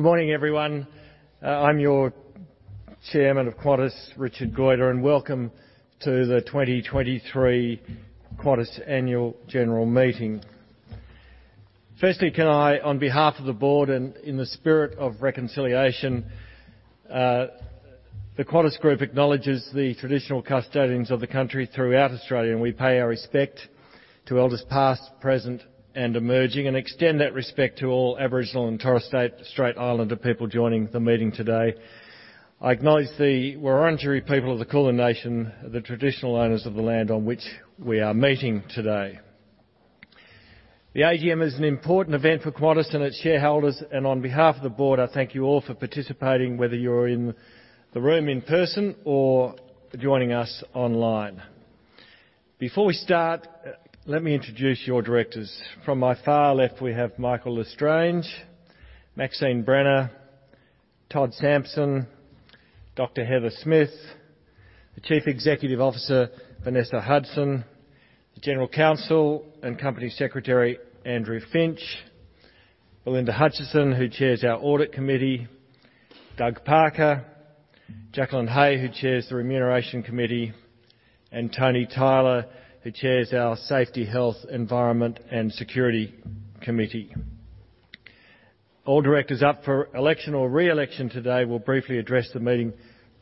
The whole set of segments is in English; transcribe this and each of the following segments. Good morning, everyone. I'm your Chairman of Qantas, Richard Goyder, and welcome to the 2023 Qantas Annual General Meeting. Firstly, can I, on behalf of the board and in the spirit of reconciliation, the Qantas Group acknowledges the traditional custodians of the country throughout Australia, and we pay our respect to elders past, present, and emerging, and extend that respect to all Aboriginal and Torres Strait Islander people joining the meeting today. I acknowledge the Wurundjeri people of the Kulin Nation, the traditional owners of the land on which we are meeting today. The AGM is an important event for Qantas and its shareholders, and on behalf of the board, I thank you all for participating, whether you're in the room in person or joining us online. Before we start, let me introduce your directors. From my far left, we have Michael L'Estrange, Maxine Brenner, Todd Sampson, Dr. Heather Smith, the Chief Executive Officer, Vanessa Hudson, the General Counsel and Company Secretary, Andrew Finch, Belinda Hutchinson, who chairs our audit committee, Doug Parker, Jacqueline Hey, who chairs the Remuneration Committee, and Tony Tyler, who chairs our Safety, Health, Environment and Security Committee. All directors up for election or re-election today will briefly address the meeting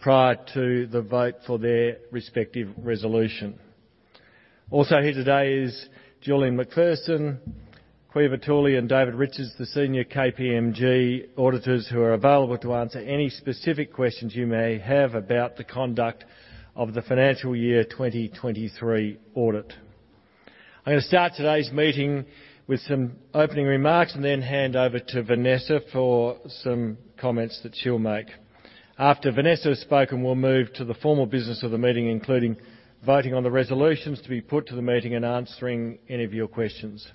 prior to the vote for their respective resolution. Also here today is Julian McPherson, Caoimhe Toouli, and David Richards, the senior KPMG auditors, who are available to answer any specific questions you may have about the conduct of the financial year 2023 audit. I'm gonna start today's meeting with some opening remarks and then hand over to Vanessa for some comments that she'll make. After Vanessa has spoken, we'll move to the formal business of the meeting, including voting on the resolutions to be put to the meeting and answering any of your questions.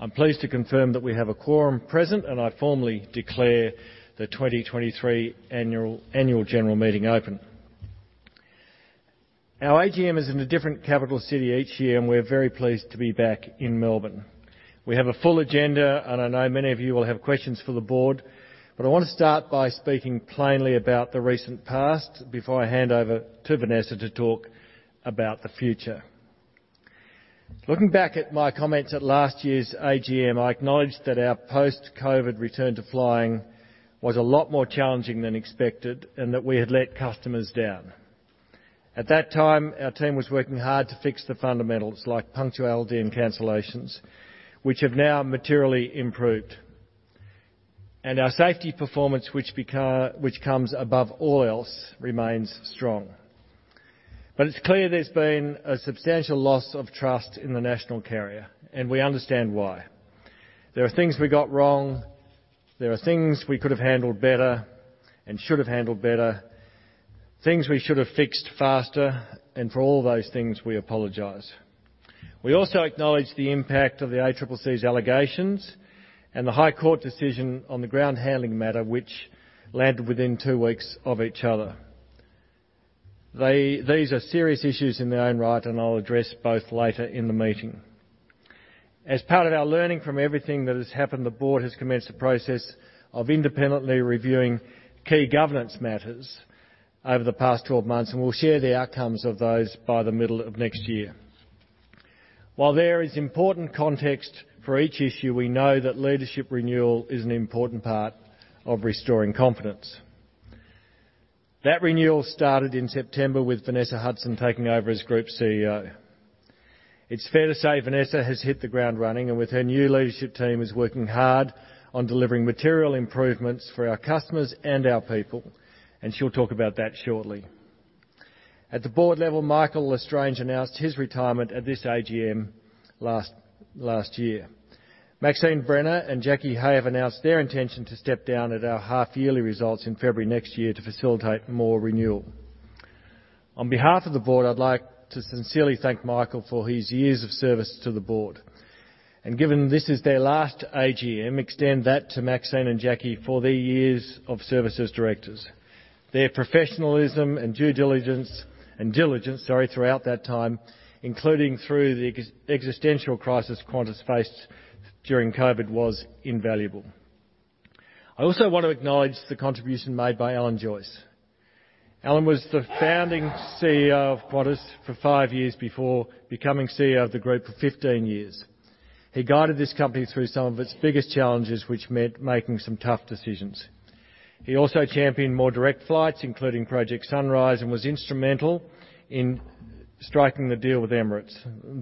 I'm pleased to confirm that we have a quorum present, and I formally declare the 2023 Annual General Meeting open. Our AGM is in a different capital city each year, and we're very pleased to be back in Melbourne. We have a full agenda, and I know many of you will have questions for the board, but I want to start by speaking plainly about the recent past before I hand over to Vanessa to talk about the future. Looking back at my comments at last year's AGM, I acknowledged that our post-COVID return to flying was a lot more challenging than expected and that we had let customers down. At that time, our team was working hard to fix the fundamentals like punctuality and cancellations, which have now materially improved. And our safety performance, which comes above all else, remains strong. But it's clear there's been a substantial loss of trust in the national carrier, and we understand why. There are things we got wrong. There are things we could have handled better and should have handled better, things we should have fixed faster, and for all those things, we apologize. We also acknowledge the impact of the ACCC's allegations and the High Court decision on the ground handling matter, which landed within two weeks of each other. These are serious issues in their own right, and I'll address both later in the meeting. As part of our learning from everything that has happened, the board has commenced a process of independently reviewing key governance matters over the past 12 months, and we'll share the outcomes of those by the middle of next year. While there is important context for each issue, we know that leadership renewal is an important part of restoring confidence. That renewal started in September with Vanessa Hudson taking over as Group CEO. It's fair to say Vanessa has hit the ground running, and with her new leadership team, is working hard on delivering material improvements for our customers and our people, and she'll talk about that shortly. At the board level, Michael L'Estrange announced his retirement at this AGM last year. Maxine Brenner and Jacqueline Hey have announced their intention to step down at our half-yearly results in February next year to facilitate more renewal. On behalf of the board, I'd like to sincerely thank Michael for his years of service to the board, and given this is their last AGM, extend that to Maxine and Jackie for their years of service as directors. Their professionalism and due diligence throughout that time, including through the existential crisis Qantas faced during COVID, was invaluable. I also want to acknowledge the contribution made by Alan Joyce. Alan was the founding CEO of Qantas for five years before becoming CEO of the group for 15 years. He guided this company through some of its biggest challenges, which meant making some tough decisions. He also championed more direct flights, including Project Sunrise, and was instrumental in striking the deal with Emirates.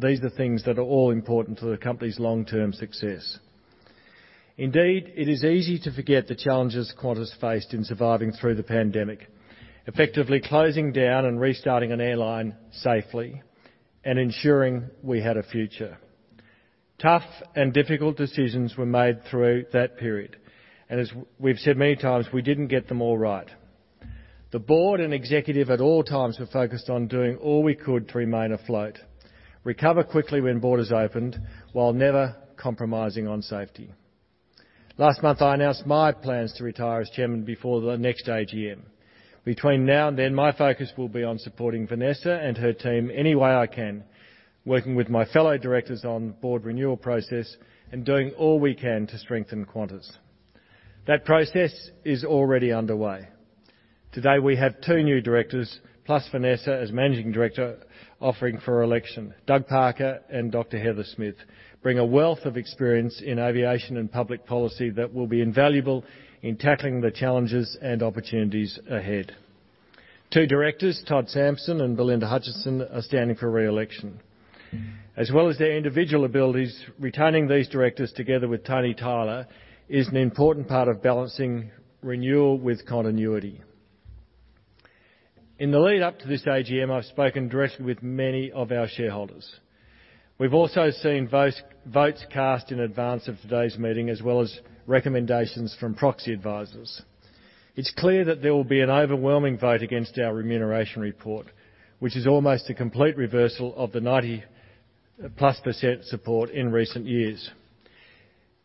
These are things that are all important to the company's long-term success. Indeed, it is easy to forget the challenges Qantas faced in surviving through the pandemic, effectively closing down and restarting an airline safely and ensuring we had a future. Tough and difficult decisions were made through that period, and as we've said many times, we didn't get them all right. The board and executive at all times were focused on doing all we could to remain afloat, recover quickly when borders opened, while never compromising on safety. Last month, I announced my plans to retire as chairman before the next AGM. Between now and then, my focus will be on supporting Vanessa and her team any way I can, working with my fellow directors on board renewal process and doing all we can to strengthen Qantas. That process is already underway.... Today, we have two new directors, plus Vanessa as Managing Director, offering for election. Doug Parker and Dr. Heather Smith brings a wealth of experience in aviation and public policy that will be invaluable in tackling the challenges and opportunities ahead. Two directors, Todd Sampson and Belinda Hutchinson, are standing for re-election. As well as their individual abilities, retaining these directors together with Tony Tyler is an important part of balancing renewal with continuity. In the lead-up to this AGM, I've spoken directly with many of our shareholders. We've also seen votes cast in advance of today's meeting, as well as recommendations from proxy advisors. It's clear that there will be an overwhelming vote against our remuneration report, which is almost a complete reversal of the 90+% support in recent years.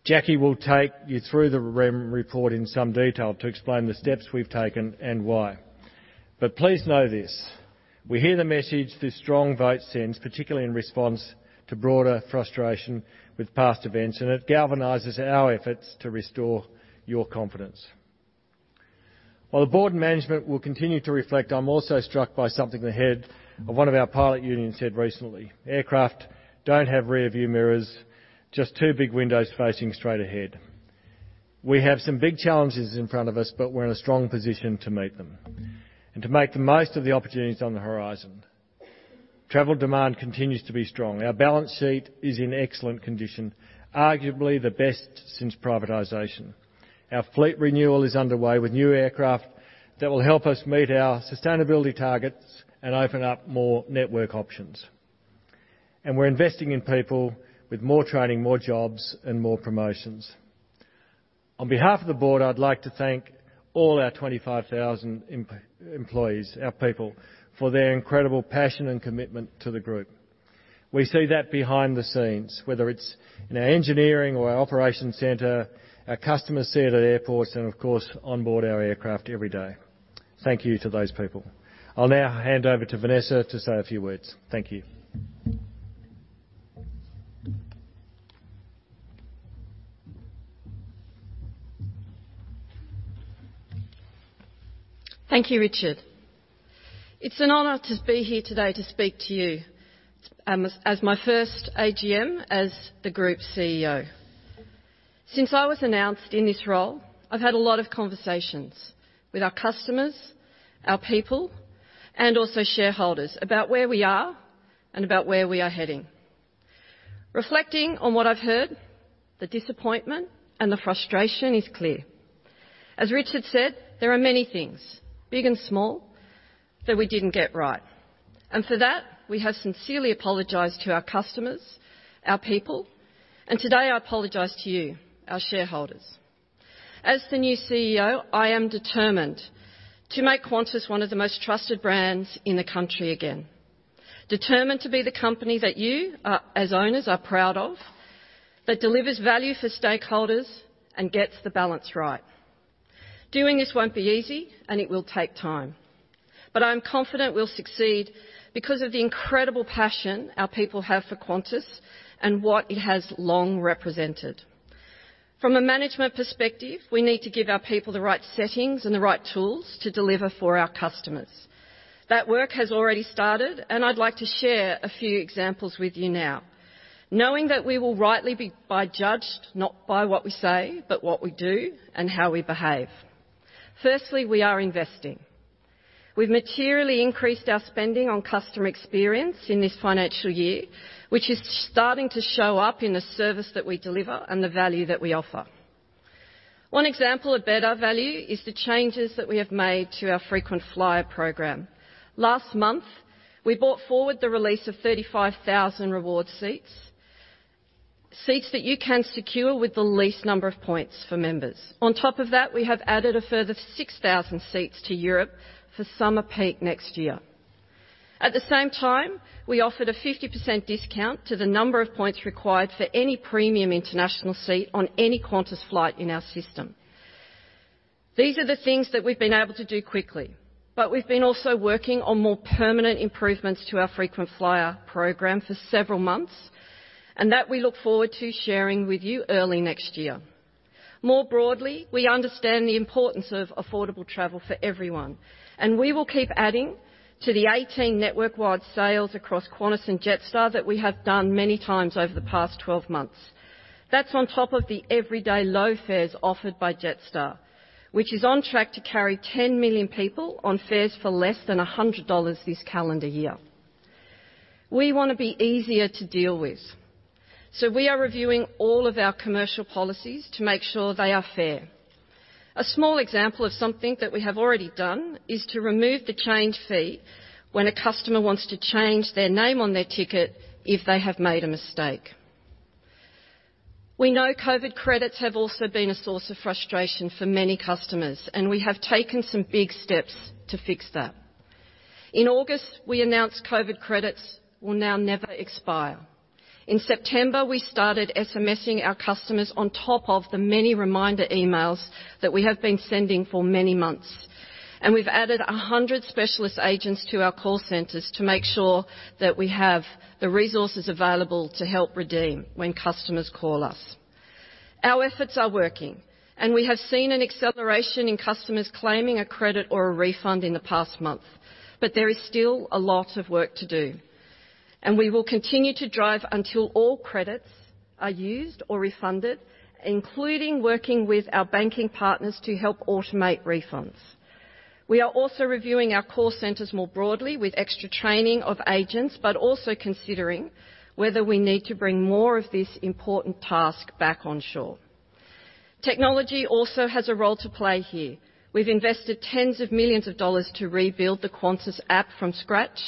Jacqui will take you through the rem report in some detail to explain the steps we've taken and why. But please know this: we hear the message this strong vote sends, particularly in response to broader frustration with past events, and it galvanizes our efforts to restore your confidence. While the board and management will continue to reflect, I'm also struck by something the head of one of our pilot unions said recently, "Aircraft don't have rearview mirrors, just two big windows facing straight ahead." We have some big challenges in front of us, but we're in a strong position to meet them and to make the most of the opportunities on the horizon. Travel demand continues to be strong. Our balance sheet is in excellent condition, arguably the best since privatization. Our fleet renewal is underway, with new aircraft that will help us meet our sustainability targets and open up more network options. And we're investing in people with more training, more jobs, and more promotions. On behalf of the board, I'd like to thank all our 25,000 employees, our people, for their incredible passion and commitment to the Group. We see that behind the scenes, whether it's in our engineering or our operations center, our customer center airports, and of course, on board our aircraft every day. Thank you to those people. I'll now hand over to Vanessa to say a few words. Thank you. Thank you, Richard. It's an honor to be here today to speak to you, as my first AGM as the Group's CEO. Since I was announced in this role, I've had a lot of conversations with our customers, our people, and also shareholders about where we are and about where we are heading. Reflecting on what I've heard, the disappointment and the frustration is clear. As Richard said, there are many things, big and small, that we didn't get right, and for that, we have sincerely apologized to our customers, our people, and today I apologize to you, our shareholders. As the new CEO, I am determined to make Qantas one of the most trusted brands in the country again, determined to be the company that you, as owners, are proud of, that delivers value for stakeholders and gets the balance right. Doing this won't be easy, and it will take time, but I'm confident we'll succeed because of the incredible passion our people have for Qantas and what it has long represented. From a management perspective, we need to give our people the right settings and the right tools to deliver for our customers. That work has already started, and I'd like to share a few examples with you now, knowing that we will rightly be judged not by what we say, but what we do and how we behave. Firstly, we are investing. We've materially increased our spending on customer experience in this financial year, which is starting to show up in the service that we deliver and the value that we offer. One example of better value is the changes that we have made to our frequent flyer program. Last month, we brought forward the release of 35,000 reward seats, seats that you can secure with the least number of points for members. On top of that, we have added a further 6,000 seats to Europe for summer peak next year. At the same time, we offered a 50% discount to the number of points required for any premium international seat on any Qantas flight in our system. These are the things that we've been able to do quickly, but we've been also working on more permanent improvements to our frequent flyer program for several months, and that we look forward to sharing with you early next year. More broadly, we understand the importance of affordable travel for everyone, and we will keep adding to the 18 network-wide sales across Qantas and Jetstar that we have done many times over the past 12 months. That's on top of the everyday low fares offered by Jetstar, which is on track to carry 10 million people on fares for less than 100 dollars this calendar year. We want to be easier to deal with, so we are reviewing all of our commercial policies to make sure they are fair. A small example of something that we have already done is to remove the change fee when a customer wants to change their name on their ticket if they have made a mistake. We know COVID credits have also been a source of frustration for many customers, and we have taken some big steps to fix that. In August, we announced COVID credits will now never expire. In September, we started SMSing our customers on top of the many reminder emails that we have been sending for many months, and we've added 100 specialist agents to our call centers to make sure that we have the resources available to help redeem when customers call us. Our efforts are working, and we have seen an acceleration in customers claiming a credit or a refund in the past month, but there is still a lot of work to do. We will continue to drive until all credits are used or refunded, including working with our banking partners to help automate refunds. We are also reviewing our call centers more broadly with extra training of agents, but also considering whether we need to bring more of this important task back onshore. Technology also has a role to play here. We've invested tens of millions of AUD to rebuild the Qantas app from scratch,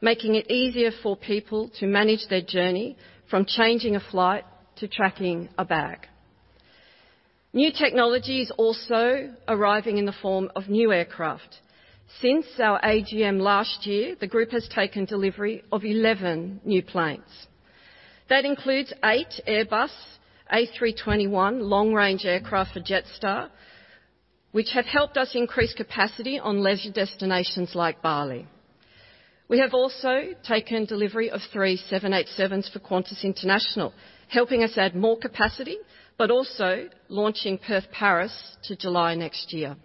making it easier for people to manage their journey, from changing a flight to tracking a bag. New technology is also arriving in the form of new aircraft. Since our AGM last year, the group has taken delivery of 11 new planes. That includes eight Airbus A321 long-range aircraft for Jetstar, which have helped us increase capacity on leisure destinations like Bali. We have also taken delivery of three 787s for Qantas International, helping us add more capacity, but also launching Perth-Paris to July next year.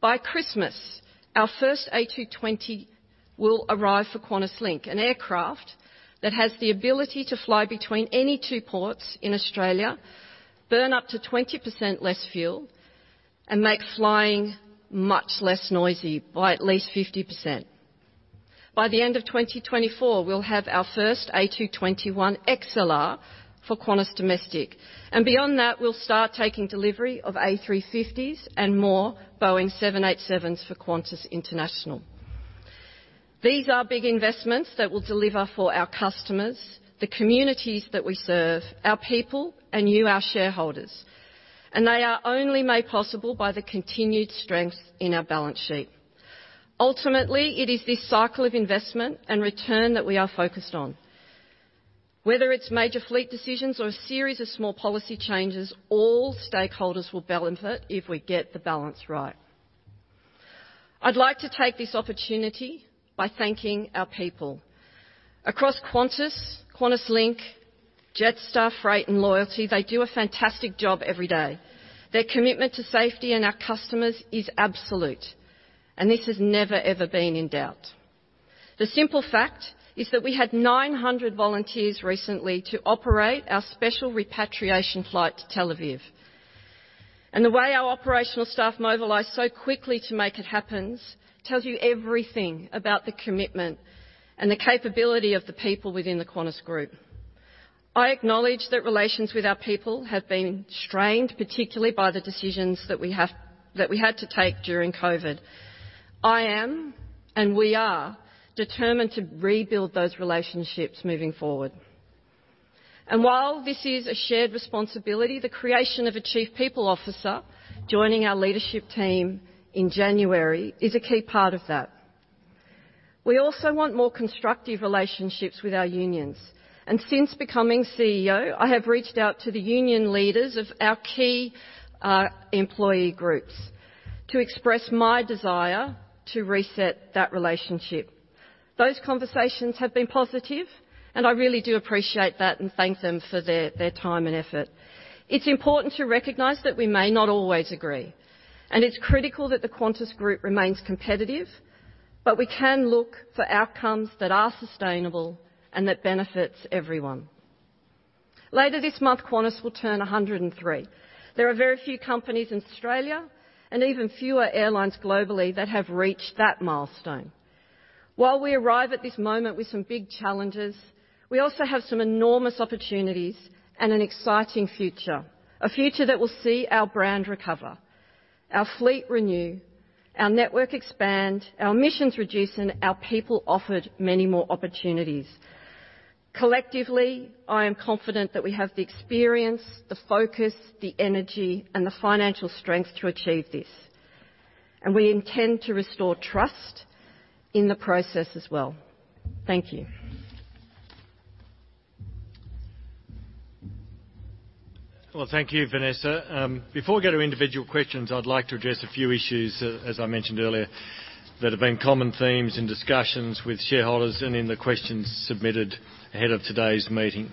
By Christmas, our first A220 will arrive for QantasLink, an aircraft that has the ability to fly between any two ports in Australia, burn up to 20% less fuel, and make flying much less noisy by at least 50%. By the end of 2024, we'll have our first A220-100 XLR for Qantas Domestic, and beyond that, we'll start taking delivery of A350s and more Boeing 787s for Qantas International. These are big investments that will deliver for our customers, the communities that we serve, our people, and you, our shareholders, and they are only made possible by the continued strength in our balance sheet. Ultimately, it is this cycle of investment and return that we are focused on. Whether it's major fleet decisions or a series of small policy changes, all stakeholders will benefit if we get the balance right. I'd like to take this opportunity by thanking our people. Across Qantas, QantasLink, Jetstar, Freight, and Loyalty, they do a fantastic job every day. Their commitment to safety and our customers is absolute, and this has never, ever been in doubt. The simple fact is that we had 900 volunteers recently to operate our special repatriation flight to Tel Aviv, and the way our operational staff mobilized so quickly to make it happens, tells you everything about the commitment and the capability of the people within the Qantas Group. I acknowledge that relations with our people have been strained, particularly by the decisions that we have-- that we had to take during COVID. I am, and we are, determined to rebuild those relationships moving forward. And while this is a shared responsibility, the creation of a Chief People Officer, joining our leadership team in January, is a key part of that. We also want more constructive relationships with our unions, and since becoming CEO, I have reached out to the union leaders of our key, employee groups to express my desire to reset that relationship. Those conversations have been positive, and I really do appreciate that and thank them for their time and effort. It's important to recognize that we may not always agree, and it's critical that the Qantas Group remains competitive, but we can look for outcomes that are sustainable and that benefits everyone. Later this month, Qantas will turn 103. There are very few companies in Australia, and even fewer airlines globally, that have reached that milestone. While we arrive at this moment with some big challenges, we also have some enormous opportunities and an exciting future. A future that will see our brand recover, our fleet renew, our network expand, our emissions reduce, and our people offered many more opportunities. Collectively, I am confident that we have the experience, the focus, the energy, and the financial strength to achieve this, and we intend to restore trust in the process as well. Thank you. Well, thank you, Vanessa. Before we go to individual questions, I'd like to address a few issues, as I mentioned earlier, that have been common themes in discussions with shareholders and in the questions submitted ahead of today's meeting.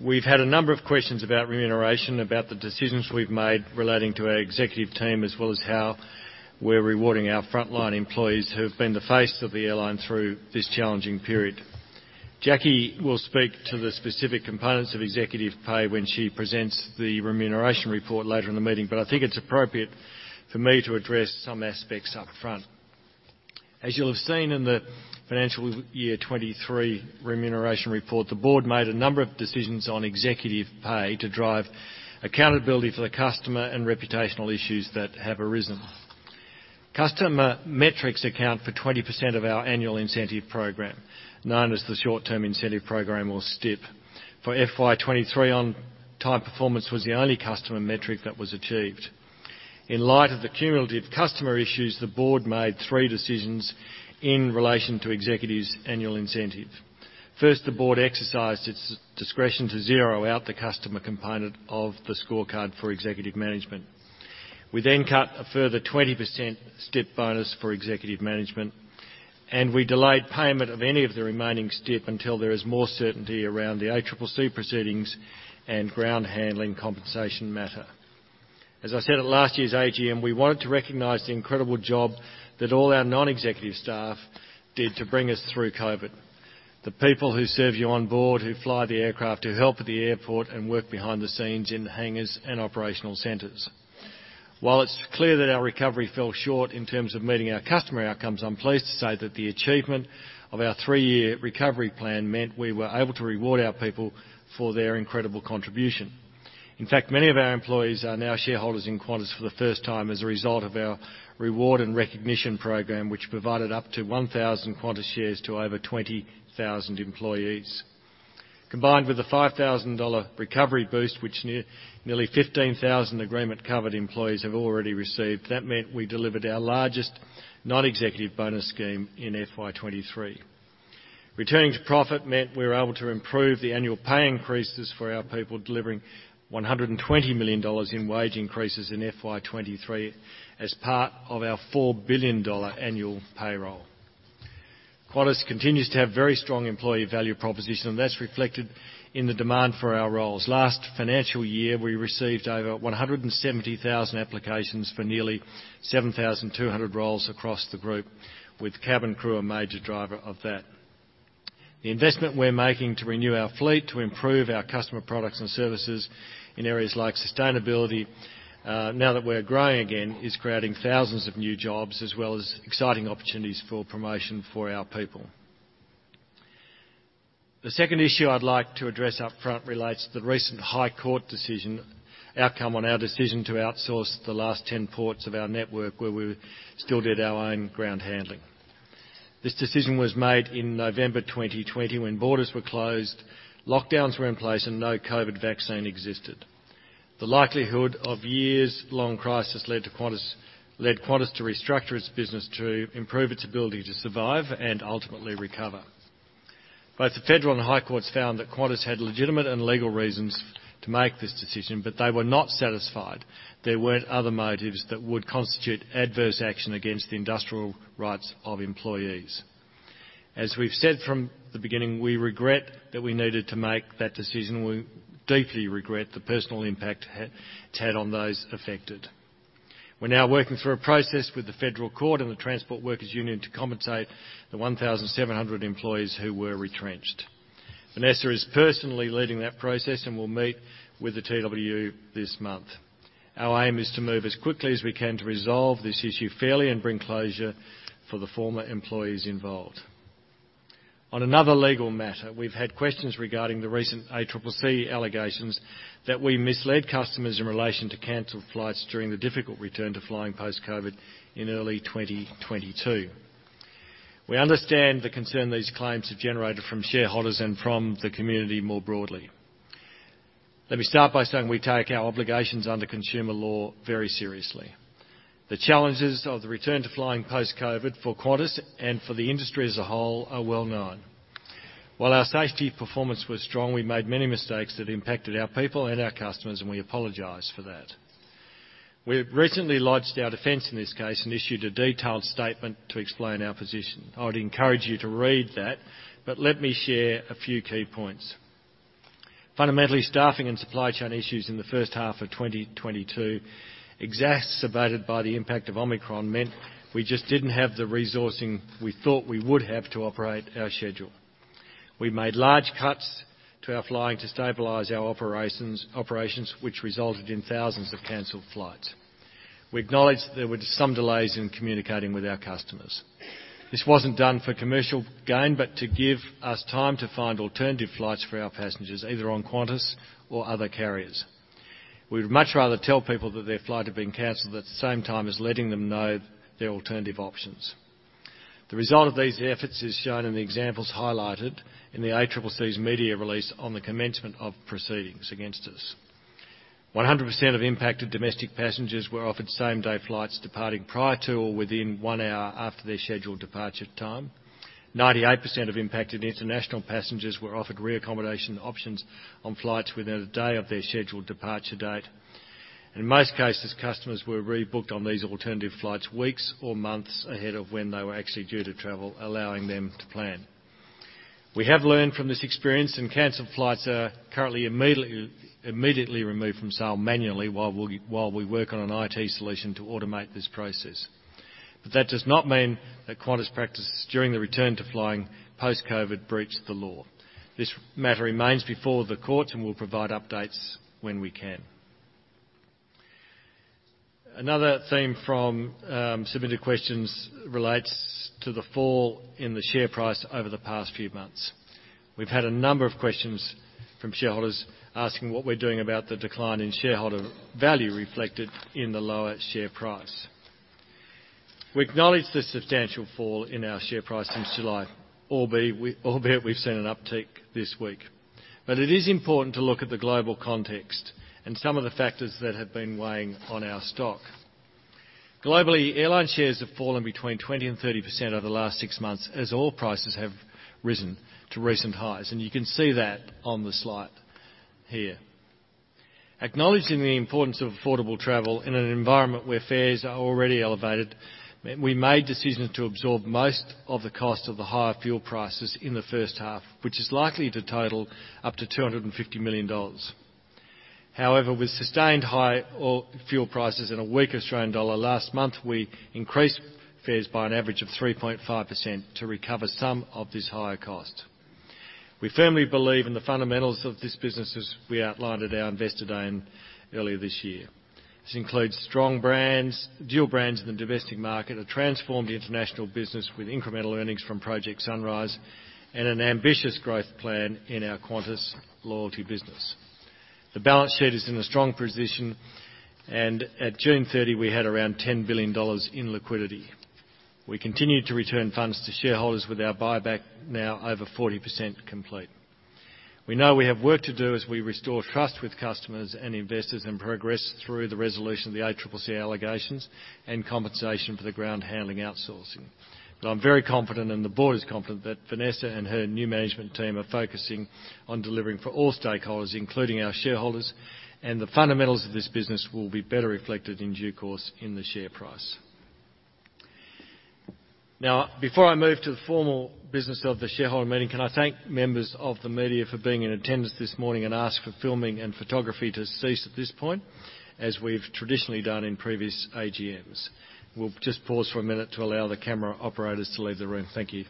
We've had a number of questions about remuneration, about the decisions we've made relating to our executive team, as well as how we're rewarding our frontline employees who have been the face of the airline through this challenging period. Jackie will speak to the specific components of executive pay when she presents the remuneration report later in the meeting, but I think it's appropriate for me to address some aspects up front. As you'll have seen in the financial year 2023 remuneration report, the board made a number of decisions on executive pay to drive accountability for the customer and reputational issues that have arisen. Customer metrics account for 20% of our annual incentive program, known as the Short-Term Incentive Program, or STIP. For FY 2023, on-time performance was the only customer metric that was achieved. In light of the cumulative customer issues, the board made three decisions in relation to executives' annual incentive. First, the board exercised its discretion to zero out the customer component of the scorecard for executive management. We then cut a further 20% STIP bonus for executive management, and we delayed payment of any of the remaining STIP until there is more certainty around the ACCC proceedings and ground handling compensation matter... As I said at last year's AGM, we wanted to recognize the incredible job that all our non-executive staff did to bring us through COVID. The people who serve you on board, who fly the aircraft, who help at the airport, and work behind the scenes in the hangars and operational centers. While it's clear that our recovery fell short in terms of meeting our customer outcomes, I'm pleased to say that the achievement of our 3-year recovery plan meant we were able to reward our people for their incredible contribution. In fact, many of our employees are now shareholders in Qantas for the first time as a result of our reward and recognition program, which provided up to 1,000 Qantas shares to over 20,000 employees. Combined with the 5,000 dollar recovery boost, which nearly 15,000 agreement-covered employees have already received, that meant we delivered our largest non-executive bonus scheme in FY 2023. Returning to profit meant we were able to improve the annual pay increases for our people, delivering AUD 120 million in wage increases in FY 2023 as part of our AUD 4 billion annual payroll. Qantas continues to have very strong employee value proposition, and that's reflected in the demand for our roles. Last financial year, we received over 170,000 applications for nearly 7,200 roles across the group, with cabin crew a major driver of that. The investment we're making to renew our fleet, to improve our customer products and services in areas like sustainability, now that we're growing again, is creating thousands of new jobs, as well as exciting opportunities for promotion for our people. The second issue I'd like to address upfront relates to the recent High Court decision outcome on our decision to outsource the last 10 ports of our network, where we still did our own ground handling. This decision was made in November 2020, when borders were closed, lockdowns were in place, and no COVID vaccine existed. The likelihood of years-long crisis led Qantas to restructure its business to improve its ability to survive and ultimately recover. Both the Federal and High Courts found that Qantas had legitimate and legal reasons to make this decision, but they were not satisfied there weren't other motives that would constitute adverse action against the industrial rights of employees. As we've said from the beginning, we regret that we needed to make that decision, and we deeply regret the personal impact it's had on those affected. We're now working through a process with the Federal Court and the Transport Workers Union to compensate the 1,700 employees who were retrenched. Vanessa is personally leading that process and will meet with the TWU this month. Our aim is to move as quickly as we can to resolve this issue fairly and bring closure for the former employees involved. On another legal matter, we've had questions regarding the recent ACCC allegations that we misled customers in relation to canceled flights during the difficult return to flying post-COVID in early 2022. We understand the concern these claims have generated from shareholders and from the community more broadly. Let me start by saying we take our obligations under consumer law very seriously. The challenges of the return to flying post-COVID for Qantas and for the industry as a whole are well known. While our safety performance was strong, we made many mistakes that impacted our people and our customers, and we apologize for that. We have recently lodged our defense in this case and issued a detailed statement to explain our position. I would encourage you to read that, but let me share a few key points. Fundamentally, staffing and supply chain issues in the first half of 2022, exacerbated by the impact of Omicron, meant we just didn't have the resourcing we thought we would have to operate our schedule. We made large cuts to our flying to stabilize our operations, which resulted in thousands of canceled flights. We acknowledge there were some delays in communicating with our customers. This wasn't done for commercial gain, but to give us time to find alternative flights for our passengers, either on Qantas or other carriers. We'd much rather tell people that their flight had been canceled at the same time as letting them know their alternative options. The result of these efforts is shown in the examples highlighted in the ACCC's media release on the commencement of proceedings against us. 100% of impacted domestic passengers were offered same-day flights departing prior to or within one hour after their scheduled departure time. 98% of impacted international passengers were offered reaccommodation options on flights within a day of their scheduled departure date, and in most cases, customers were rebooked on these alternative flights, weeks or months ahead of when they were actually due to travel, allowing them to plan. We have learned from this experience, and canceled flights are currently immediately removed from sale manually, while we work on an IT solution to automate this process. But that does not mean that Qantas's practices during the return to flying post-COVID breached the law. This matter remains before the courts, and we'll provide updates when we can. Another theme from submitted questions relates to the fall in the share price over the past few months. We've had a number of questions from shareholders asking what we're doing about the decline in shareholder value reflected in the lower share price. We acknowledge the substantial fall in our share price since July, albeit we've seen an uptick this week. But it is important to look at the global context and some of the factors that have been weighing on our stock. Globally, airline shares have fallen between 20% and 30% over the last six months, as oil prices have risen to recent highs, and you can see that on the slide here. Acknowledging the importance of affordable travel in an environment where fares are already elevated, we made decisions to absorb most of the cost of the higher fuel prices in the first half, which is likely to total up to 250 million dollars. However, with sustained high fuel prices and a weak Australian dollar last month, we increased fares by an average of 3.5% to recover some of this higher cost. We firmly believe in the fundamentals of this business as we outlined at our Investor Day and earlier this year. This includes strong brands, dual brands in the domestic market, a transformed international business with incremental earnings from Project Sunrise, and an ambitious growth plan in our Qantas Loyalty business. The balance sheet is in a strong position, and at June 30, we had around 10 billion dollars in liquidity.` We continued to return funds to shareholders with our buyback now over 40% complete. We know we have work to do as we restore trust with customers and investors, and progress through the resolution of the ACCC allegations and compensation for the ground handling outsourcing. But I'm very confident, and the board is confident, that Vanessa and her new management team are focusing on delivering for all stakeholders, including our shareholders, and the fundamentals of this business will be better reflected in due course in the share price. Now, before I move to the formal business of the shareholder meeting, can I thank members of the media for being in attendance this morning and ask for filming and photography to cease at this point, as we've traditionally done in previous AGMs? We'll just pause for a minute to allow the camera operators to leave the room. Thank you.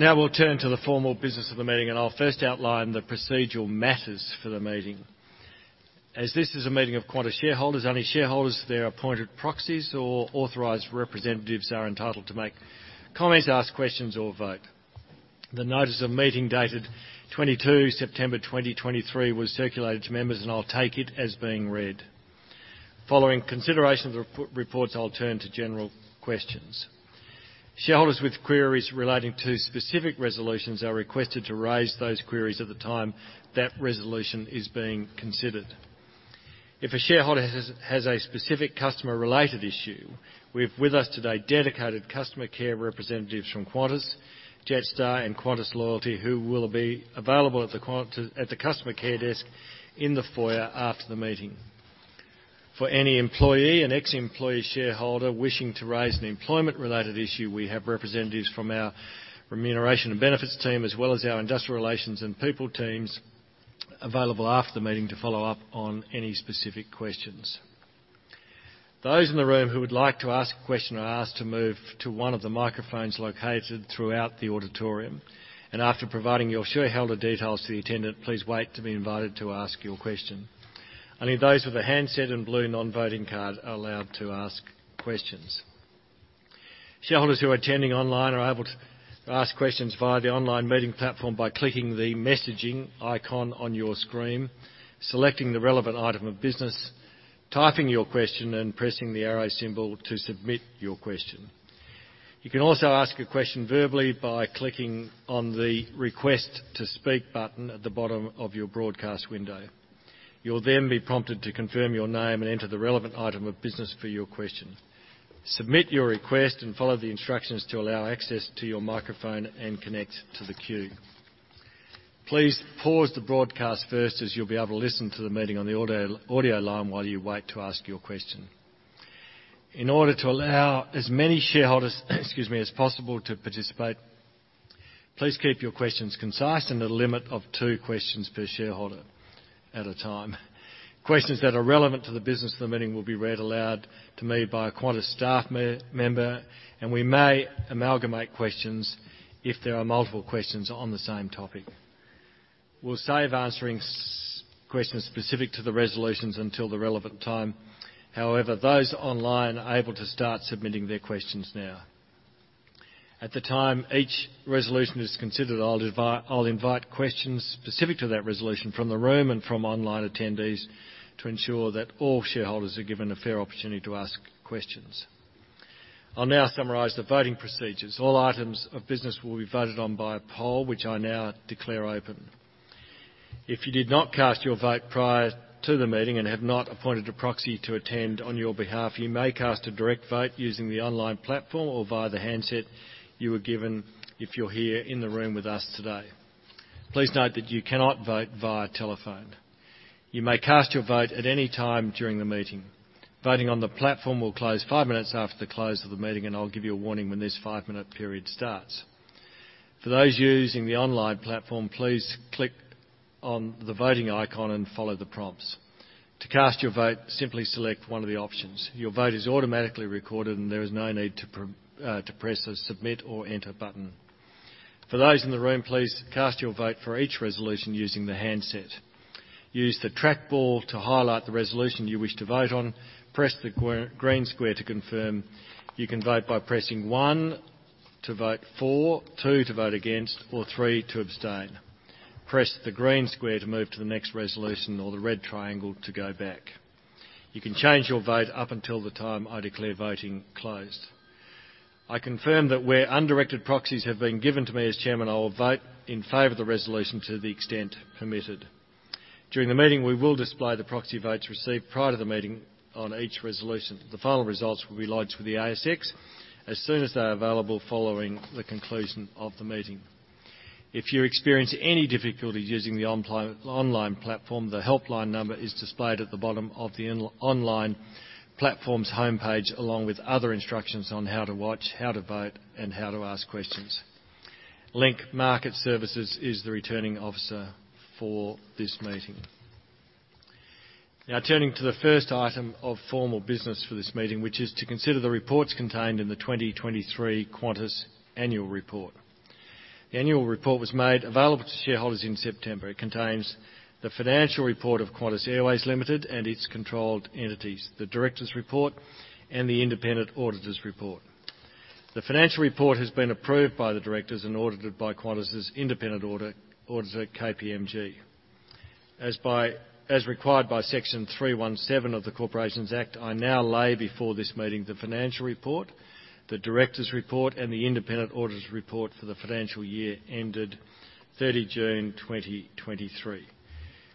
Now we'll turn to the formal business of the meeting, and I'll first outline the procedural matters for the meeting. As this is a meeting of Qantas shareholders, only shareholders, their appointed proxies, or authorized representatives are entitled to make comments, ask questions, or vote. The Notice of Meeting dated 22 September 2023 was circulated to members, and I'll take it as being read. Following consideration of the reports, I'll turn to general questions. Shareholders with queries relating to specific resolutions are requested to raise those queries at the time that resolution is being considered. If a shareholder has a specific customer-related issue, we have with us today dedicated customer care representatives from Qantas, Jetstar, and Qantas Loyalty, who will be available at the customer care desk in the foyer after the meeting. For any employee and ex-employee shareholder wishing to raise an employment-related issue, we have representatives from our remuneration and benefits team, as well as our industrial relations and people teams, available after the meeting to follow up on any specific questions. Those in the room who would like to ask a question are asked to move to one of the microphones located throughout the auditorium, and after providing your shareholder details to the attendant, please wait to be invited to ask your question. Only those with a handset and blue non-voting card are allowed to ask questions. Shareholders who are attending online are able to ask questions via the online meeting platform by clicking the messaging icon on your screen, selecting the relevant item of business, typing your question, and pressing the arrow symbol to submit your question. You can also ask a question verbally by clicking on the Request to Speak button at the bottom of your broadcast window. You'll then be prompted to confirm your name and enter the relevant item of business for your question. Submit your request, and follow the instructions to allow access to your microphone and connect to the queue. Please pause the broadcast first, as you'll be able to listen to the meeting on the audio line while you wait to ask your question. In order to allow as many shareholders, excuse me, as possible to participate, please keep your questions concise and a limit of two questions per shareholder at a time. Questions that are relevant to the business of the meeting will be read aloud to me by a Qantas staff member, and we may amalgamate questions if there are multiple questions on the same topic. We'll save answering questions specific to the resolutions until the relevant time. However, those online are able to start submitting their questions now. At the time each resolution is considered, I'll invite questions specific to that resolution from the room and from online attendees to ensure that all shareholders are given a fair opportunity to ask questions. I'll now summarize the voting procedures. All items of business will be voted on by a poll, which I now declare open. If you did not cast your vote prior to the meeting and have not appointed a proxy to attend on your behalf, you may cast a direct vote using the online platform or via the handset you were given if you're here in the room with us today. Please note that you cannot vote via telephone. You may cast your vote at any time during the meeting. Voting on the platform will close five minutes after the close of the meeting, and I'll give you a warning when this five-minute period starts. For those using the online platform, please click on the voting icon and follow the prompts. To cast your vote, simply select one of the options. Your vote is automatically recorded, and there is no need to press the Submit or Enter button. For those in the room, please cast your vote for each resolution using the handset. Use the trackball to highlight the resolution you wish to vote on. Press the green square to confirm. You can vote by pressing one to vote for, two to vote against, or three to abstain. Press the green square to move to the next resolution or the red triangle to go back. You can change your vote up until the time I declare voting closed. I confirm that where undirected proxies have been given to me as chairman, I will vote in favor of the resolution to the extent permitted. During the meeting, we will display the proxy votes received prior to the meeting on each resolution. The final results will be lodged with the ASX as soon as they are available following the conclusion of the meeting. If you experience any difficulties using the online platform, the helpline number is displayed at the bottom of the online platform's homepage, along with other instructions on how to watch, how to vote, and how to ask questions. Link Market Services is the returning officer for this meeting. Now, turning to the first item of formal business for this meeting, which is to consider the reports contained in the 2023 Qantas Annual Report. The annual report was made available to shareholders in September. It contains the financial report of Qantas Airways Limited and its controlled entities, the directors' report, and the independent auditors' report. The financial report has been approved by the directors and audited by Qantas's independent auditor, KPMG. As required by Section 317 of the Corporations Act, I now lay before this meeting the financial report, the directors' report, and the independent auditors' report for the financial year ended 30 June 2023.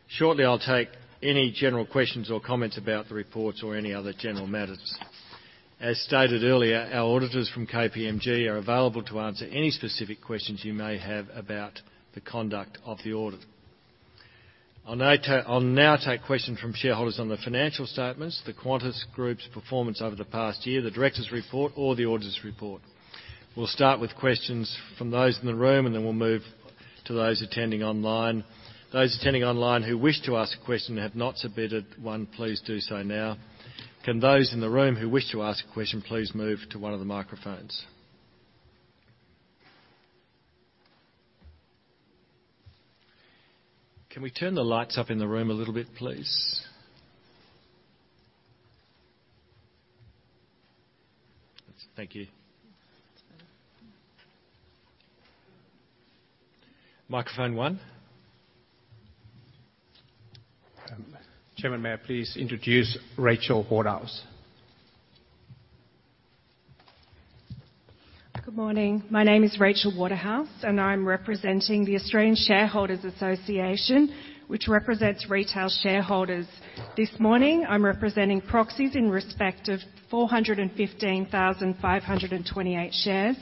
Shortly, I'll take any general questions or comments about the reports or any other general matters. As stated earlier, our auditors from KPMG are available to answer any specific questions you may have about the conduct of the audit. I'll now take questions from shareholders on the financial statements, the Qantas Group's performance over the past year, the directors' report, or the auditors' report. We'll start with questions from those in the room, and then we'll move to those attending online. Those attending online who wish to ask a question and have not submitted one, please do so now. Can those in the room who wish to ask a question, please move to one of the microphones? Can we turn the lights up in the room a little bit, please? Thank you. Microphone one. Chairman, may I please introduce Rachel Waterhouse? Good morning. My name is Rachel Waterhouse, and I'm representing the Australian Shareholders Association, which represents retail shareholders. This morning, I'm representing proxies in respect of 415,528 shares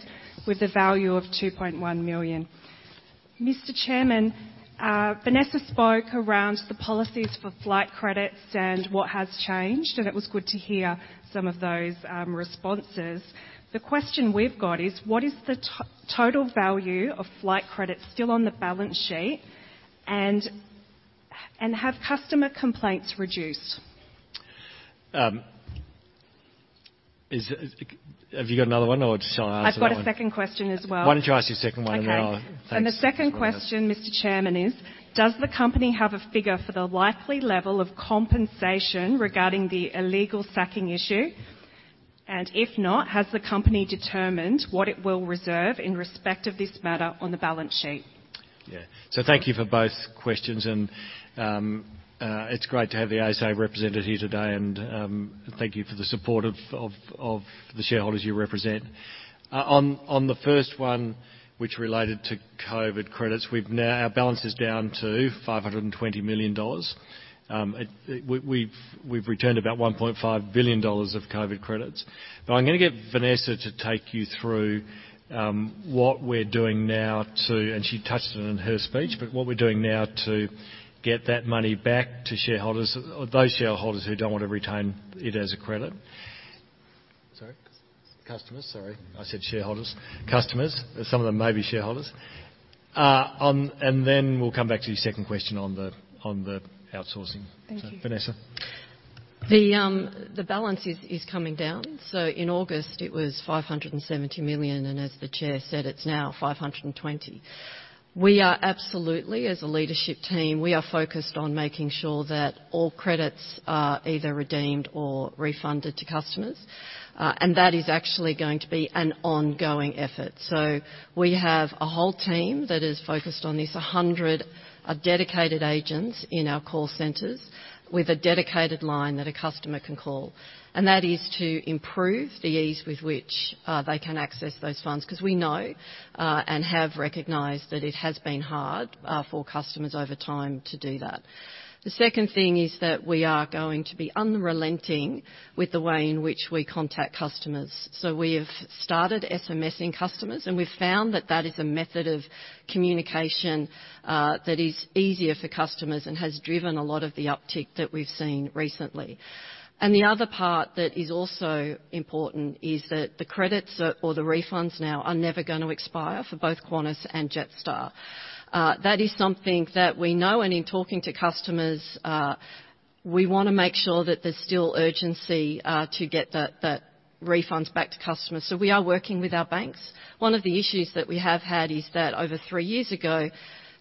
with a value of 2.1 million. Mr. Chairman, Vanessa spoke around the policies for flight credits and what has changed, and it was good to hear some of those responses. The question we've got is: What is the total value of flight credits still on the balance sheet? And have customer complaints reduced? Have you got another one, or just shall I answer that one? I've got a second question as well. Why don't you ask your second one, and then I'll- Okay. Thanks. The second question, Mr. Chairman, is: Does the company have a figure for the likely level of compensation regarding the illegal sacking issue? And if not, has the company determined what it will reserve in respect of this matter on the balance sheet? Yeah. So thank you for both questions, and it's great to have the ASA represented here today, and thank you for the support of the shareholders you represent. On the first one, which related to COVID credits, we've now. Our balance is down to 520 million dollars. We've returned about 1.5 billion dollars of COVID credits, but I'm gonna get Vanessa to take you through what we're doing now to. And she touched on it in her speech, but what we're doing now to get that money back to shareholders, or those shareholders who don't want to retain it as a credit. Sorry? Customers. Customers, sorry. I said shareholders. Customers, some of them may be shareholders. And then we'll come back to your second question on the outsourcing. Thank you. Vanessa? The balance is coming down. So in August, it was 570 million, and as the chair said, it's now 520 million. We are absolutely, as a leadership team, we are focused on making sure that all credits are either redeemed or refunded to customers, and that is actually going to be an ongoing effort. So we have a whole team that is focused on this, 100 dedicated agents in our call centers with a dedicated line that a customer can call, and that is to improve the ease with which they can access those funds, 'cause we know and have recognized that it has been hard for customers over time to do that. The second thing is that we are going to be unrelenting with the way in which we contact customers. So we have started SMSing customers, and we've found that that is a method of communication that is easier for customers and has driven a lot of the uptick that we've seen recently. And the other part that is also important is that the credits that, or the refunds now are never going to expire for both Qantas and Jetstar. That is something that we know, and in talking to customers, we wanna make sure that there's still urgency to get the refunds back to customers, so we are working with our banks. One of the issues that we have had is that over three years ago,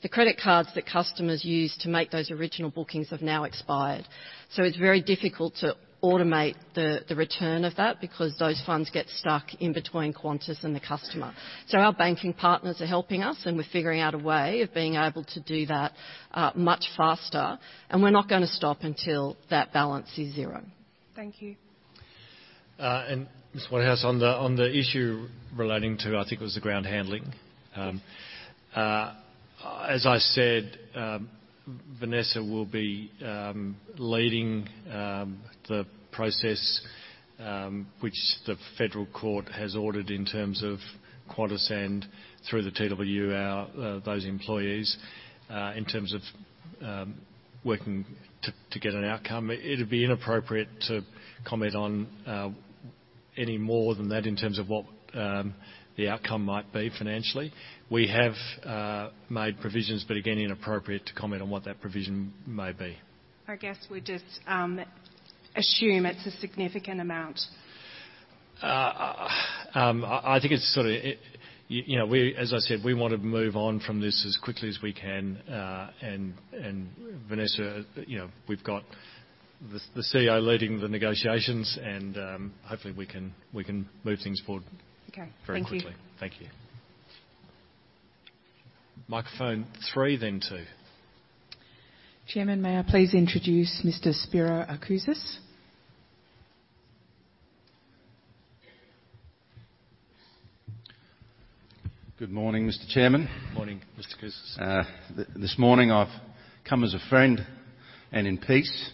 the credit cards that customers used to make those original bookings have now expired. So it's very difficult to automate the return of that because those funds get stuck in between Qantas and the customer. So our banking partners are helping us, and we're figuring out a way of being able to do that much faster, and we're not gonna stop until that balance is zero. Thank you.... and Ms. Waterhouse, on the, on the issue relating to, I think it was the ground handling. As I said, Vanessa will be leading the process which the federal court has ordered in terms of Qantas and through the TWU, those employees, in terms of working to get an outcome. It'd be inappropriate to comment on any more than that in terms of what the outcome might be financially. We have made provisions, but again, inappropriate to comment on what that provision may be. I guess we just, assume it's a significant amount. I think it's sort of, you know, as I said, we want to move on from this as quickly as we can, and Vanessa, you know, we've got the CEO leading the negotiations, and hopefully we can move things forward- Okay. -very quickly. Thank you. Thank you. Microphone three, then two. Chairman, may I please introduce Mr. Spiro Acouzis? Good morning, Mr. Chairman. Morning, Mr. Acouzis. This morning I've come as a friend and in peace,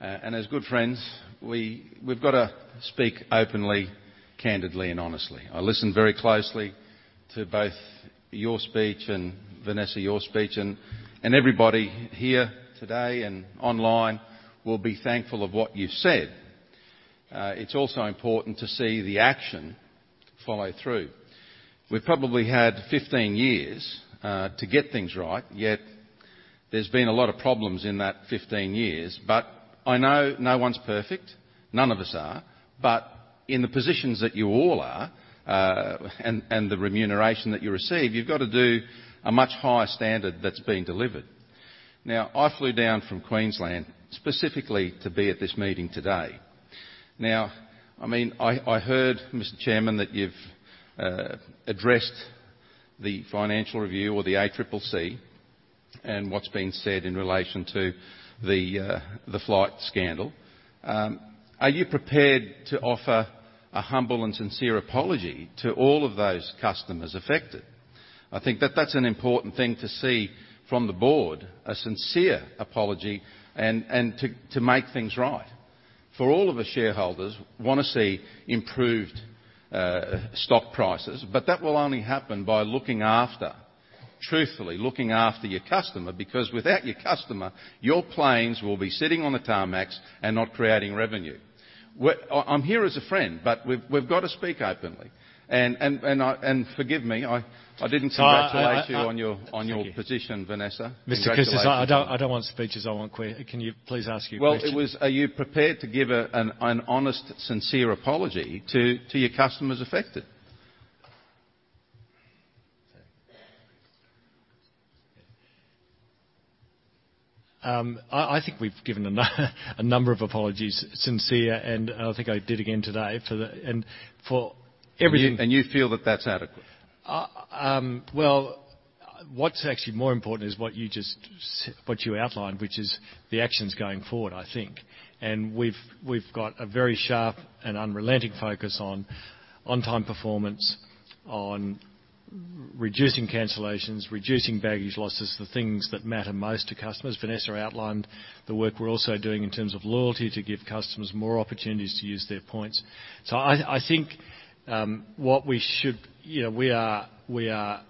and as good friends, we've got to speak openly, candidly, and honestly. I listened very closely to both your speech and, Vanessa, your speech, and everybody here today and online will be thankful of what you've said. It's also important to see the action follow through. We've probably had 15 years to get things right, yet there's been a lot of problems in that 15 years. But I know no one's perfect. None of us are. But in the positions that you all are, and the remuneration that you receive, you've got to do a much higher standard that's being delivered. Now, I flew down from Queensland specifically to be at this meeting today. Now, I mean, I heard, Mr. Chairman, that you've addressed the financial review or the ACCC, and what's been said in relation to the flight scandal. Are you prepared to offer a humble and sincere apology to all of those customers affected? I think that that's an important thing to see from the board, a sincere apology, and to make things right. For all of the shareholders want to see improved stock prices, but that will only happen by looking after, truthfully, looking after your customer, because without your customer, your planes will be sitting on the tarmacs and not creating revenue. I'm here as a friend, but we've got to speak openly, and forgive me, I didn't congratulate you- I, I, I- on your position, Vanessa. Mr. Acouzis, I don't, I don't want speeches. I want. Can you please ask your question? Well, it was, are you prepared to give an honest, sincere apology to your customers affected? I think we've given a number of apologies, sincere, and I think I did again today for the... and for everything- You feel that that's adequate? Well, what's actually more important is what you just what you outlined, which is the actions going forward, I think. And we've, we've got a very sharp and unrelenting focus on on-time performance, on reducing cancellations, reducing baggage losses, the things that matter most to customers. Vanessa outlined the work we're also doing in terms of loyalty, to give customers more opportunities to use their points. So I, I think, what we should... You know, we are, we are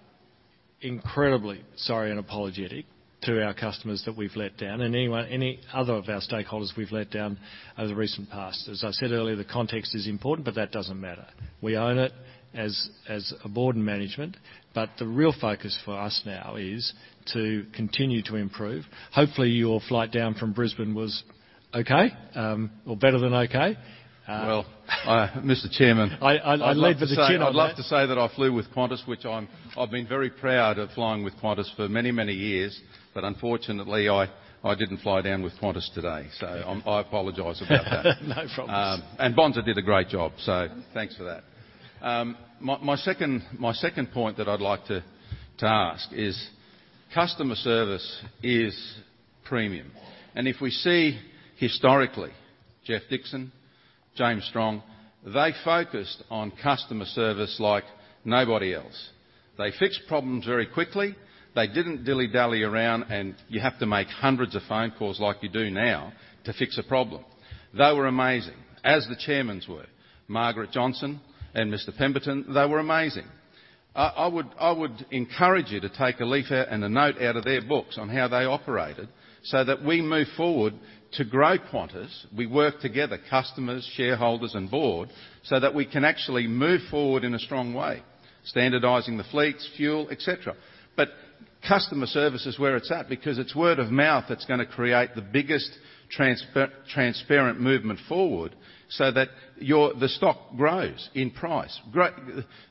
incredibly sorry and apologetic to our customers that we've let down, and anyone, any other of our stakeholders we've let down over the recent past. As I said earlier, the context is important, but that doesn't matter. We own it as, as a board and management, but the real focus for us now is to continue to improve. Hopefully, your flight down from Brisbane was okay, or better than okay? Well, Mr. Chairman- I led with the chin on that. I'd love to say that I flew with Qantas, which I've been very proud of flying with Qantas for many, many years, but unfortunately, I didn't fly down with Qantas today, so I apologize about that. No problems. And Bonza did a great job, so thanks for that. My second point that I'd like to ask is customer service is premium, and if we see historically, Geoff Dixon, James Strong, they focused on customer service like nobody else. They fixed problems very quickly. They didn't dilly-dally around, and you have to make hundreds of phone calls like you do now to fix a problem. They were amazing, as the chairmen were. Margaret Jackson and Mr. Pemberton, they were amazing. I would encourage you to take a leaf out and a note out of their books on how they operated so that we move forward to grow Qantas. We work together, customers, shareholders, and board, so that we can actually move forward in a strong way, standardizing the fleets, fuel, et cetera. But customer service is where it's at, because it's word of mouth that's gonna create the biggest transparent movement forward so that the stock grows in price.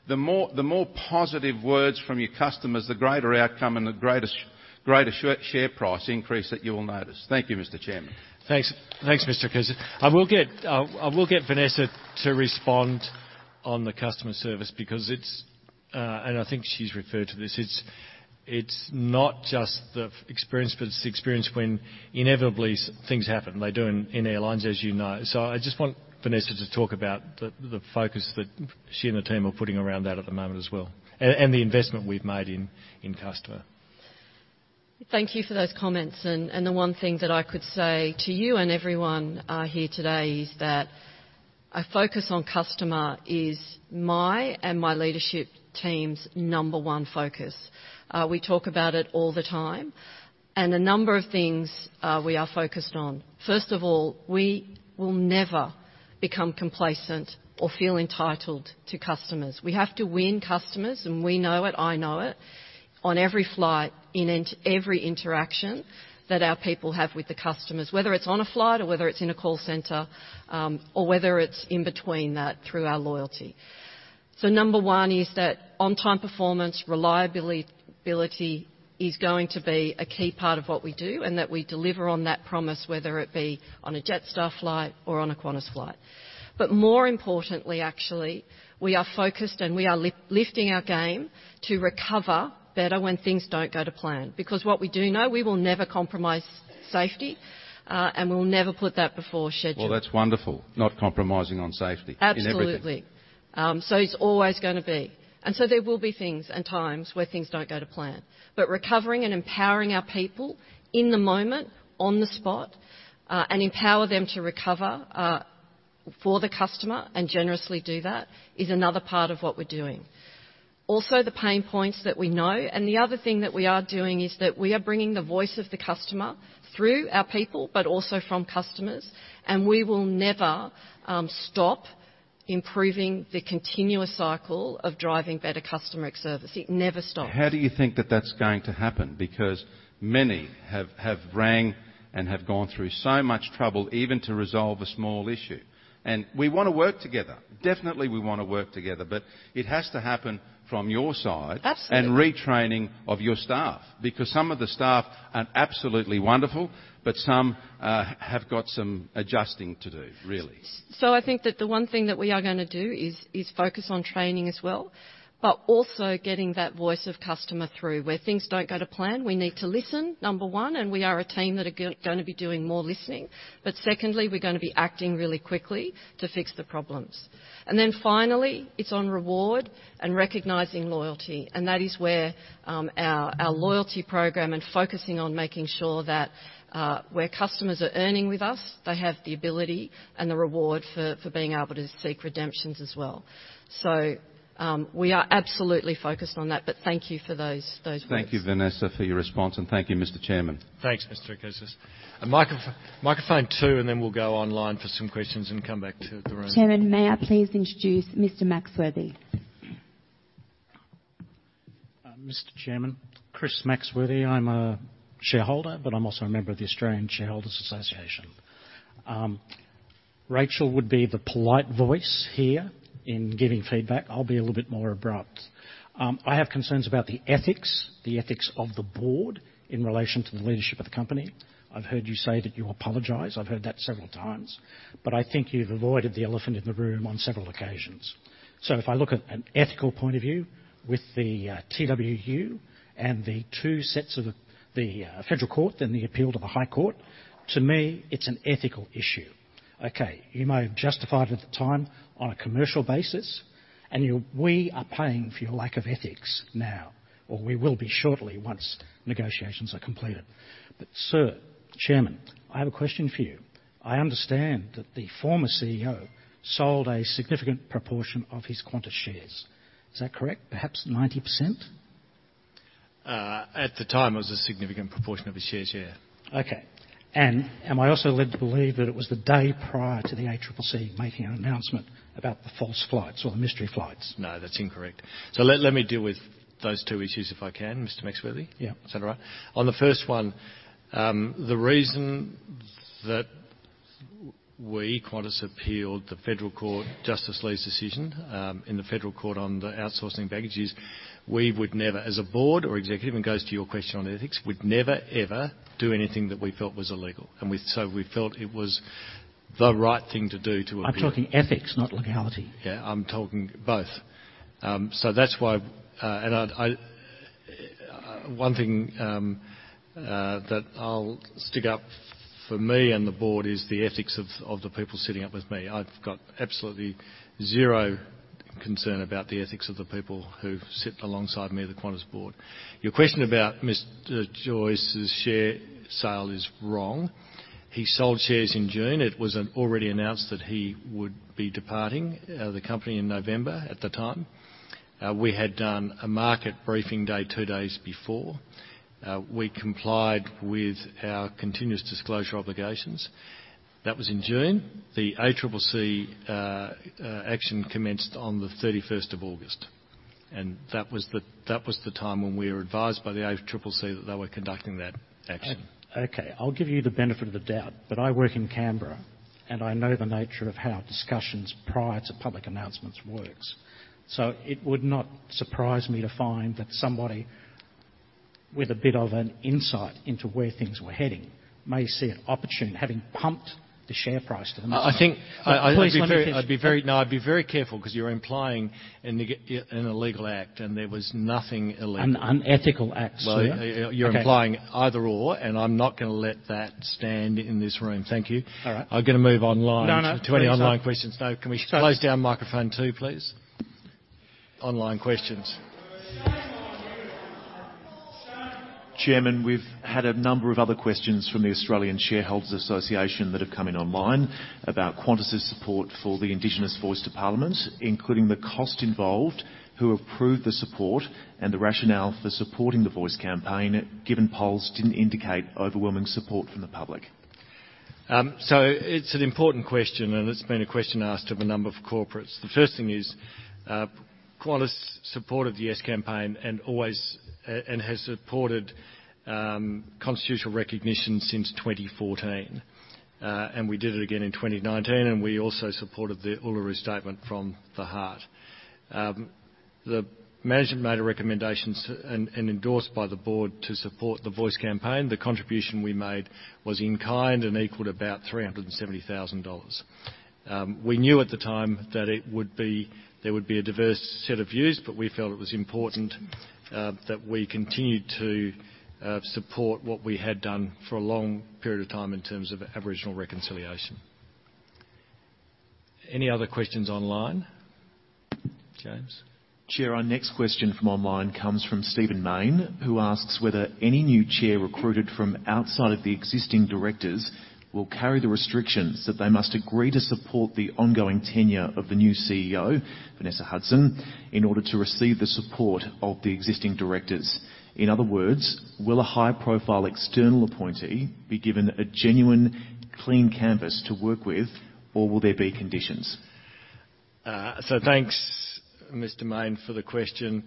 The more positive words from your customers, the greater outcome and the greater share price increase that you will notice. Thank you, Mr. Chairman. Thanks. Thanks, Mr. Acouzis. I will get Vanessa to respond on the customer service because it's, and I think she's referred to this. It's not just the experience, but it's the experience when inevitably things happen. They do in airlines, as you know. So I just want Vanessa to talk about the focus that she and the team are putting around that at the moment as well, and the investment we've made in customer. Thank you for those comments, and the one thing that I could say to you and everyone here today is that a focus on customer is my and my leadership team's number one focus. We talk about it all the time, and a number of things we are focused on. First of all, we will never become complacent or feel entitled to customers. We have to win customers, and we know it, I know it, on every flight, in every interaction that our people have with the customers, whether it's on a flight or whether it's in a call center, or whether it's in between that through our loyalty. So number one is that on-time performance, reliability, is going to be a key part of what we do, and that we deliver on that promise, whether it be on a Jetstar flight or on a Qantas flight. But more importantly, actually, we are focused and we are lifting our game to recover better when things don't go to plan. Because what we do know, we will never compromise safety, and we'll never put that before schedule. Well, that's wonderful, not compromising on safety- Absolutely. - in everything. So it's always gonna be. And so there will be things and times where things don't go to plan. But recovering and empowering our people in the moment, on the spot, and empower them to recover, for the customer and generously do that, is another part of what we're doing. Also, the pain points that we know, and the other thing that we are doing is that we are bringing the voice of the customer through our people, but also from customers, and we will never stop improving the continuous cycle of driving better customer service. It never stops. How do you think that that's going to happen? Because many have, have rang and have gone through so much trouble even to resolve a small issue. And we wanna work together. Definitely, we wanna work together, but it has to happen from your side- Absolutely. - and retraining of your staff, because some of the staff are absolutely wonderful, but some, have got some adjusting to do, really. So, I think that the one thing that we are gonna do is focus on training as well, but also getting that voice of customer through. Where things don't go to plan, we need to listen, number one, and we are a team that are gonna be doing more listening. But secondly, we're gonna be acting really quickly to fix the problems. And then finally, it's on reward and recognizing loyalty, and that is where our loyalty program and focusing on making sure that where customers are earning with us, they have the ability and the reward for being able to seek redemptions as well. So, we are absolutely focused on that, but thank you for those, those words. Thank you, Vanessa, for your response, and thank you, Mr. Chairman. Thanks, Mr. Acouzis. Microphone, microphone two, and then we'll go online for some questions and come back to the room. Chairman, may I please introduce Mr. Maxworthy? Mr. Chairman, Chris Maxworthy. I'm a shareholder, but I'm also a member of the Australian Shareholders Association. Rachel would be the polite voice here in giving feedback. I'll be a little bit more abrupt. I have concerns about the ethics, the ethics of the board, in relation to the leadership of the company. I've heard you say that you apologize. I've heard that several times, but I think you've avoided the elephant in the room on several occasions. So if I look at an ethical point of view with the TWU and the two sets of the Federal Court and the appeal to the High Court, to me, it's an ethical issue. Okay, you may have justified at the time on a commercial basis, and you, we are paying for your lack of ethics now, or we will be shortly once negotiations are completed. Sir, Chairman, I have a question for you. I understand that the former CEO sold a significant proportion of his Qantas shares. Is that correct? Perhaps 90%? At the time, it was a significant proportion of his shares, yeah. Okay. And am I also led to believe that it was the day prior to the ACCC making an announcement about the false flights or the mystery flights? No, that's incorrect. So let me deal with those two issues, if I can, Mr. Maxworthy? Yeah. Is that all right? On the first one, the reason that we, Qantas, appealed the Federal Court, Justice Lee's decision, in the Federal Court on the outsourcing baggage is we would never, as a board or executive, and goes to your question on ethics, would never, ever do anything that we felt was illegal, and so we felt it was the right thing to do to appeal. I'm talking ethics, not legality. Yeah, I'm talking both. So that's why... I, one thing that I'll stick up for me and the board is the ethics of the people sitting up with me. I've got absolutely zero concern about the ethics of the people who sit alongside me at the Qantas board. Your question about Mr. Joyce's share sale is wrong. He sold shares in June. It was already announced that he would be departing the company in November at the time. We had done a market briefing day two days before. We complied with our continuous disclosure obligations. That was in June. The ACCC action commenced on the thirty-first of August, and that was the time when we were advised by the ACCC that they were conducting that action. Okay, I'll give you the benefit of the doubt, but I work in Canberra, and I know the nature of how discussions prior to public announcements works. So it would not surprise me to find that somebody-... with a bit of an insight into where things were heading, may see an opportune, having pumped the share price to them- I think- Please, let me finish. I'd be very careful because you're implying an illegal act, and there was nothing illegal. An unethical act, sir. Well, you're implying either or, and I'm not going to let that stand in this room. Thank you. All right. I'm going to move online- No, no. To any online questions. No, can we close down microphone two, please? Online questions. Chairman, we've had a number of other questions from the Australian Shareholders Association that have come in online about Qantas's support for the Indigenous Voice to Parliament, including the cost involved, who approved the support, and the rationale for supporting the Voice campaign, given polls didn't indicate overwhelming support from the public. So it's an important question, and it's been a question asked of a number of corporates. The first thing is, Qantas supported the Yes campaign and always and has supported constitutional recognition since 2014, and we did it again in 2019, and we also supported the Uluru Statement from the Heart. The management made a recommendation and endorsed by the board to support the Voice campaign. The contribution we made was in kind and equaled about 370,000 dollars. We knew at the time that there would be a diverse set of views, but we felt it was important that we continued to support what we had done for a long period of time in terms of Aboriginal reconciliation. Any other questions online, James? Chair, our next question from online comes from Stephen Mayne, who asks whether any new chair recruited from outside of the existing directors will carry the restrictions that they must agree to support the ongoing tenure of the new CEO, Vanessa Hudson, in order to receive the support of the existing directors. In other words, will a high-profile external appointee be given a genuine, clean canvas to work with, or will there be conditions? So thanks, Mr. Mayne, for the question.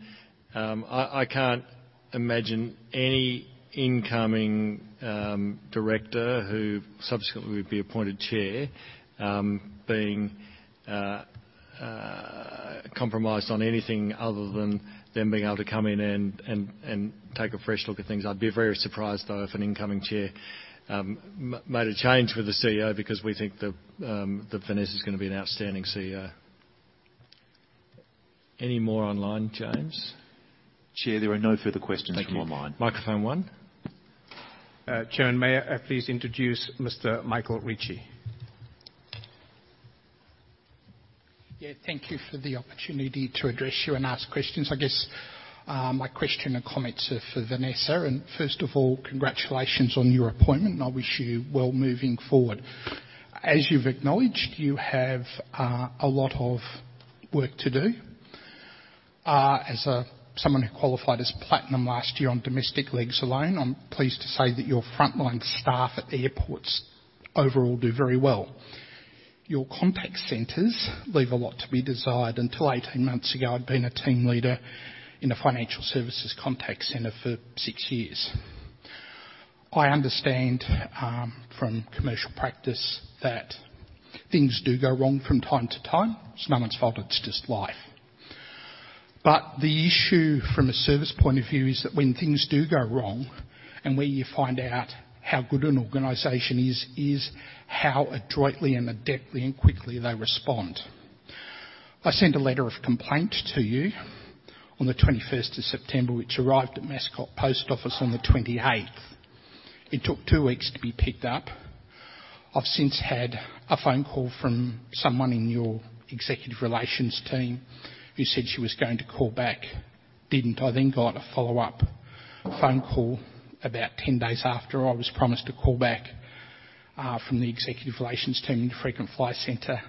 I can't imagine any incoming director who subsequently would be appointed chair being compromised on anything other than them being able to come in and take a fresh look at things. I'd be very surprised, though, if an incoming chair made a change with the CEO, because we think that Vanessa is going to be an outstanding CEO. Any more online, James? Chair, there are no further questions from online. Thank you. Microphone one? Chairman, may I please introduce Mr. Michael Ritchie. Yeah, thank you for the opportunity to address you and ask questions. I guess, my question and comments are for Vanessa, and first of all, congratulations on your appointment, and I wish you well moving forward. As you've acknowledged, you have, a lot of work to do. As someone who qualified as platinum last year on domestic legs alone, I'm pleased to say that your frontline staff at airports overall do very well. Your contact centers leave a lot to be desired. Until 18 months ago, I'd been a team leader in a financial services contact center for six years. I understand, from commercial practice that things do go wrong from time to time. It's no one's fault, it's just life. But the issue from a service point of view is that when things do go wrong and where you find out how good an organization is, is how adroitly and adeptly and quickly they respond. I sent a letter of complaint to you on the 21st of September, which arrived at Mascot Post Office on the 28th. It took two weeks to be picked up. I've since had a phone call from someone in your executive relations team who said she was going to call back, didn't. I then got a follow-up phone call about 10 days after I was promised a call back, from the executive relations team in the frequent flyer center,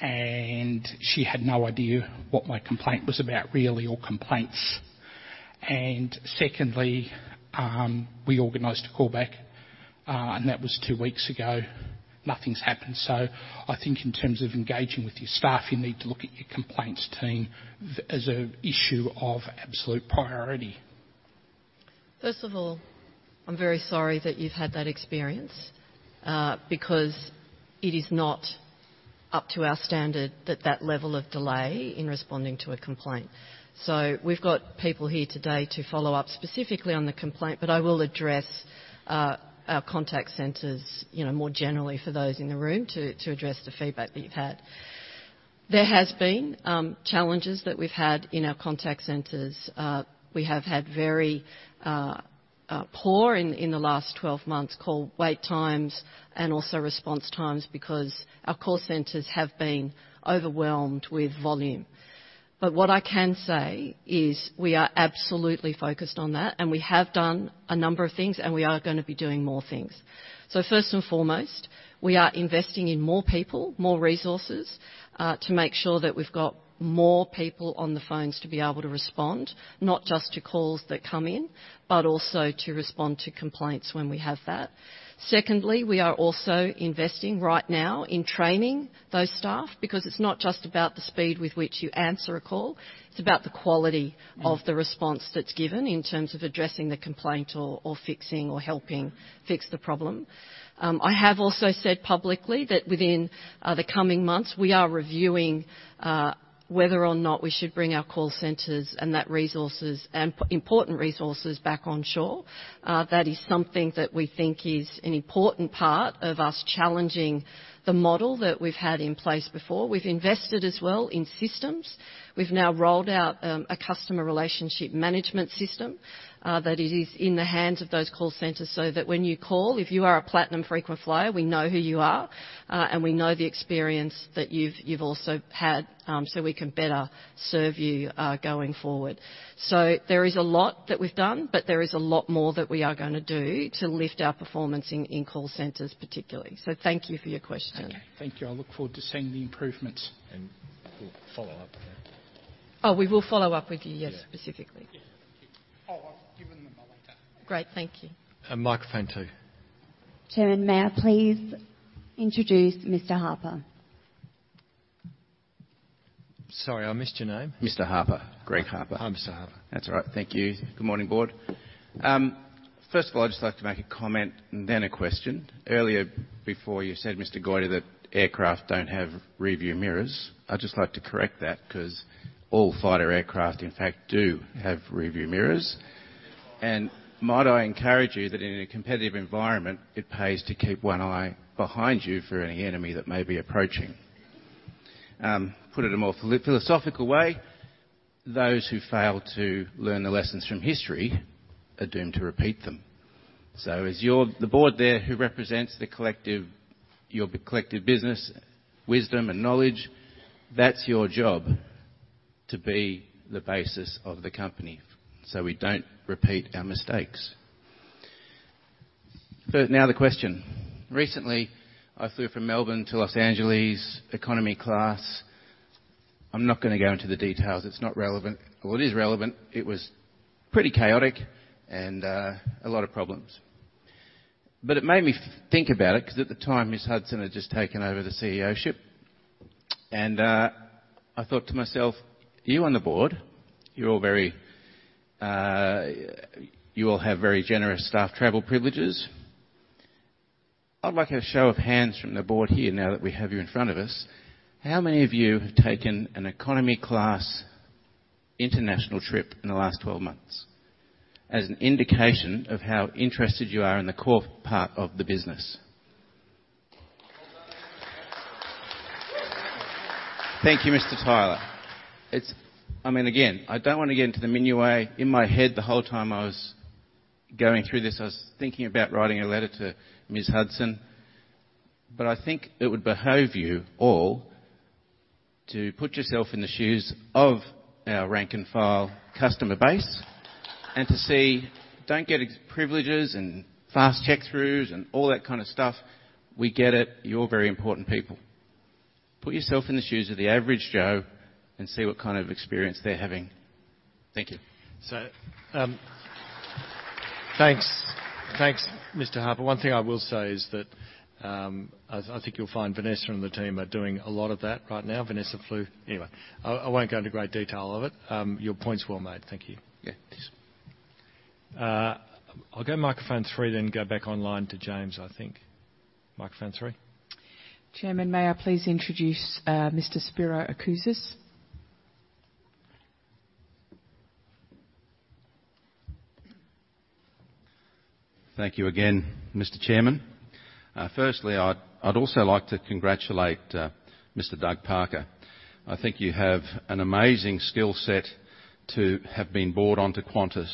and she had no idea what my complaint was about, really, or complaints. And secondly, we organized a call back, and that was two weeks ago. Nothing's happened. So I think in terms of engaging with your staff, you need to look at your complaints team as an issue of absolute priority. First of all, I'm very sorry that you've had that experience, because it is not up to our standard, that level of delay in responding to a complaint. So we've got people here today to follow up specifically on the complaint, but I will address our contact centers, you know, more generally for those in the room to address the feedback that you've had. There has been challenges that we've had in our contact centers. We have had very poor in the last 12 months, call wait times and also response times, because our call centers have been overwhelmed with volume. But what I can say is we are absolutely focused on that, and we have done a number of things, and we are gonna be doing more things. So first and foremost, we are investing in more people, more resources, to make sure that we've got more people on the phones to be able to respond, not just to calls that come in, but also to respond to complaints when we have that. Secondly, we are also investing right now in training those staff, because it's not just about the speed with which you answer a call; it's about the quality of the response that's given in terms of addressing the complaint or fixing or helping fix the problem. I have also said publicly that within the coming months, we are reviewing whether or not we should bring our call centers and that resources and important resources back on shore. That is something that we think is an important part of us challenging the model that we've had in place before. We've invested as well in systems. We've now rolled out a customer relationship management system that is in the hands of those call centers, so that when you call, if you are a platinum frequent flyer, we know who you are, and we know the experience that you've also had, so we can better serve you going forward. So there is a lot that we've done, but there is a lot more that we are gonna do to lift our performance in call centers, particularly. So thank you for your question. Okay. Thank you. I look forward to seeing the improvements. We'll follow up with that. Oh, we will follow up with you, yes, specifically.... Oh, I'll give them to her later. Great, thank you. Microphone two. Chairman, may I please introduce Mr. Harper? Sorry, I missed your name. Mr. Harper. Greg Harper. I'm Mr. Harper. That's all right. Thank you. Good morning, Board. First of all, I'd just like to make a comment and then a question. Earlier, before you said, Mr. Goyder, that aircraft don't have rearview mirrors. I'd just like to correct that, 'cause all fighter aircraft, in fact, do have rearview mirrors. And might I encourage you that in a competitive environment, it pays to keep one eye behind you for any enemy that may be approaching. Put it a more philosophical way, those who fail to learn the lessons from history are doomed to repeat them. So as your, the board there, who represents the collective, your collective business, wisdom, and knowledge, that's your job, to be the basis of the company, so we don't repeat our mistakes. But now the question: Recently, I flew from Melbourne to Los Angeles, economy class. I'm not gonna go into the details. It's not relevant, or it is relevant. It was pretty chaotic and a lot of problems. But it made me think about it, 'cause at the time, Ms. Hudson had just taken over the CEOship, and I thought to myself, you on the board, you're all very... You all have very generous staff travel privileges. I'd like a show of hands from the board here, now that we have you in front of us, how many of you have taken an economy class international trip in the last 12 months? As an indication of how interested you are in the core part of the business. Thank you, Mr. Tyler. It's. I mean, again, I don't want to get into the minutiae. In my head, the whole time I was going through this, I was thinking about writing a letter to Ms. Hudson, but I think it would behoove you all to put yourself in the shoes of our rank-and-file customer base, and to see, don't get exclusive privileges and fast check-throughs and all that kind of stuff. We get it. You're very important people. Put yourself in the shoes of the average Joe and see what kind of experience they're having. Thank you. So, thanks. Thanks, Mr. Harper. One thing I will say is that I think you'll find Vanessa and the team are doing a lot of that right now. Vanessa flew... Anyway, I won't go into great detail of it. Your point's well made. Thank you. Yeah, please. I'll go microphone 3, then go back online to James, I think. Microphone 3. Chairman, may I please introduce Mr. Spiro Acouzis? Thank you again, Mr. Chairman. Firstly, I'd like to congratulate Mr. Doug Parker. I think you have an amazing skill set to have been brought onto Qantas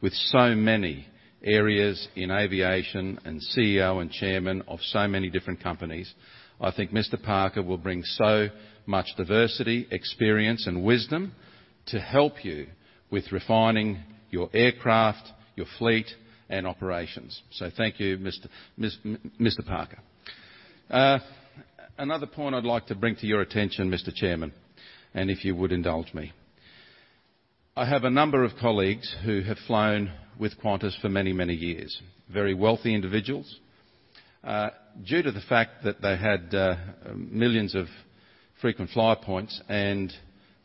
with so many areas in aviation and CEO and chairman of so many different companies. I think Mr. Parker will bring so much diversity, experience, and wisdom to help you with refining your aircraft, your fleet, and operations. So thank you, Mr. Parker. Another point I'd like to bring to your attention, Mr. Chairman, and if you would indulge me. I have a number of colleagues who have flown with Qantas for many, many years. Very wealthy individuals. Due to the fact that they had millions of frequent flyer points and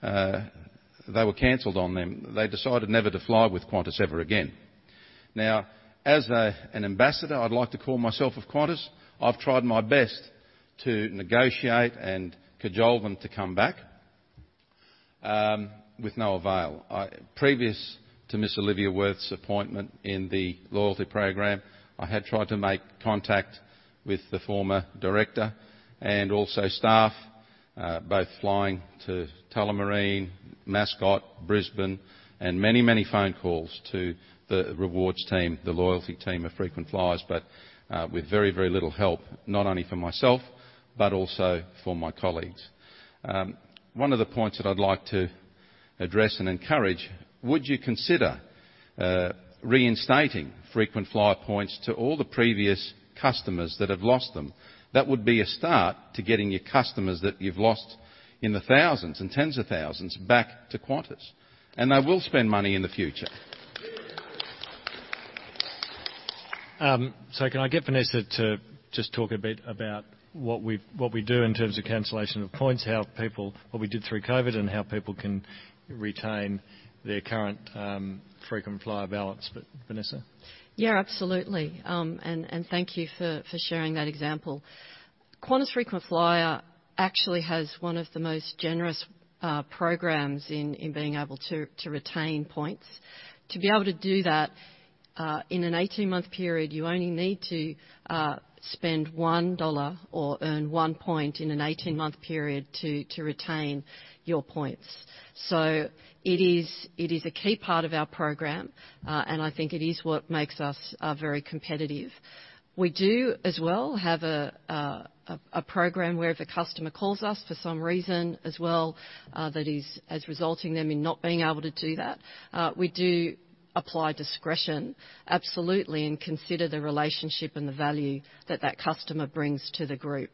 they were canceled on them, they decided never to fly with Qantas ever again. Now, as an ambassador, I'd like to call myself, of Qantas, I've tried my best to negotiate and cajole them to come back, with no avail. Previous to Miss Olivia Wirth's appointment in the loyalty program, I had tried to make contact with the former director and also staff, both flying to Tullamarine, Mascot, Brisbane, and many, many phone calls to the rewards team, the loyalty team of frequent flyers, but, with very, very little help, not only for myself, but also for my colleagues. One of the points that I'd like to address and encourage, would you consider, reinstating frequent flyer points to all the previous customers that have lost them? That would be a start to getting your customers that you've lost in the thousands and tens of thousands back to Qantas, and they will spend money in the future. So, can I get Vanessa to just talk a bit about what we, what we do in terms of cancellation of points, how people, what we did through COVID, and how people can retain their current, frequent flyer balance. Vanessa? Yeah, absolutely. And thank you for sharing that example. Qantas Frequent Flyer actually has one of the most generous programs in being able to retain points. To be able to do that, in an 18-month period, you only need to spend 1 dollar or earn 1 point in an 18-month period to retain your points. So it is a key part of our program, and I think it is what makes us very competitive. We do as well have a program where if a customer calls us for some reason as well, that is as resulting them in not being able to do that, we do apply discretion, absolutely, and consider the relationship and the value that that customer brings to the group.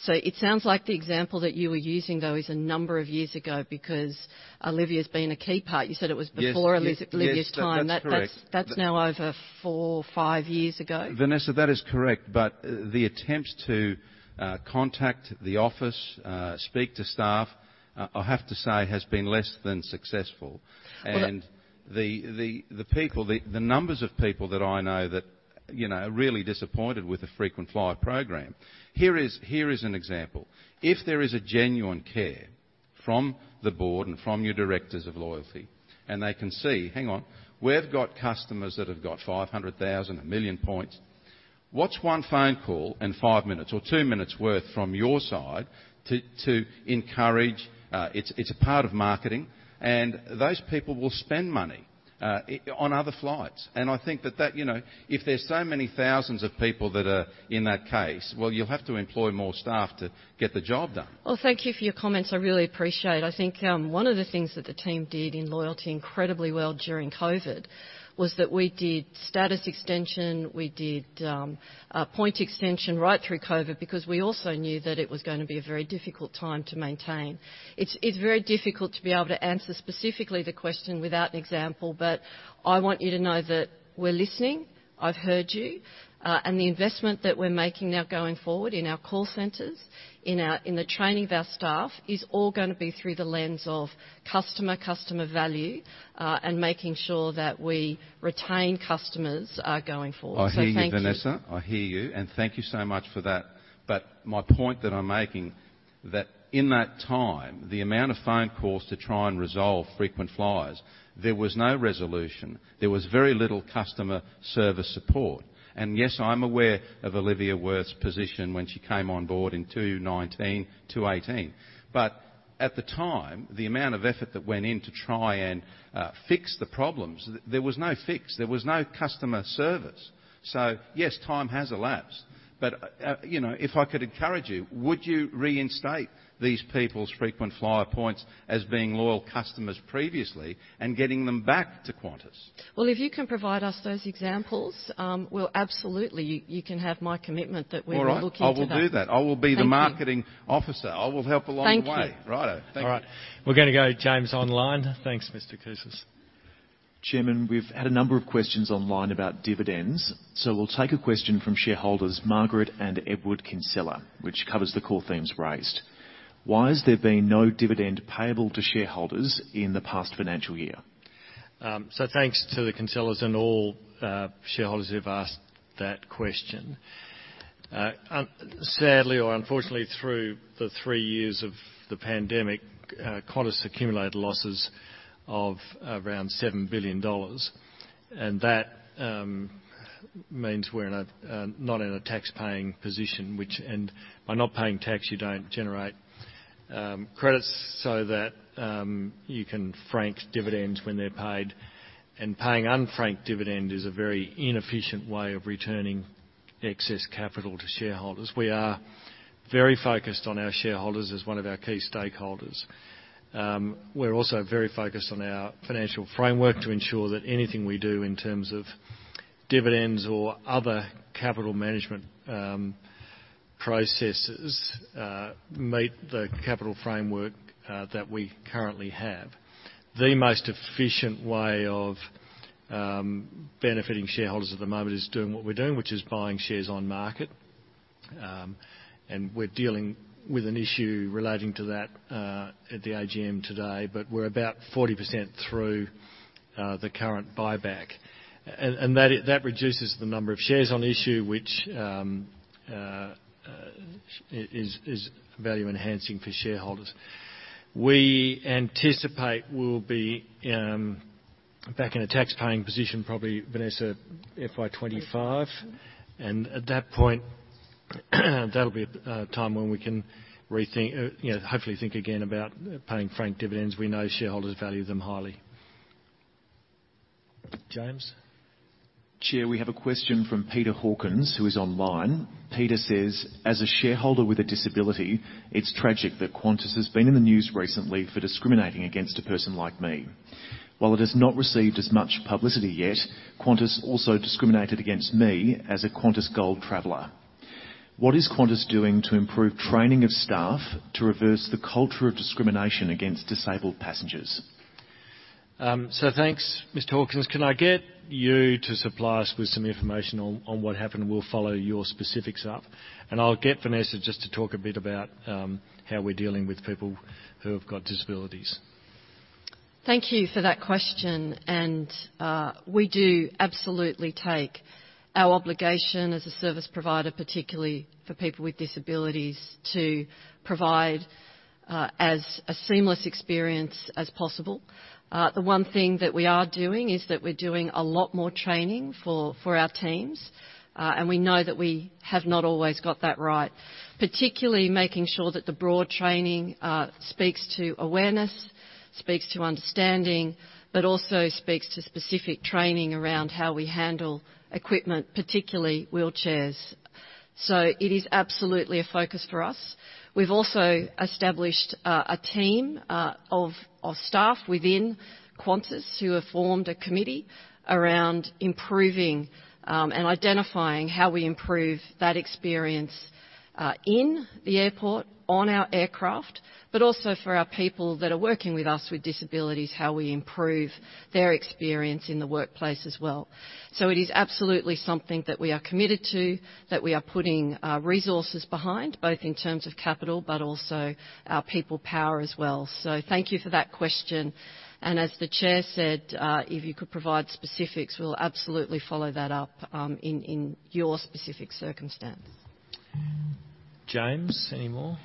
So it sounds like the example that you were using, though, is a number of years ago, because Olivia's been a key part. You said it was before- Yes. - Olivia's time. Yes, that's correct. That's now over 4, 5 years ago? Vanessa, that is correct. But, the attempts to contact the office, speak to staff, I have to say, has been less than successful. Well, I- And the people, the numbers of people that I know that, you know, are really disappointed with the Frequent Flyer program. Here is an example: If there is a genuine care from the board and from your directors of loyalty, and they can see, hang on, we've got customers that have got 500,000, a million points, what's one phone call and 5 minutes or 2 minutes worth from your side to encourage? It's a part of marketing, and those people will spend money on other flights. And I think that that, you know, if there's so many thousands of people that are in that case, well, you'll have to employ more staff to get the job done. Well, thank you for your comments. I really appreciate it. I think, one of the things that the team did in loyalty incredibly well during COVID, was that we did status extension, we did, point extension right through COVID, because we also knew that it was gonna be a very difficult time to maintain. It's very difficult to be able to answer specifically the question without an example, but I want you to know that we're listening. I've heard you, and the investment that we're making now going forward in our call centers, in the training of our staff, is all gonna be through the lens of customer value, and making sure that we retain customers, going forward. So thank you. I hear you, Vanessa. I hear you, and thank you so much for that. But my point that I'm making, that in that time, the amount of phone calls to try and resolve frequent flyers, there was no resolution. There was very little customer service support. And yes, I'm aware of Olivia Wirth's position when she came on board in 2019, 2018. But at the time, the amount of effort that went in to try and fix the problems, there was no fix. There was no customer service. So yes, time has elapsed, but, you know, if I could encourage you, would you reinstate these people's frequent flyer points as being loyal customers previously and getting them back to Qantas? Well, if you can provide us those examples, well, absolutely, you can have my commitment that we will look into that. All right. I will do that. Thank you. I will be the marketing officer. I will help along the way. Thank you. Righto. Thank you. All right. We're gonna go to James online. Thanks, Mr. Koussas. Chairman, we've had a number of questions online about dividends, so we'll take a question from shareholders, Margaret and Edward Kinsella, which covers the core themes raised. Why has there been no dividend payable to shareholders in the past financial year? So thanks to the Kinsellas and all shareholders who've asked that question. Unfortunately, through the three years of the pandemic, Qantas accumulated losses of around 7 billion dollars, and that means we're in a non-tax-paying position, which by not paying tax, you don't generate credits so that you can frank dividends when they're paid. And paying unfranked dividend is a very inefficient way of returning excess capital to shareholders. We are very focused on our shareholders as one of our key stakeholders. We're also very focused on our financial framework to ensure that anything we do in terms of dividends or other capital management processes meet the capital framework that we currently have. The most efficient way of benefiting shareholders at the moment is doing what we're doing, which is buying shares on market. We're dealing with an issue relating to that at the AGM today, but we're about 40% through the current buyback. That reduces the number of shares on issue, which is value-enhancing for shareholders. We anticipate we'll be back in a tax-paying position, probably, Vanessa, FY 2025. Mm-hmm. At that point, that'll be a time when we can rethink, you know, hopefully think again about paying franked dividends. We know shareholders value them highly. James? Chair, we have a question from Peter Hawkins, who is online. Peter says: As a shareholder with a disability, it's tragic that Qantas has been in the news recently for discriminating against a person like me. While it has not received as much publicity yet, Qantas also discriminated against me as a Qantas Gold traveler. What is Qantas doing to improve training of staff to reverse the culture of discrimination against disabled passengers? So thanks, Mr. Hawkins. Can I get you to supply us with some information on, on what happened? We'll follow your specifics up, and I'll get Vanessa just to talk a bit about how we're dealing with people who have got disabilities.... Thank you for that question, and we do absolutely take our obligation as a service provider, particularly for people with disabilities, to provide as a seamless experience as possible. The one thing that we are doing is that we're doing a lot more training for our teams. And we know that we have not always got that right, particularly making sure that the broad training speaks to awareness, speaks to understanding, but also speaks to specific training around how we handle equipment, particularly wheelchairs. So it is absolutely a focus for us. We've also established a team of staff within Qantas who have formed a committee around improving and identifying how we improve that experience in the airport, on our aircraft, but also for our people that are working with us with disabilities, how we improve their experience in the workplace as well. So it is absolutely something that we are committed to, that we are putting resources behind, both in terms of capital but also our people power as well. So thank you for that question, and as the chair said, if you could provide specifics, we'll absolutely follow that up in your specific circumstance. James, any more?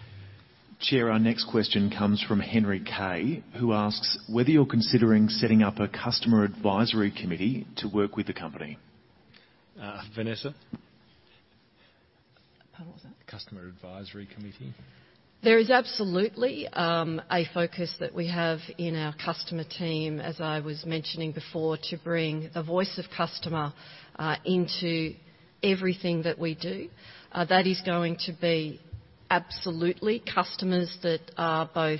Chair, our next question comes from Henry Kaye, who asks: whether you're considering setting up a customer advisory committee to work with the company? Uh, Vanessa? Pardon, what was that? Customer Advisory Committee. There is absolutely, a focus that we have in our customer team, as I was mentioning before, to bring the voice of customer into everything that we do. That is going to be absolutely customers that are both,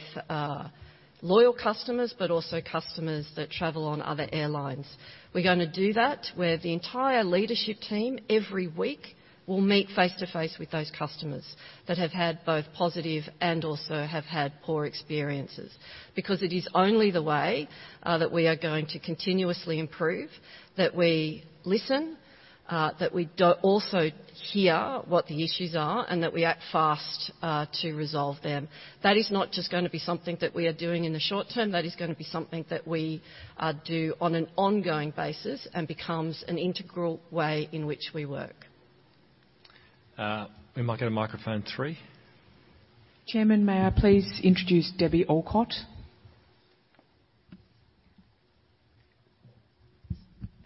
loyal customers, but also customers that travel on other airlines. We're going to do that, where the entire leadership team, every week, will meet face-to-face with those customers that have had both positive and also have had poor experiences. Because it is only the way that we are going to continuously improve, that we listen, that we do also hear what the issues are, and that we act fast to resolve them. That is not just going to be something that we are doing in the short term, that is going to be something that we do on an ongoing basis and becomes an integral way in which we work. We might go to microphone three. Chairman, may I please introduce Debbie Allcott?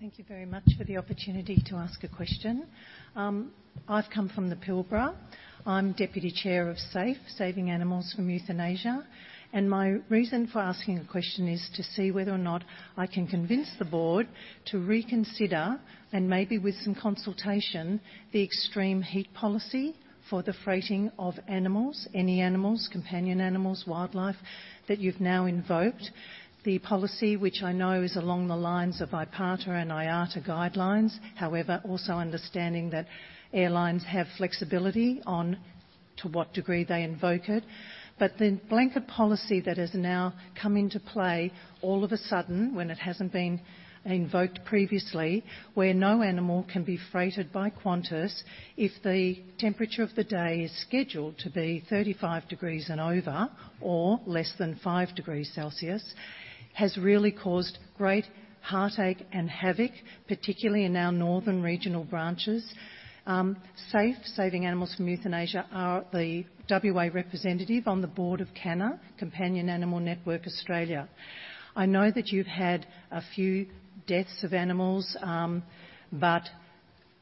Thank you very much for the opportunity to ask a question. I've come from the Pilbara. I'm deputy chair of SAFE, Saving Animals from Euthanasia, and my reason for asking a question is to see whether or not I can convince the board to reconsider, and maybe with some consultation, the extreme heat policy for the freighting of animals, any animals, companion animals, wildlife, that you've now invoked. The policy, which I know is along the lines of IPATA and IATA guidelines, however, also understanding that airlines have flexibility on to what degree they invoke it. But the blanket policy that has now come into play all of a sudden, when it hasn't been invoked previously, where no animal can be freighted by Qantas if the temperature of the day is scheduled to be 35 degrees and over, or less than 5 degrees Celsius, has really caused great heartache and havoc, particularly in our northern regional branches. SAFE, Saving Animals from Euthanasia, are the WA representative on the board of CANA, Companion Animal Network Australia. I know that you've had a few deaths of animals, but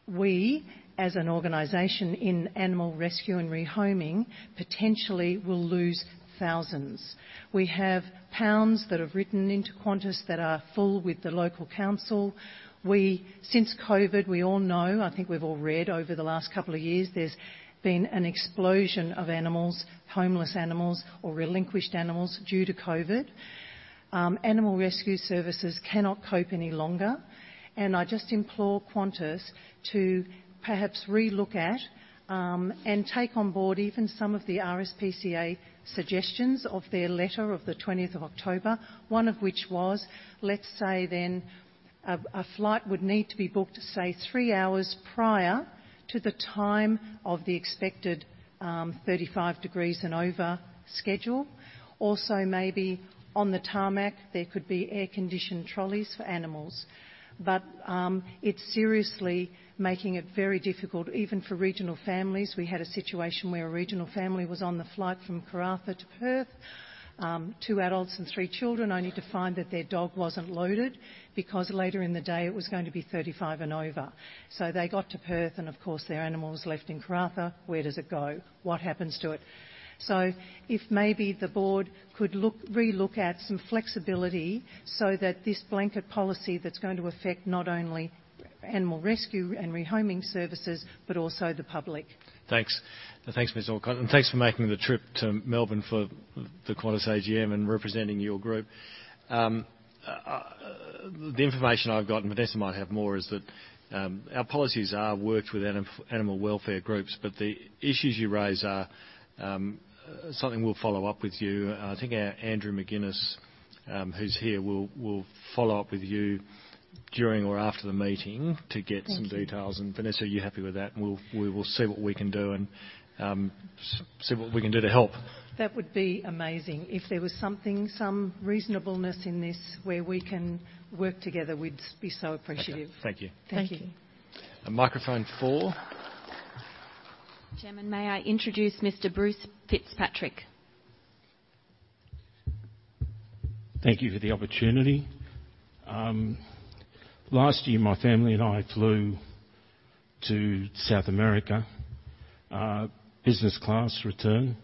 we, as an organization in animal rescue and rehoming, potentially will lose thousands. We have pounds that have written into Qantas that are full with the local council. Since COVID, we all know, I think we've all read over the last couple of years, there's been an explosion of animals, homeless animals or relinquished animals, due to COVID. Animal rescue services cannot cope any longer, and I just implore Qantas to perhaps re-look at and take on board even some of the RSPCA suggestions of their letter of the twentieth of October, one of which was, let's say then, a flight would need to be booked, say, 3 hours prior to the time of the expected 35 degrees and over schedule. Also, maybe on the tarmac, there could be air-conditioned trolleys for animals. But it's seriously making it very difficult, even for regional families. We had a situation where a regional family was on the flight from Karratha to Perth, 2 adults and 3 children, only to find that their dog wasn't loaded, because later in the day, it was going to be 35 degrees Celsius and over. So they got to Perth, and of course, their animal was left in Karratha. Where does it go? What happens to it? So if maybe the board could look, re-look at some flexibility so that this blanket policy that's going to affect not only animal rescue and rehoming services, but also the public. Thanks. Thanks, Ms. Allcott, and thanks for making the trip to Melbourne for the Qantas AGM and representing your group. The information I've got, and Vanessa might have more, is that our policies are worked with animal welfare groups, but the issues you raise are something we'll follow up with you. I think our Andrew McGinnes, who's here, will follow up with you during or after the meeting to get- Thank you. Some details. And Vanessa, are you happy with that? And we'll, we will see what we can do and, see what we can do to help. That would be amazing. If there was something, some reasonableness in this where we can work together, we'd be so appreciative. Okay. Thank you. Thank you. Microphone four. Chairman, may I introduce Mr Bruce Fitzpatrick? Thank you for the opportunity. Last year, my family and I flew to South America, business class return.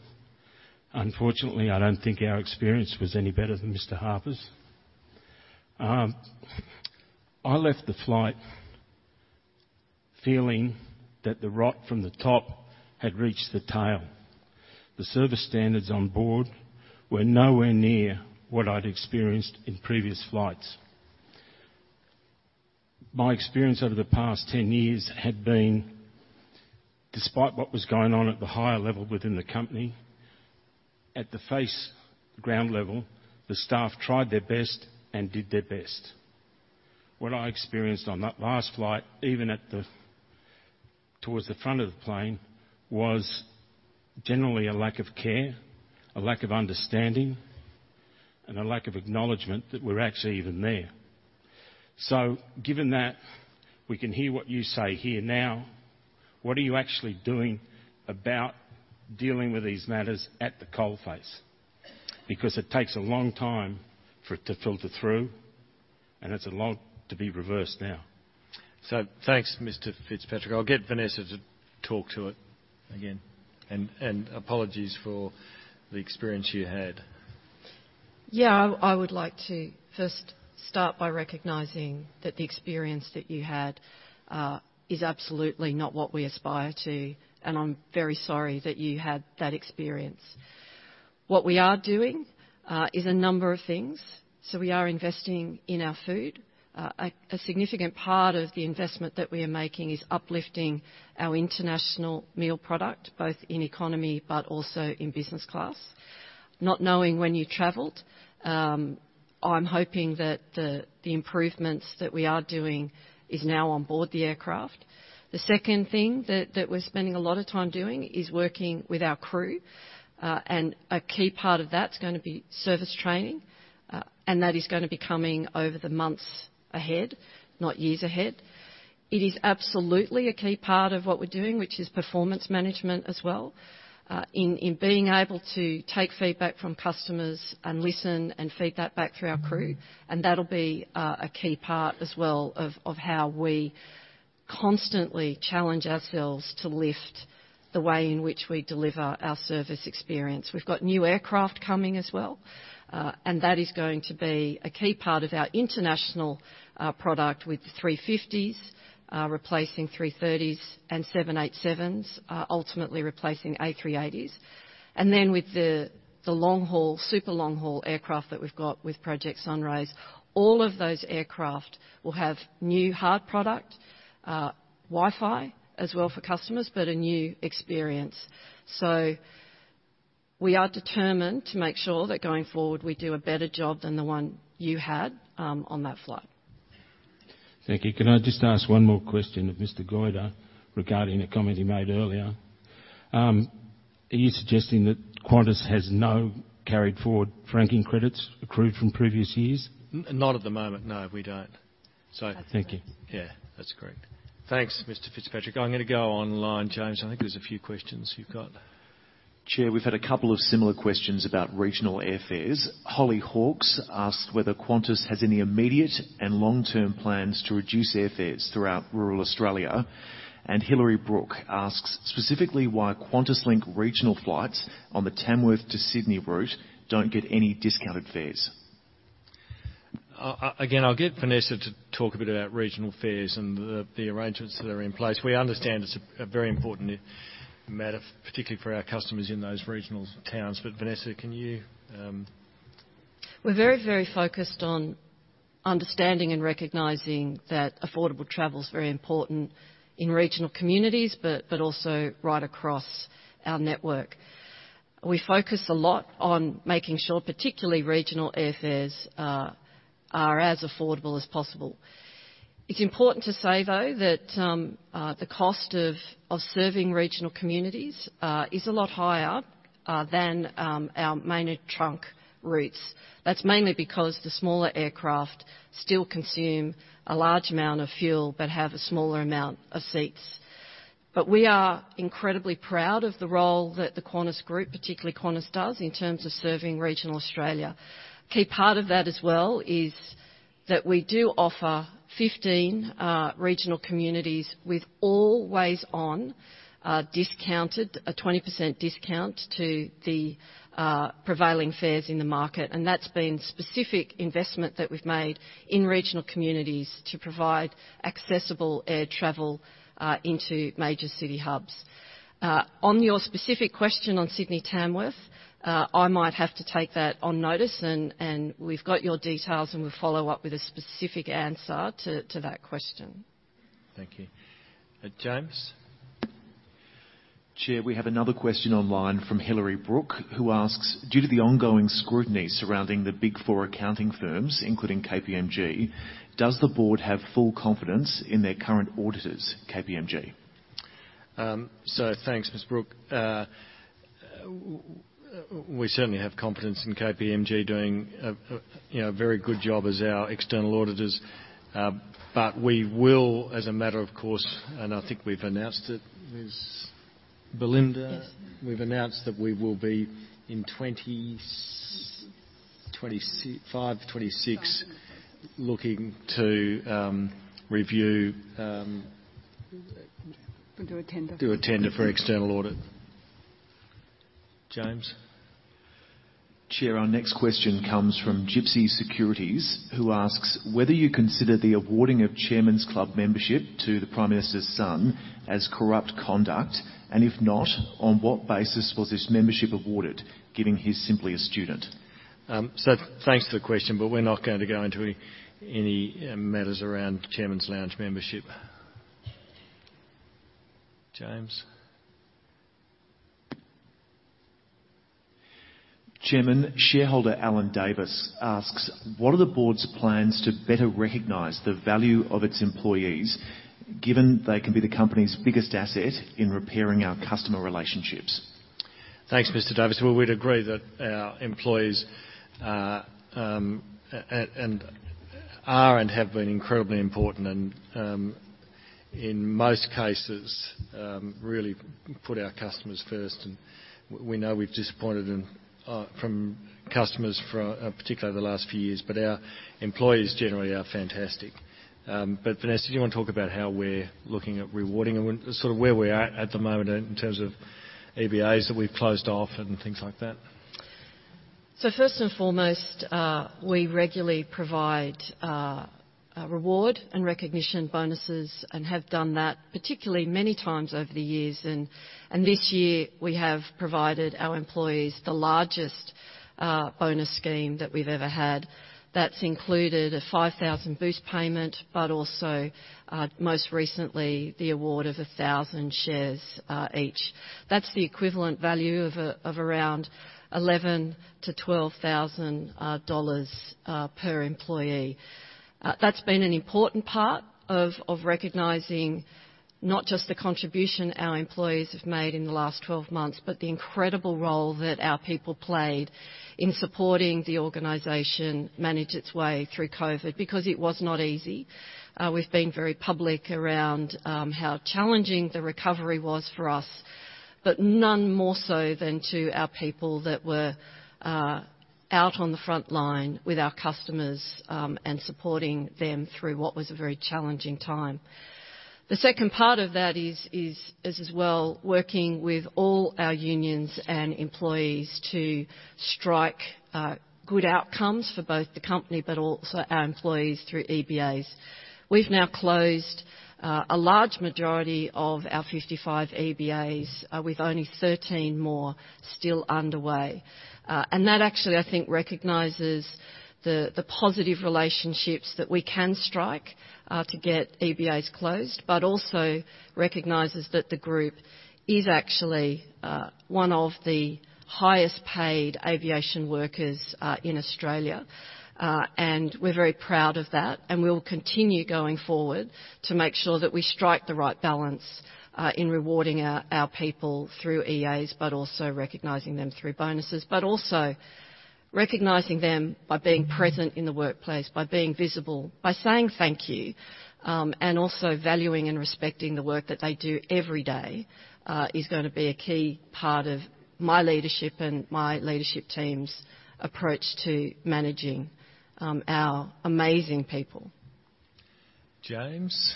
Unfortunately, I don't think our experience was any better than Mr. Harper's. I left the flight feeling that the rot from the top had reached the tail. The service standards on board were nowhere near what I'd experienced in previous flights. My experience over the past 10 years had been, despite what was going on at the higher level within the company, at the face, ground level, the staff tried their best and did their best. What I experienced on that last flight, even at the, towards the front of the plane, was generally a lack of care, a lack of understanding, and a lack of acknowledgement that we're actually even there. So given that, we can hear what you say here now, what are you actually doing about dealing with these matters at the coal face? Because it takes a long time for it to filter through, and it's a lot to be reversed now. Thanks, Mr. Fitzpatrick. I'll get Vanessa to talk to it again, and apologies for the experience you had. Yeah, I would like to first start by recognizing that the experience that you had is absolutely not what we aspire to, and I'm very sorry that you had that experience. What we are doing is a number of things. So we are investing in our food. A significant part of the investment that we are making is uplifting our international meal product, both in economy but also in business class. Not knowing when you traveled, I'm hoping that the improvements that we are doing is now on board the aircraft. The second thing that we're spending a lot of time doing is working with our crew, and a key part of that is gonna be service training, and that is gonna be coming over the months ahead, not years ahead. It is absolutely a key part of what we're doing, which is performance management as well, in being able to take feedback from customers and listen and feed that back through our crew. Mm-hmm. That'll be a key part as well of, of how we constantly challenge ourselves to lift the way in which we deliver our service experience. We've got new aircraft coming as well, and that is going to be a key part of our international product, with the 350s replacing 330s, and 787s ultimately replacing A380s. And then with the long-haul, super long-haul aircraft that we've got with Project Sunrise, all of those aircraft will have new hard product, Wi-Fi as well for customers, but a new experience. So we are determined to make sure that going forward, we do a better job than the one you had on that flight. Thank you. Can I just ask one more question of Mr. Goyder regarding a comment he made earlier? Are you suggesting that Qantas has no carried forward Franking Credits accrued from previous years? Not at the moment, no, we don't. So- Thank you. Yeah, that's correct. Thanks, Mr. Fitzpatrick. I'm gonna go online, James. I think there's a few questions you've got. Chair, we've had a couple of similar questions about regional airfares. Holly Hawkes asked whether Qantas has any immediate and long-term plans to reduce airfares throughout rural Australia. Hilary Brooke asks specifically, why QantasLink regional flights on the Tamworth to Sydney route don't get any discounted fares? Again, I'll get Vanessa to talk a bit about regional fares and the arrangements that are in place. We understand it's a very important matter, particularly for our customers in those regional towns, but Vanessa, can you- We're very, very focused on understanding and recognizing that affordable travel is very important in regional communities, but also right across our network. We focus a lot on making sure, particularly regional airfares, are as affordable as possible. It's important to say, though, that the cost of serving regional communities is a lot higher than our main trunk routes. That's mainly because the smaller aircraft still consume a large amount of fuel but have a smaller amount of seats. But we are incredibly proud of the role that the Qantas Group, particularly Qantas, does in terms of serving regional Australia. Key part of that as well is that we do offer 15 regional communities with always on discounted, a 20% discount to the prevailing fares in the market, and that's been specific investment that we've made in regional communities to provide accessible air travel into major city hubs. On your specific question on Sydney, Tamworth, I might have to take that on notice, and we've got your details, and we'll follow up with a specific answer to that question. Thank you. James?... Chair, we have another question online from Hillary Brook, who asks: Due to the ongoing scrutiny surrounding the Big Four accounting firms, including KPMG, does the board have full confidence in their current auditors, KPMG? So thanks, Ms. Brook. We certainly have confidence in KPMG doing, you know, a very good job as our external auditors. But we will, as a matter of course, and I think we've announced it, Ms. Belinda? Yes. We've announced that we will be, in 2025, 2026, looking to review, Do a tender. Do a tender for external audit. James? Chair, our next question comes from Gypsy Securities, who asks: Whether you consider the awarding of Chairman's Club membership to the Prime Minister's son as corrupt conduct, and if not, on what basis was this membership awarded, given he's simply a student? Thanks for the question, but we're not going to go into any, any, matters around Chairman's Lounge membership. James? Chairman, shareholder Alan Davis asks: What are the board's plans to better recognize the value of its employees, given they can be the company's biggest asset in repairing our customer relationships? Thanks, Mr. Davis. Well, we'd agree that our employees are and have been incredibly important and in most cases really put our customers first, and we know we've disappointed them from customers for particularly the last few years, but our employees generally are fantastic. But Vanessa, do you want to talk about how we're looking at rewarding and sort of where we are at the moment in terms of EBAs that we've closed off and things like that? So first and foremost, we regularly provide reward and recognition bonuses and have done that particularly many times over the years, and this year we have provided our employees the largest bonus scheme that we've ever had. That's included a 5,000 boost payment, but also, most recently, the award of 1,000 shares each. That's the equivalent value of around 11,000-12,000 dollars per employee. That's been an important part of recognizing not just the contribution our employees have made in the last 12 months, but the incredible role that our people played in supporting the organization manage its way through COVID, because it was not easy. We've been very public around how challenging the recovery was for us, but none more so than to our people that were out on the front line with our customers and supporting them through what was a very challenging time. The second part of that is as well, working with all our unions and employees to strike good outcomes for both the company, but also our employees through EBAs. We've now closed a large majority of our 55 EBAs with only 13 more still underway. And that actually, I think, recognizes the positive relationships that we can strike to get EBAs closed, but also recognizes that the group is actually one of the highest-paid aviation workers in Australia. We're very proud of that, and we'll continue going forward to make sure that we strike the right balance in rewarding our people through EAs, but also recognizing them through bonuses. But also, recognizing them by being present in the workplace, by being visible, by saying thank you, and also valuing and respecting the work that they do every day is gonna be a key part of my leadership and my leadership team's approach to managing our amazing people. James?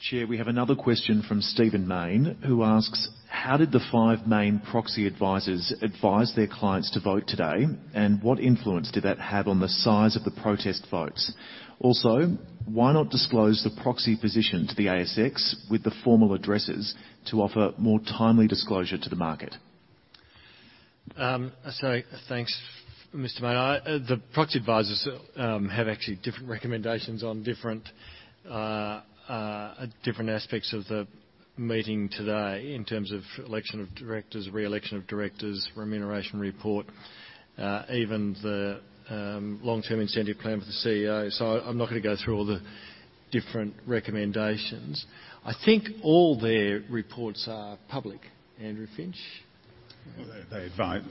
Chair, we have another question from Stephen Mayne, who asks: How did the five main proxy advisors advise their clients to vote today, and what influence did that have on the size of the protest votes? Also, why not disclose the proxy position to the ASX with the formal addresses to offer more timely disclosure to the market? So, thanks, Mr. Mayne. The proxy advisors have actually different recommendations on different aspects of the meeting today in terms of election of directors, re-election of directors, remuneration report, even the long-term incentive plan for the CEO. So, I'm not going to go through all the different recommendations. I think all their reports are public. Andrew Finch? They advise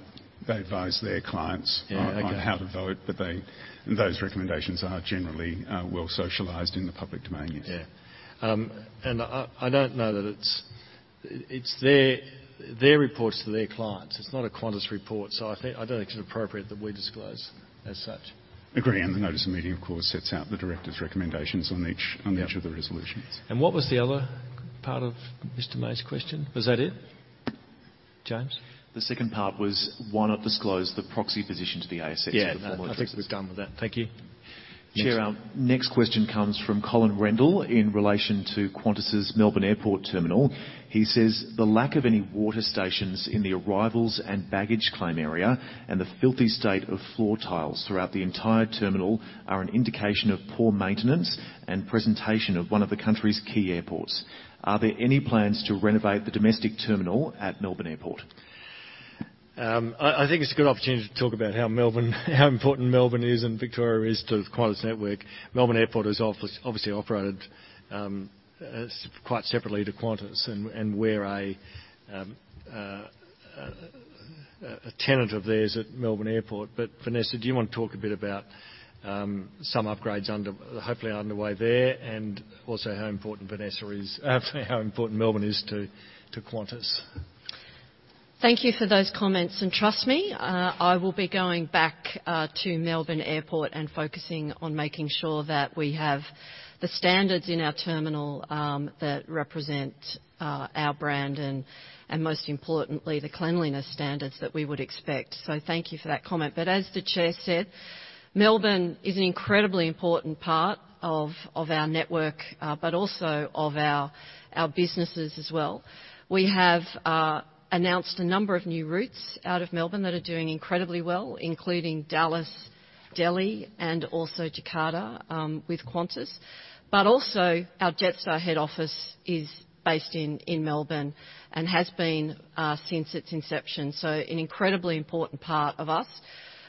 their clients- Yeah, okay. on how to vote, but they those recommendations are generally, well socialized in the public domain, yes. Yeah. And I don't know that it's... It's their reports to their clients. It's not a Qantas report, so I think, I don't think it's appropriate that we disclose as such. Agree, and the notice of meeting, of course, sets out the directors' recommendations on each- Yeah... on each of the resolutions. What was the other part of Mr. Mayne's question? Was that it? James? The second part was, why not disclose the proxy position to the ASX? Yeah. The formal- I think we're done with that. Thank you. Chair, our next question comes from Colin Rendell in relation to Qantas's Melbourne Airport terminal. He says: The lack of any water stations in the arrivals and baggage claim area, and the filthy state of floor tiles throughout the entire terminal, are an indication of poor maintenance and presentation of one of the country's key airports. Are there any plans to renovate the domestic terminal at Melbourne Airport? I think it's a good opportunity to talk about how Melbourne, how important Melbourne is and Victoria is to the Qantas network. Melbourne Airport is obviously operated quite separately to Qantas, and we're a tenant of theirs at Melbourne Airport. But, Vanessa, do you want to talk a bit about some upgrades under, hopefully, underway there, and also how important Vanessa is, how important Melbourne is to Qantas? Thank you for those comments, and trust me, I will be going back to Melbourne Airport and focusing on making sure that we have the standards in our terminal that represent our brand and, and most importantly, the cleanliness standards that we would expect. So thank you for that comment. But as the chair said, Melbourne is an incredibly important part of our network, but also of our businesses as well. We have announced a number of new routes out of Melbourne that are doing incredibly well, including Dallas, Delhi, and also Jakarta with Qantas. But also, our Jetstar head office is based in Melbourne and has been since its inception, so an incredibly important part of us.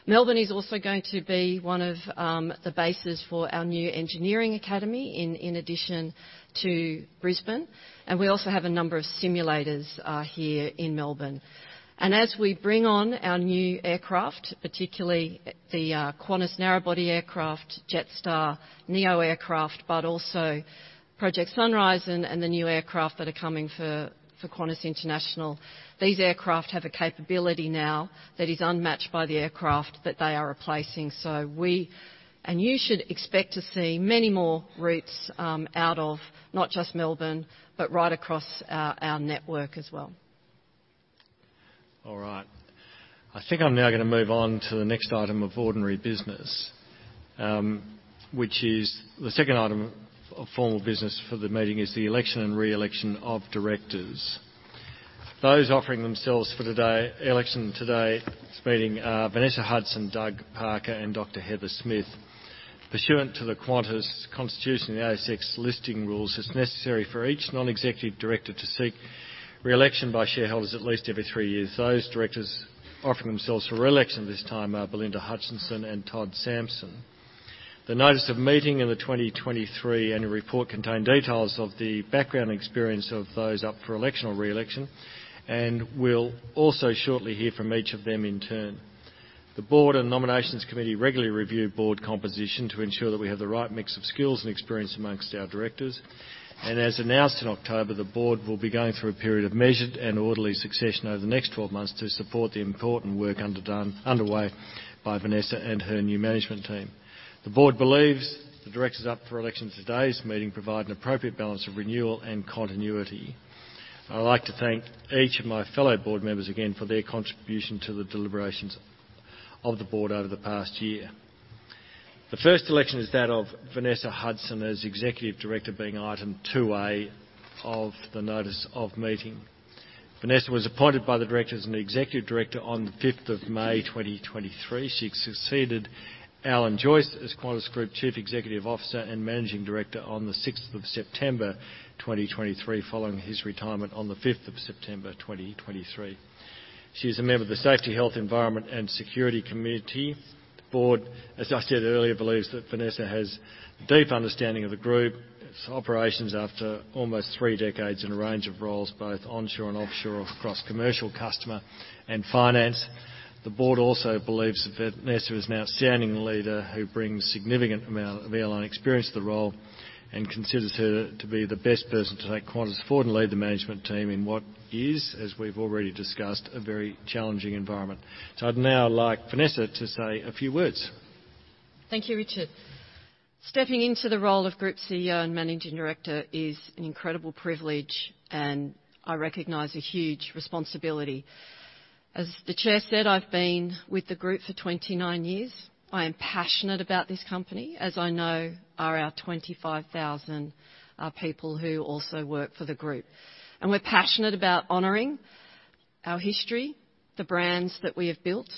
Melbourne is also going to be one of the bases for our new engineering academy, in addition to Brisbane, and we also have a number of simulators here in Melbourne. And as we bring on our new aircraft, particularly the Qantas narrow-body aircraft, Jetstar neo aircraft, but also Project Sunrise and the new aircraft that are coming for Qantas International, these aircraft have a capability now that is unmatched by the aircraft that they are replacing. So we, and you, should expect to see many more routes out of not just Melbourne, but right across our network as well. All right. I think I'm now gonna move on to the next item of ordinary business, which is the second item of formal business for the meeting, is the election and re-election of directors. Those offering themselves for today, election today's meeting are Vanessa Hudson, Doug Parker, and Dr. Heather Smith. Pursuant to the Qantas Constitution and the ASX Listing Rules, it's necessary for each non-executive director to seek re-election by shareholders at least every three years. Those directors offering themselves for re-election this time are Belinda Hutchinson and Todd Sampson. The notice of meeting in the 2023 annual report contained details of the background experience of those up for election or re-election, and we'll also shortly hear from each of them in turn. The board and nominations committee regularly review board composition to ensure that we have the right mix of skills and experience amongst our directors. As announced in October, the board will be going through a period of measured and orderly succession over the next 12 months to support the important work undertaken, underway by Vanessa and her new management team. The board believes the directors up for election in today's meeting provide an appropriate balance of renewal and continuity. I'd like to thank each of my fellow board members again for their contribution to the deliberations of the board over the past year. The first election is that of Vanessa Hudson as Executive Director, being item 2-A of the notice of meeting. Vanessa was appointed by the directors as an Executive Director on the fifth of May, 2023. She succeeded Alan Joyce as Qantas Group Chief Executive Officer and Managing Director on the sixth of September, 2023, following his retirement on the fifth of September, 2023. She is a member of the Safety, Health, Environment and Security Committee. The board, as I said earlier, believes that Vanessa has a deep understanding of the group's operations after almost three decades in a range of roles, both onshore and offshore, across commercial, customer, and finance. The board also believes that Vanessa is an outstanding leader who brings significant amount of airline experience to the role and considers her to be the best person to take Qantas forward and lead the management team in what is, as we've already discussed, a very challenging environment. So I'd now like Vanessa to say a few words. Thank you, Richard. Stepping into the role of Group CEO and Managing Director is an incredible privilege, and I recognize a huge responsibility. As the chair said, I've been with the group for 29 years. I am passionate about this company, as I know are our 25,000 people who also work for the group. We're passionate about honoring our history, the brands that we have built,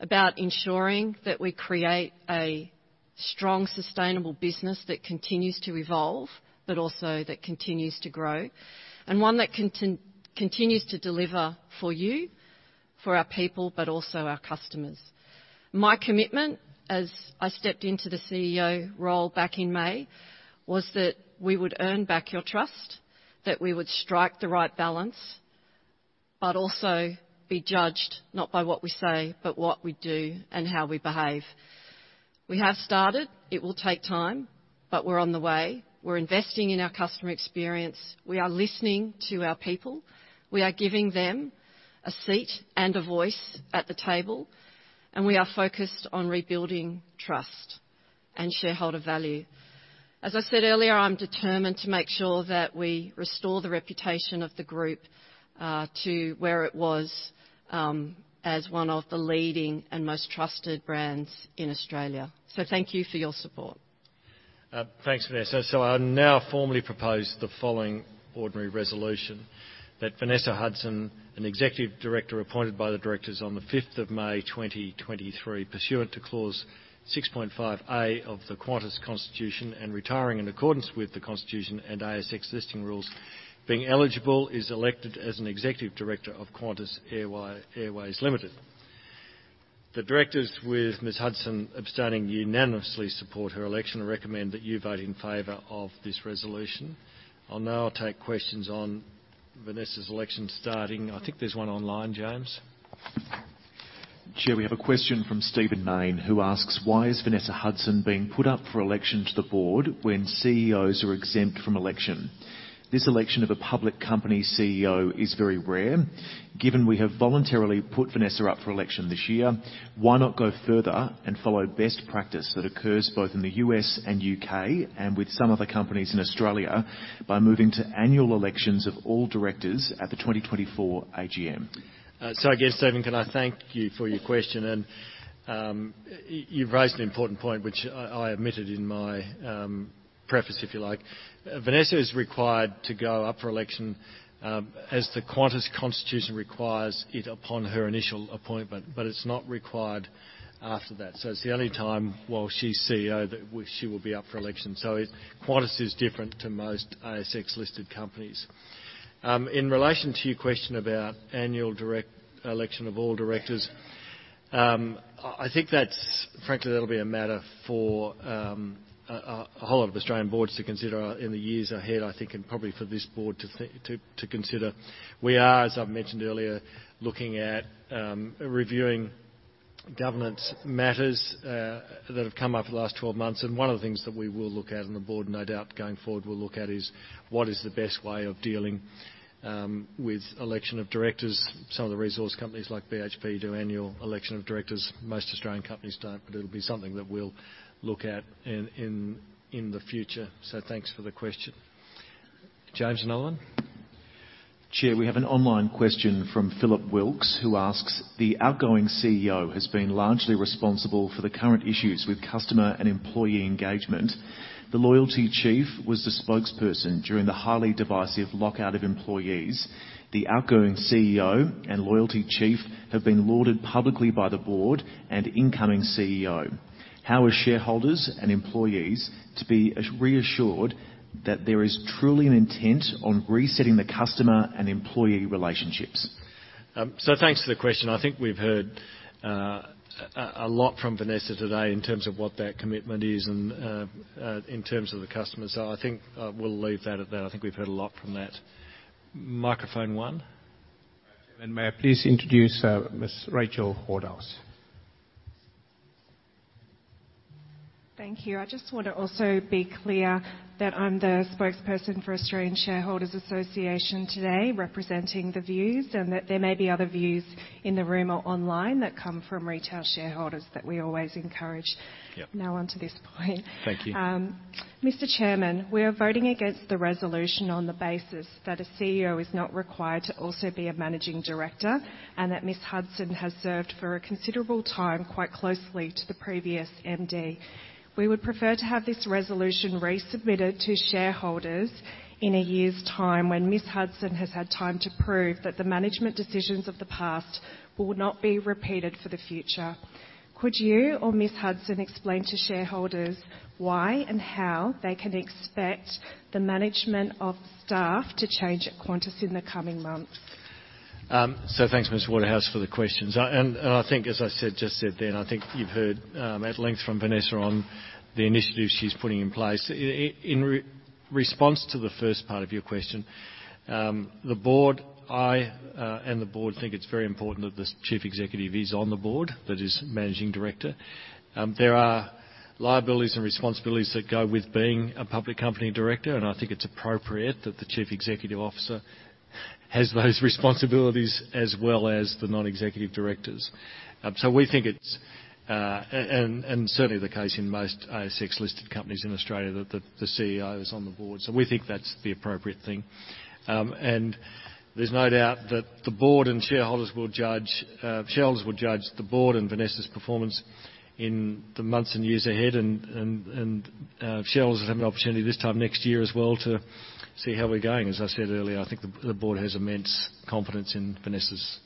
about ensuring that we create a strong, sustainable business that continues to evolve, but also that continues to grow, and one that continues to deliver for you, for our people, but also our customers. My commitment, as I stepped into the CEO role back in May, was that we would earn back your trust, that we would strike the right balance, but also be judged not by what we say, but what we do and how we behave. We have started. It will take time, but we're on the way. We're investing in our customer experience. We are listening to our people. We are giving them a seat and a voice at the table, and we are focused on rebuilding trust and shareholder value. As I said earlier, I'm determined to make sure that we restore the reputation of the group, to where it was, as one of the leading and most trusted brands in Australia. So thank you for your support. Thanks, Vanessa. I'll now formally propose the following ordinary resolution: That Vanessa Hudson, an Executive Director appointed by the directors on the fifth of May, 2023, pursuant to Clause 6.5A of the Qantas Constitution, and retiring in accordance with the Constitution and ASX Listing Rules, being eligible, is elected as an Executive Director of Qantas Airways Limited. The directors, with Ms. Hudson abstaining, unanimously support her election and recommend that you vote in favor of this resolution. I'll now take questions on Vanessa's election, starting. I think there's one online, James. Chair, we have a question from Stephen Mayne, who asks: Why is Vanessa Hudson being put up for election to the board when CEOs are exempt from election? This election of a public company CEO is very rare. Given we have voluntarily put Vanessa up for election this year, why not go further and follow best practice that occurs both in the U.S. and U.K., and with some other companies in Australia, by moving to annual elections of all directors at the 2024 AGM? So I guess, Stephen, can I thank you for your question? And you've raised an important point, which I admitted in my preface, if you like. Vanessa is required to go up for election, as the Qantas constitution requires it upon her initial appointment, but it's not required after that. So it's the only time while she's CEO that she will be up for election. So Qantas is different to most ASX-listed companies. In relation to your question about annual direct election of all directors, I think that's frankly, that'll be a matter for a whole lot of Australian boards to consider in the years ahead, I think, and probably for this board to consider. We are, as I've mentioned earlier, looking at reviewing governance matters that have come up the last 12 months, and one of the things that we will look at, and the board, no doubt going forward will look at, is what is the best way of dealing with election of directors. Some of the resource companies, like BHP, do annual election of directors. Most Australian companies don't, but it'll be something that we'll look at in the future. So thanks for the question. James, another one? Chair, we have an online question from Philip Wilkes, who asks: The outgoing CEO has been largely responsible for the current issues with customer and employee engagement. The loyalty chief was the spokesperson during the highly divisive lockout of employees. The outgoing CEO and loyalty chief have been lauded publicly by the board and incoming CEO. How are shareholders and employees to be assured that there is truly an intent on resetting the customer and employee relationships? Thanks for the question. I think we've heard a lot from Vanessa today in terms of what that commitment is and in terms of the customers. I think we'll leave that at that. I think we've heard a lot from that. Microphone one. May I please introduce Ms. Rachel Waterhouse. Thank you. I just want to also be clear that I'm the spokesperson for Australian Shareholders Association today, representing the views, and that there may be other views in the room or online that come from retail shareholders that we always encourage. Yep. Now on to this point. Thank you. Mr. Chairman, we are voting against the resolution on the basis that a CEO is not required to also be a managing director, and that Ms. Hudson has served for a considerable time, quite closely to the previous MD. We would prefer to have this resolution resubmitted to shareholders in a year's time, when Ms. Hudson has had time to prove that the management decisions of the past will not be repeated for the future. Could you or Ms. Hudson explain to shareholders why and how they can expect the management of staff to change at Qantas in the coming months? So thanks, Ms. Waterhouse, for the questions. And I think as I just said then, I think you've heard at length from Vanessa on the initiatives she's putting in place. In response to the first part of your question, the board and I think it's very important that the chief executive is on the board, that is managing director. There are liabilities and responsibilities that go with being a public company director, and I think it's appropriate that the chief executive officer has those responsibilities as well as the non-executive directors. So we think it's... And certainly the case in most ASX-listed companies in Australia, that the CEO is on the board. So we think that's the appropriate thing. And there's no doubt that the board and shareholders will judge, shareholders will judge the board and Vanessa's performance in the months and years ahead, and shareholders will have an opportunity this time next year as well to see how we're going. As I said earlier, I think the board has immense confidence in Vanessa's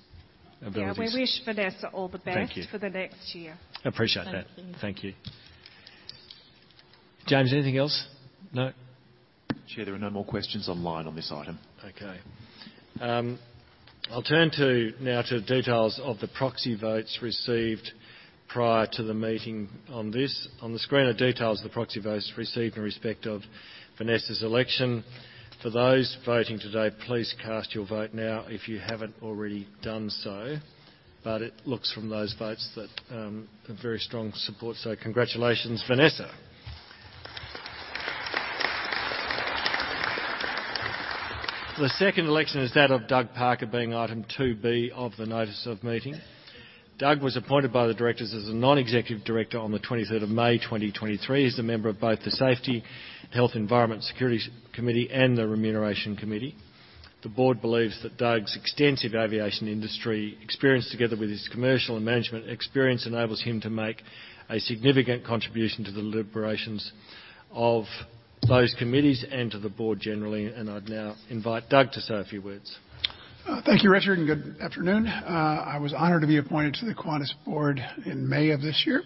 abilities. Yeah, we wish Vanessa all the best- Thank you. for the next year. Appreciate that. Thank you. Thank you. James, anything else? No. Chair, there are no more questions online on this item. Okay. I'll turn now to the details of the proxy votes received prior to the meeting on this. On the screen are details of the proxy votes received in respect of Vanessa's election. For those voting today, please cast your vote now if you haven't already done so. But it looks from those votes that, a very strong support, so congratulations, Vanessa. The second election is that of Doug Parker, being item 2B of the notice of meeting. Doug was appointed by the directors as a non-executive director on the 23rd of May, 2023. He's the member of both the Safety, Health, Environment, Security Committee and the Remuneration Committee. The board believes that Doug's extensive aviation industry experience, together with his commercial and management experience, enables him to make a significant contribution to the deliberations of those committees and to the board generally, and I'd now invite Doug to say a few words. Thank you, Richard, and good afternoon. I was honored to be appointed to the Qantas board in May of this year....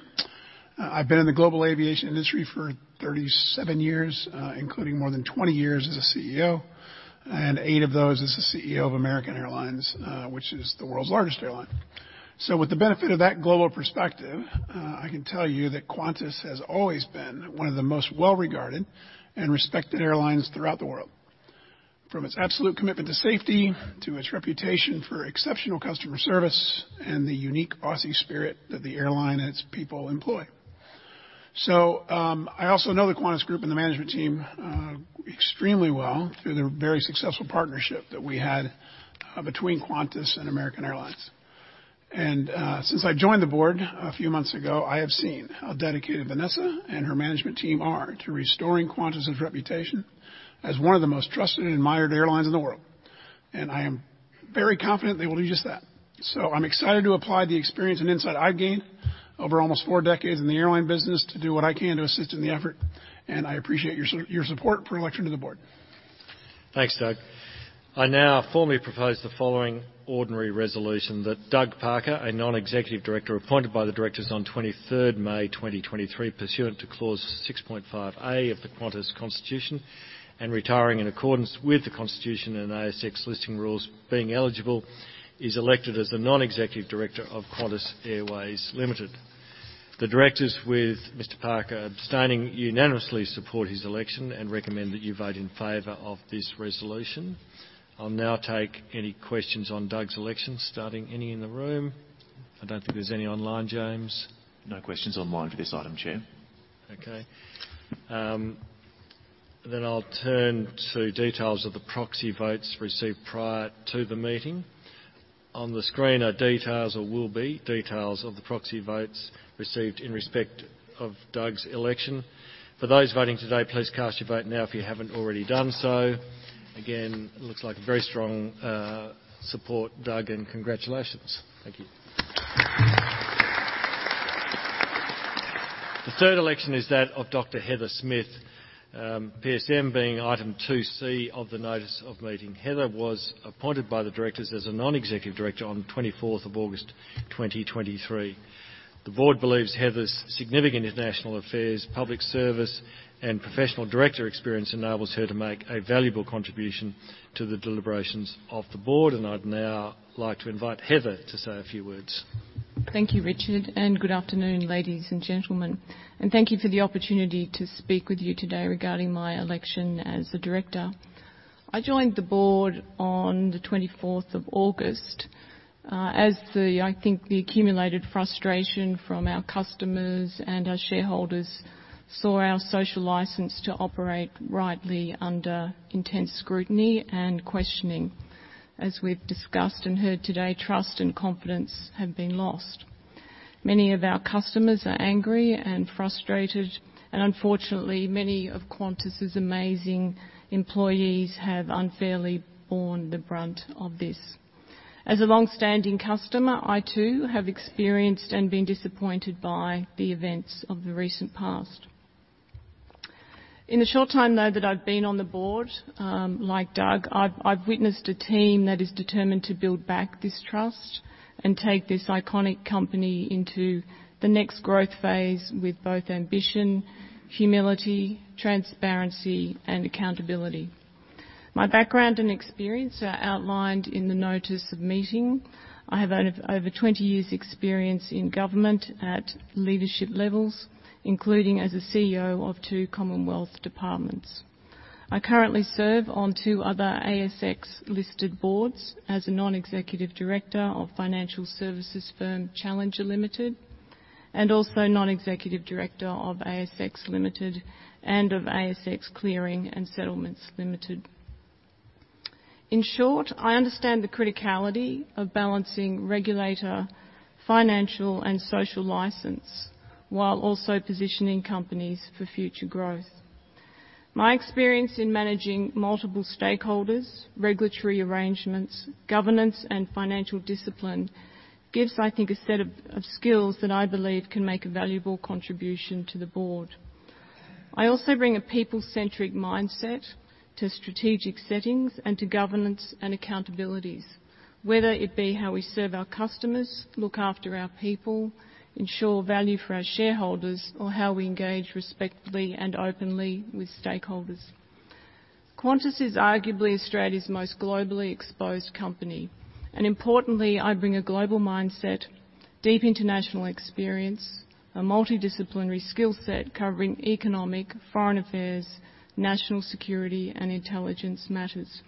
I've been in the global aviation industry for 37 years, including more than 20 years as a CEO, and 8 of those as the CEO of American Airlines, which is the world's largest airline. So with the benefit of that global perspective, I can tell you that Qantas has always been one of the most well-regarded and respected airlines throughout the world. From its absolute commitment to safety, to its reputation for exceptional customer service, and the unique Aussie spirit that the airline and its people employ. So, I also know the Qantas Group and the management team extremely well through the very successful partnership that we had between Qantas and American Airlines. Since I've joined the board a few months ago, I have seen how dedicated Vanessa and her management team are to restoring Qantas's reputation as one of the most trusted and admired airlines in the world, and I am very confident they will do just that. So I'm excited to apply the experience and insight I've gained over almost four decades in the airline business to do what I can to assist in the effort, and I appreciate your support for election to the board. Thanks, Doug. I now formally propose the following ordinary resolution that Doug Parker, a Non-Executive Director, appointed by the directors on 23 May 2023, pursuant to Clause 6.5A of the Qantas Constitution, and retiring in accordance with the Constitution and ASX Listing Rules, being eligible, is elected as the Non-Executive Director of Qantas Airways Limited. The directors, with Mr. Parker abstaining, unanimously support his election and recommend that you vote in favor of this resolution. I'll now take any questions on Doug's election, starting any in the room? I don't think there's any online, James. No questions online for this item, Chair. Okay. Then I'll turn to details of the proxy votes received prior to the meeting. On the screen are details, or will be, details of the proxy votes received in respect of Doug's election. For those voting today, please cast your vote now if you haven't already done so. Again, it looks like a very strong support, Doug, and congratulations. Thank you. The third election is that of Dr. Heather Smith, PSM, being item 2C of the notice of meeting. Heather was appointed by the directors as a non-executive director on 24th of August 2023. The board believes Heather's significant international affairs, public service, and professional director experience enables her to make a valuable contribution to the deliberations of the board, and I'd now like to invite Heather to say a few words. Thank you, Richard, and good afternoon, ladies and gentlemen, and thank you for the opportunity to speak with you today regarding my election as the director. I joined the board on the twenty-fourth of August, as I think the accumulated frustration from our customers and our shareholders saw our social license to operate rightly under intense scrutiny and questioning. As we've discussed and heard today, trust and confidence have been lost. Many of our customers are angry and frustrated, and unfortunately, many of Qantas's amazing employees have unfairly borne the brunt of this. As a long-standing customer, I, too, have experienced and been disappointed by the events of the recent past. In the short time, though, that I've been on the board, like Doug, I've witnessed a team that is determined to build back this trust and take this iconic company into the next growth phase with both ambition, humility, transparency, and accountability. My background and experience are outlined in the notice of meeting. I have over 20 years' experience in government at leadership levels, including as a CEO of two Commonwealth departments. I currently serve on two other ASX-listed boards as a non-executive director of financial services firm, Challenger Limited, and also non-executive director of ASX Limited and of ASX Clearing and Settlements Limited. In short, I understand the criticality of balancing regulator, financial, and social license, while also positioning companies for future growth. My experience in managing multiple stakeholders, regulatory arrangements, governance, and financial discipline gives, I think, a set of, of skills that I believe can make a valuable contribution to the board. I also bring a people-centric mindset to strategic settings and to governance and accountabilities, whether it be how we serve our customers, look after our people, ensure value for our shareholders, or how we engage respectfully and openly with stakeholders. Qantas is arguably Australia's most globally exposed company, and importantly, I bring a global mindset, deep international experience, a multidisciplinary skill set covering economic, foreign affairs, national security, and intelligence matters.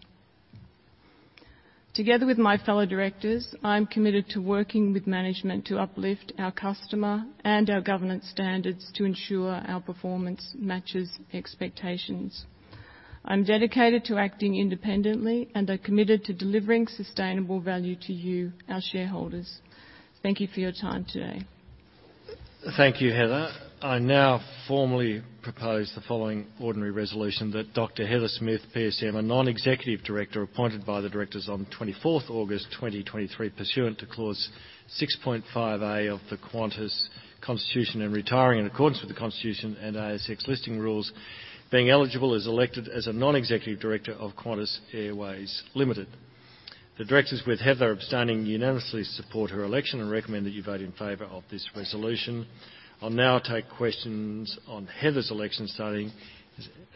Together with my fellow directors, I'm committed to working with management to uplift our customer and our governance standards to ensure our performance matches expectations. I'm dedicated to acting independently and are committed to delivering sustainable value to you, our shareholders. Thank you for your time today. Thank you, Heather. I now formally propose the following ordinary resolution that Dr. Heather Smith PSM, a non-executive director, appointed by the directors on 24th August 2023, pursuant to Clause 6.5A of the Qantas Constitution, and retiring in accordance with the Constitution and ASX Listing Rules, being eligible, is elected as a non-executive director of Qantas Airways Limited. The directors, with Heather abstaining, unanimously support her election and recommend that you vote in favor of this resolution. I'll now take questions on Heather's election, starting,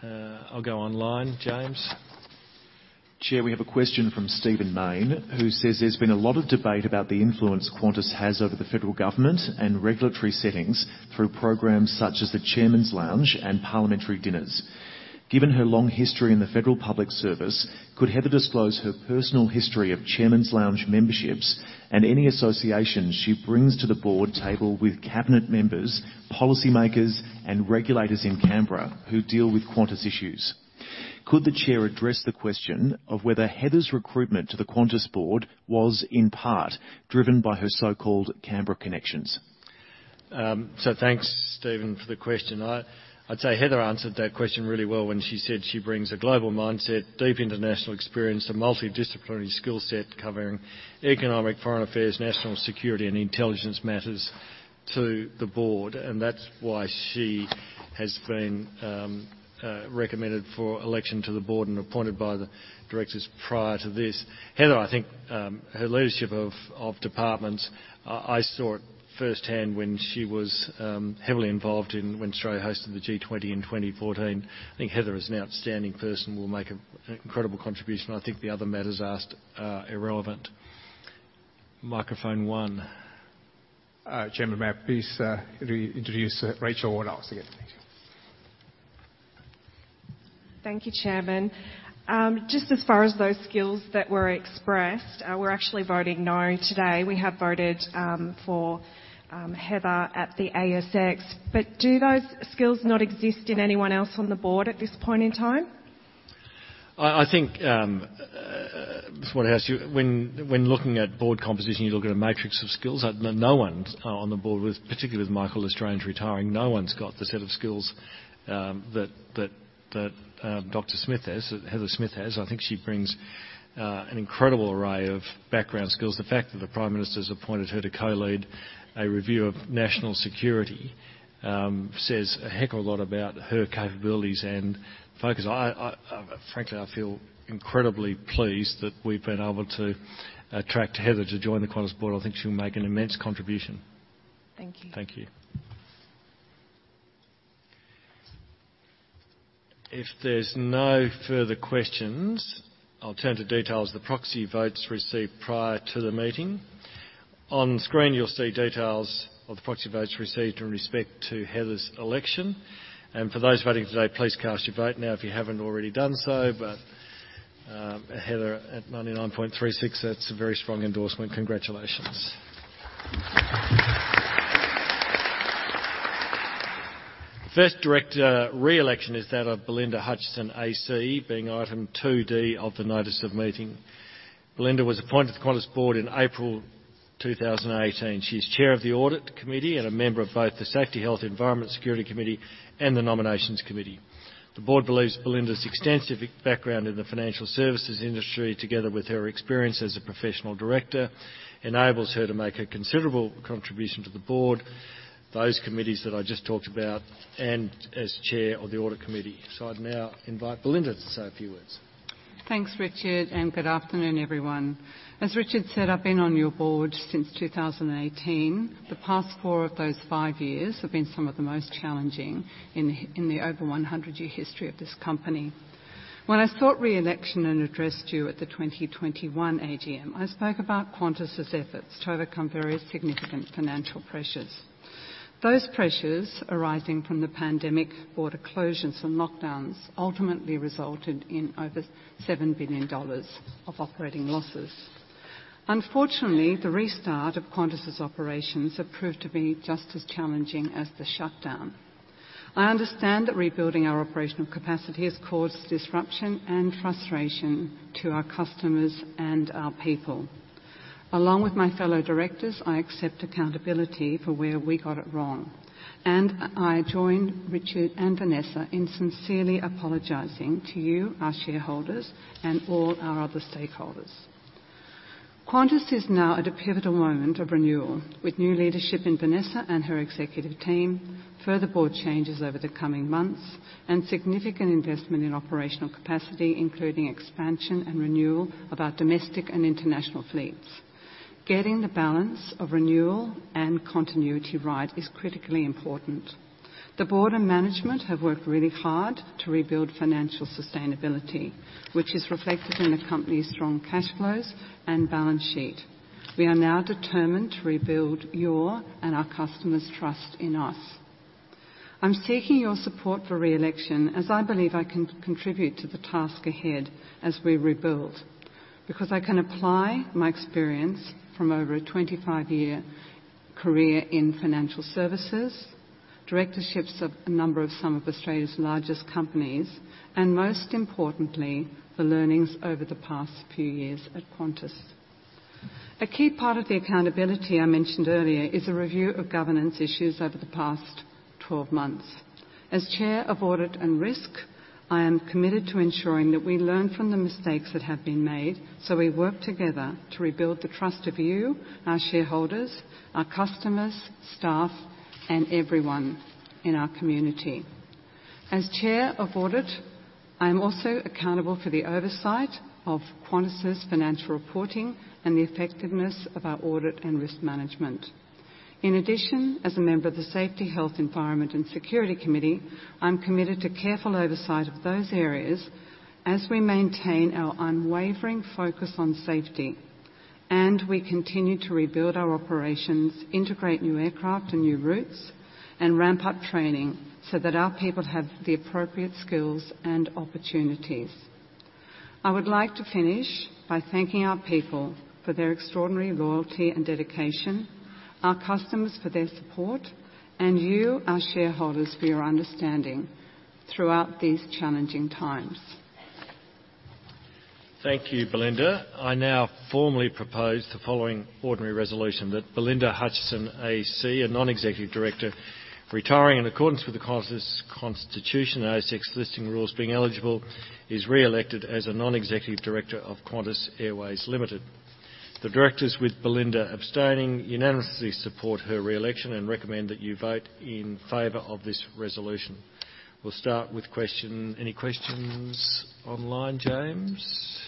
I'll go online. James? Chair, we have a question from Stephen Mayne, who says: There's been a lot of debate about the influence Qantas has over the federal government and regulatory settings through programs such as the Chairman's Lounge and parliamentary dinners. Given her long history in the federal public service, could Heather disclose her personal history of Chairman's Lounge memberships and any associations she brings to the board table with cabinet members, policymakers, and regulators in Canberra who deal with Qantas issues? Could the Chair address the question of whether Heather's recruitment to the Qantas board was, in part, driven by her so-called Canberra connections? So thanks, Stephen, for the question. I'd say Heather answered that question really well when she said she brings a global mindset, deep international experience, a multidisciplinary skill set covering economic, foreign affairs, national security, and intelligence matters to the board. And that's why she has been recommended for election to the board and appointed by the directors prior to this. Heather, I think, her leadership of departments, I saw it firsthand when she was heavily involved in when Australia hosted the G-20 in 2014. I think Heather is an outstanding person, will make an incredible contribution. I think the other matters asked are irrelevant. Microphone one. Chairman, may I please re-introduce Rachel Waterhouse again. Thank you. Thank you, Chairman. Just as far as those skills that were expressed, we're actually voting no today. We have voted for Heather at the ASX, but do those skills not exist in anyone else on the board at this point in time? I think I just want to ask you, when looking at board composition, you look at a matrix of skills. No one's on the board with, particularly with Michael L'Estrange retiring, no one's got the set of skills that Dr. Smith has, that Heather Smith has. I think she brings an incredible array of background skills. The fact that the Prime Minister has appointed her to co-lead a review of national security says a heck of a lot about her capabilities and focus. I frankly feel incredibly pleased that we've been able to attract Heather to join the Qantas board. I think she'll make an immense contribution. Thank you. Thank you. If there's no further questions, I'll turn to details of the proxy votes received prior to the meeting. On screen, you'll see details of the proxy votes received in respect to Heather's election, and for those voting today, please cast your vote now if you haven't already done so. But, Heather, at 99.36%, that's a very strong endorsement. Congratulations. The first director re-election is that of Belinda Hutchinson AC, being item 2D of the notice of meeting. Belinda was appointed to the Qantas Board in April 2018. She is Chair of the Audit Committee and a member of both the Safety, Health, Environment, Security Committee and the Nominations Committee. The board believes Belinda's extensive background in the financial services industry, together with her experience as a professional director, enables her to make a considerable contribution to the board, those committees that I just talked about, and as Chair of the Audit Committee. So I'd now invite Belinda to say a few words. Thanks, Richard, and good afternoon, everyone. As Richard said, I've been on your board since 2018. The past four of those five years have been some of the most challenging in the over 100-year history of this company. When I sought re-election and addressed you at the 2021 AGM, I spoke about Qantas's efforts to overcome various significant financial pressures. Those pressures, arising from the pandemic, border closures, and lockdowns, ultimately resulted in over 7 billion dollars of operating losses. Unfortunately, the restart of Qantas's operations have proved to be just as challenging as the shutdown. I understand that rebuilding our operational capacity has caused disruption and frustration to our customers and our people. Along with my fellow directors, I accept accountability for where we got it wrong, and I join Richard and Vanessa in sincerely apologizing to you, our shareholders, and all our other stakeholders. Qantas is now at a pivotal moment of renewal, with new leadership in Vanessa and her executive team, further board changes over the coming months, and significant investment in operational capacity, including expansion and renewal of our domestic and international fleets. Getting the balance of renewal and continuity right is critically important. The board and management have worked really hard to rebuild financial sustainability, which is reflected in the company's strong cash flows and balance sheet. We are now determined to rebuild your and our customers' trust in us. I'm seeking your support for re-election as I believe I can contribute to the task ahead as we rebuild, because I can apply my experience from over a 25-year career in financial services, directorships of a number of some of Australia's largest companies, and most importantly, the learnings over the past few years at Qantas. A key part of the accountability I mentioned earlier is a review of governance issues over the past 12 months. As Chair of Audit and Risk, I am committed to ensuring that we learn from the mistakes that have been made, so we work together to rebuild the trust of you, our shareholders, our customers, staff, and everyone in our community.... As Chair of Audit, I am also accountable for the oversight of Qantas's financial reporting and the effectiveness of our audit and risk management. In addition, as a member of the Safety, Health, Environment and Security Committee, I'm committed to careful oversight of those areas as we maintain our unwavering focus on safety, and we continue to rebuild our operations, integrate new aircraft and new routes, and ramp up training so that our people have the appropriate skills and opportunities. I would like to finish by thanking our people for their extraordinary loyalty and dedication, our customers for their support, and you, our shareholders, for your understanding throughout these challenging times. Thank you, Belinda. I now formally propose the following ordinary resolution that Belinda Hutchinson AC, a non-executive director, retiring in accordance with the Qantas Constitution and ASX Listing Rules, being eligible, is re-elected as a non-executive director of Qantas Airways Limited. The directors, with Belinda abstaining, unanimously support her re-election and recommend that you vote in favor of this resolution. We'll start with questions. Any questions online, James?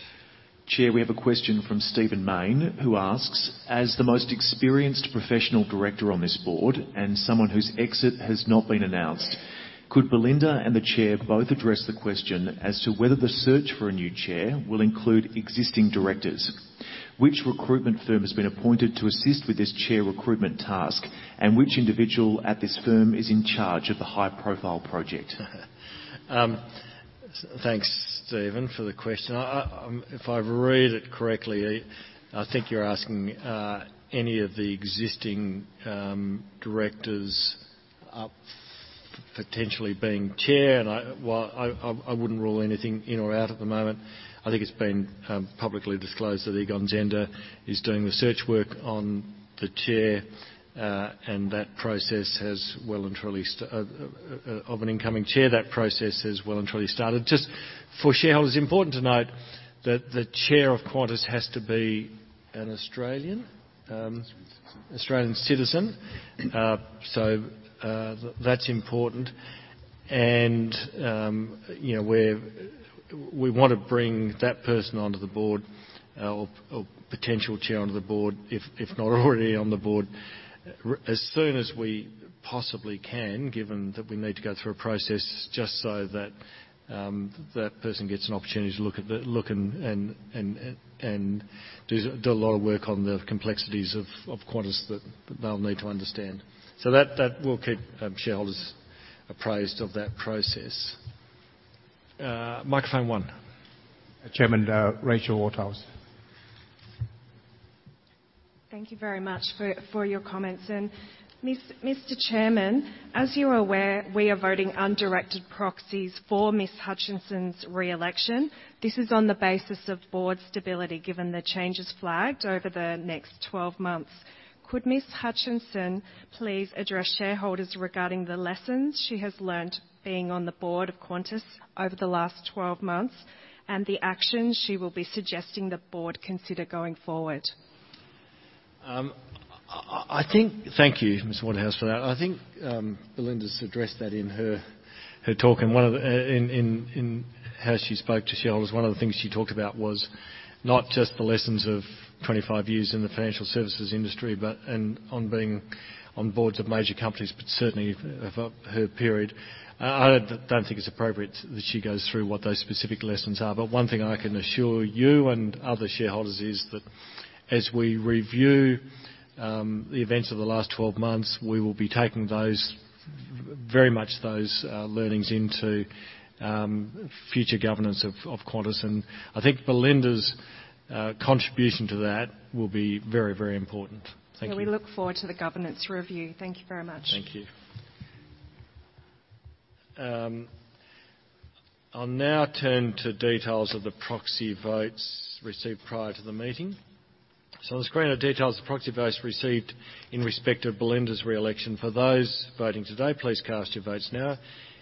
Chair, we have a question from Stephen Mayne, who asks, "As the most experienced professional director on this board and someone whose exit has not been announced, could Belinda and the Chair both address the question as to whether the search for a new chair will include existing directors? Which recruitment firm has been appointed to assist with this chair recruitment task, and which individual at this firm is in charge of the high-profile project? Thanks, Stephen, for the question. If I've read it correctly, I think you're asking any of the existing directors potentially being chair, and I... Well, I wouldn't rule anything in or out at the moment. I think it's been publicly disclosed that Egon Zehnder is doing the search work on the chair, and that process of an incoming chair has well and truly started. Just for shareholders, it's important to note that the chair of Qantas has to be an Australian citizen. So, that's important, and you know, we want to bring that person onto the board, or potential chair onto the board, if not already on the board, as soon as we possibly can, given that we need to go through a process just so that that person gets an opportunity to look and do a lot of work on the complexities of Qantas that they'll need to understand. So that we'll keep shareholders apprise of that process. Microphone one. Chairman, Rachel Waterhouse. Thank you very much for your comments. Mr. Chairman, as you are aware, we are voting undirected proxies for Miss Hutchinson's re-election. This is on the basis of board stability, given the changes flagged over the next 12 months. Could Miss Hutchinson please address shareholders regarding the lessons she has learned being on the board of Qantas over the last 12 months, and the actions she will be suggesting the board consider going forward? I think. Thank you, Miss Waterhouse, for that. I think, Belinda's addressed that in her talk, and one of the things she talked about was not just the lessons of 25 years in the financial services industry, but, and on being on boards of major companies, but certainly of her period. I don't think it's appropriate that she goes through what those specific lessons are, but one thing I can assure you and other shareholders is that as we review the events of the last 12 months, we will be taking those, very much those, learnings into future governance of Qantas. And I think Belinda's contribution to that will be very, very important. Thank you. We look forward to the governance review. Thank you very much. Thank you. I'll now turn to details of the proxy votes received prior to the meeting. On the screen are details of proxy votes received in respect of Belinda's re-election. For those voting today, please cast your votes now,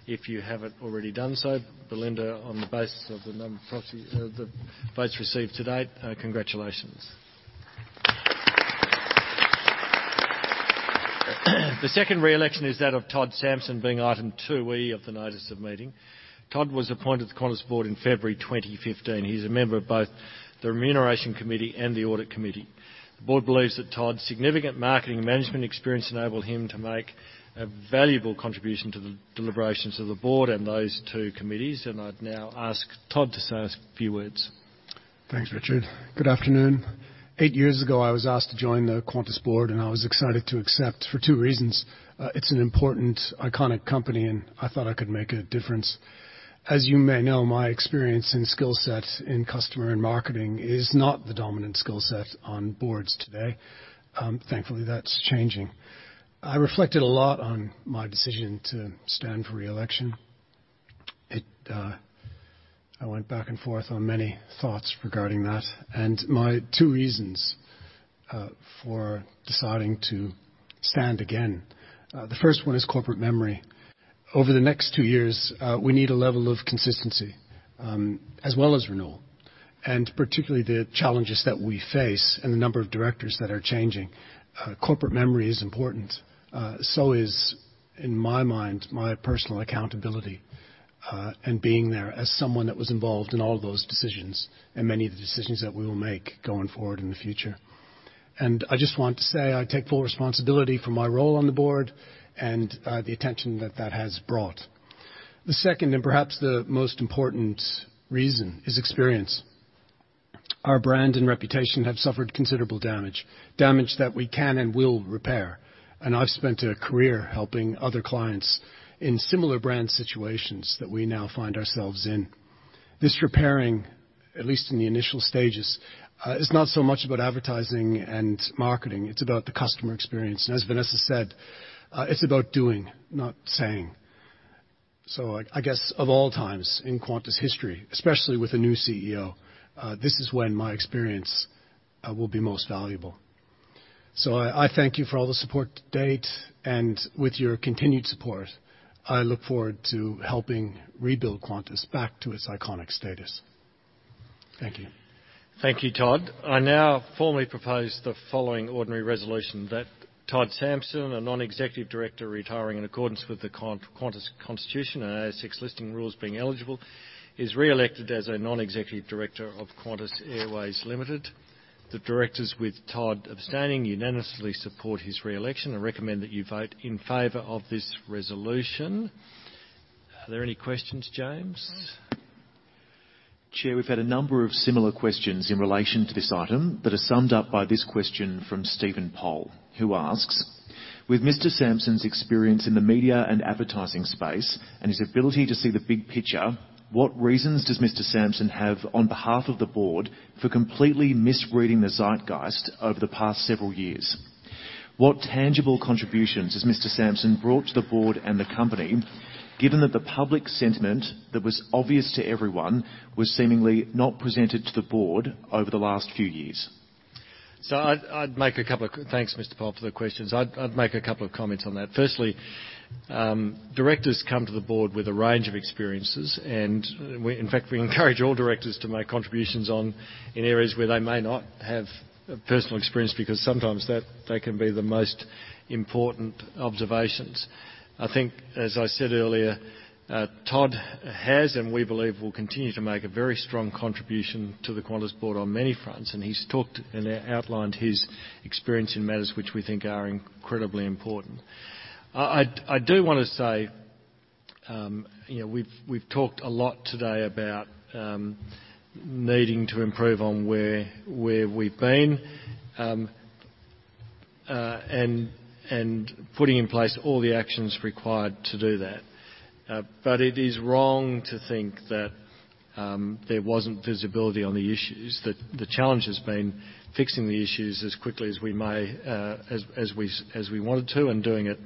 if you haven't already done so. Belinda, on the basis of the number of proxies, the votes received to date, congratulations. The second re-election is that of Todd Sampson, being Item 2E of the Notice of Meeting. Todd was appointed to the Qantas Board in February 2015. He's a member of both the Remuneration Committee and the Audit Committee. The Board believes that Todd's significant marketing and management experience enabled him to make a valuable contribution to the deliberations of the Board and those two committees, and I'd now ask Todd to say a few words. Thanks, Richard. Good afternoon. Eight years ago, I was asked to join the Qantas Board, and I was excited to accept for two reasons: it's an important, iconic company, and I thought I could make a difference. As you may know, my experience and skill set in customer and marketing is not the dominant skill set on boards today. Thankfully, that's changing. I reflected a lot on my decision to stand for re-election. I went back and forth on many thoughts regarding that and my two reasons for deciding to stand again. The first one is corporate memory. Over the next two years, we need a level of consistency, as well as renewal.... and particularly the challenges that we face and the number of directors that are changing, corporate memory is important. So is, in my mind, my personal accountability, and being there as someone that was involved in all of those decisions and many of the decisions that we will make going forward in the future. And I just want to say, I take full responsibility for my role on the board and, the attention that that has brought. The second, and perhaps the most important reason, is experience. Our brand and reputation have suffered considerable damage, damage that we can and will repair, and I've spent a career helping other clients in similar brand situations that we now find ourselves in. This repairing, at least in the initial stages, is not so much about advertising and marketing, it's about the customer experience, and as Vanessa said, it's about doing, not saying. So I guess, of all times in Qantas history, especially with a new CEO, this is when my experience will be most valuable. So I thank you for all the support to date, and with your continued support, I look forward to helping rebuild Qantas back to its iconic status. Thank you. Thank you, Todd. I now formally propose the following ordinary resolution that Todd Sampson, a non-executive director, retiring in accordance with the Qantas Constitution and ASX Listing Rules being eligible, is re-elected as a non-executive director of Qantas Airways Limited. The directors, with Todd abstaining, unanimously support his re-election and recommend that you vote in favor of this resolution. Are there any questions, James? Chair, we've had a number of similar questions in relation to this item that are summed up by this question from Stephen Poll, who asks: With Mr. Sampson's experience in the media and advertising space and his ability to see the big picture, what reasons does Mr. Sampson have on behalf of the board for completely misreading the zeitgeist over the past several years? What tangible contributions has Mr. Sampson brought to the board and the company, given that the public sentiment that was obvious to everyone was seemingly not presented to the board over the last few years? Thanks, Mr. Poll, for the questions. I'd make a couple of comments on that. Firstly, directors come to the board with a range of experiences, and we, in fact, encourage all directors to make contributions in areas where they may not have personal experience, because sometimes that they can be the most important observations. I think, as I said earlier, Todd has, and we believe will continue to make a very strong contribution to the Qantas board on many fronts, and he's talked and outlined his experience in matters which we think are incredibly important. I do want to say, you know, we've talked a lot today about needing to improve on where we've been, and putting in place all the actions required to do that. But it is wrong to think that there wasn't visibility on the issues, that the challenge has been fixing the issues as quickly as we may, as we wanted to, and doing it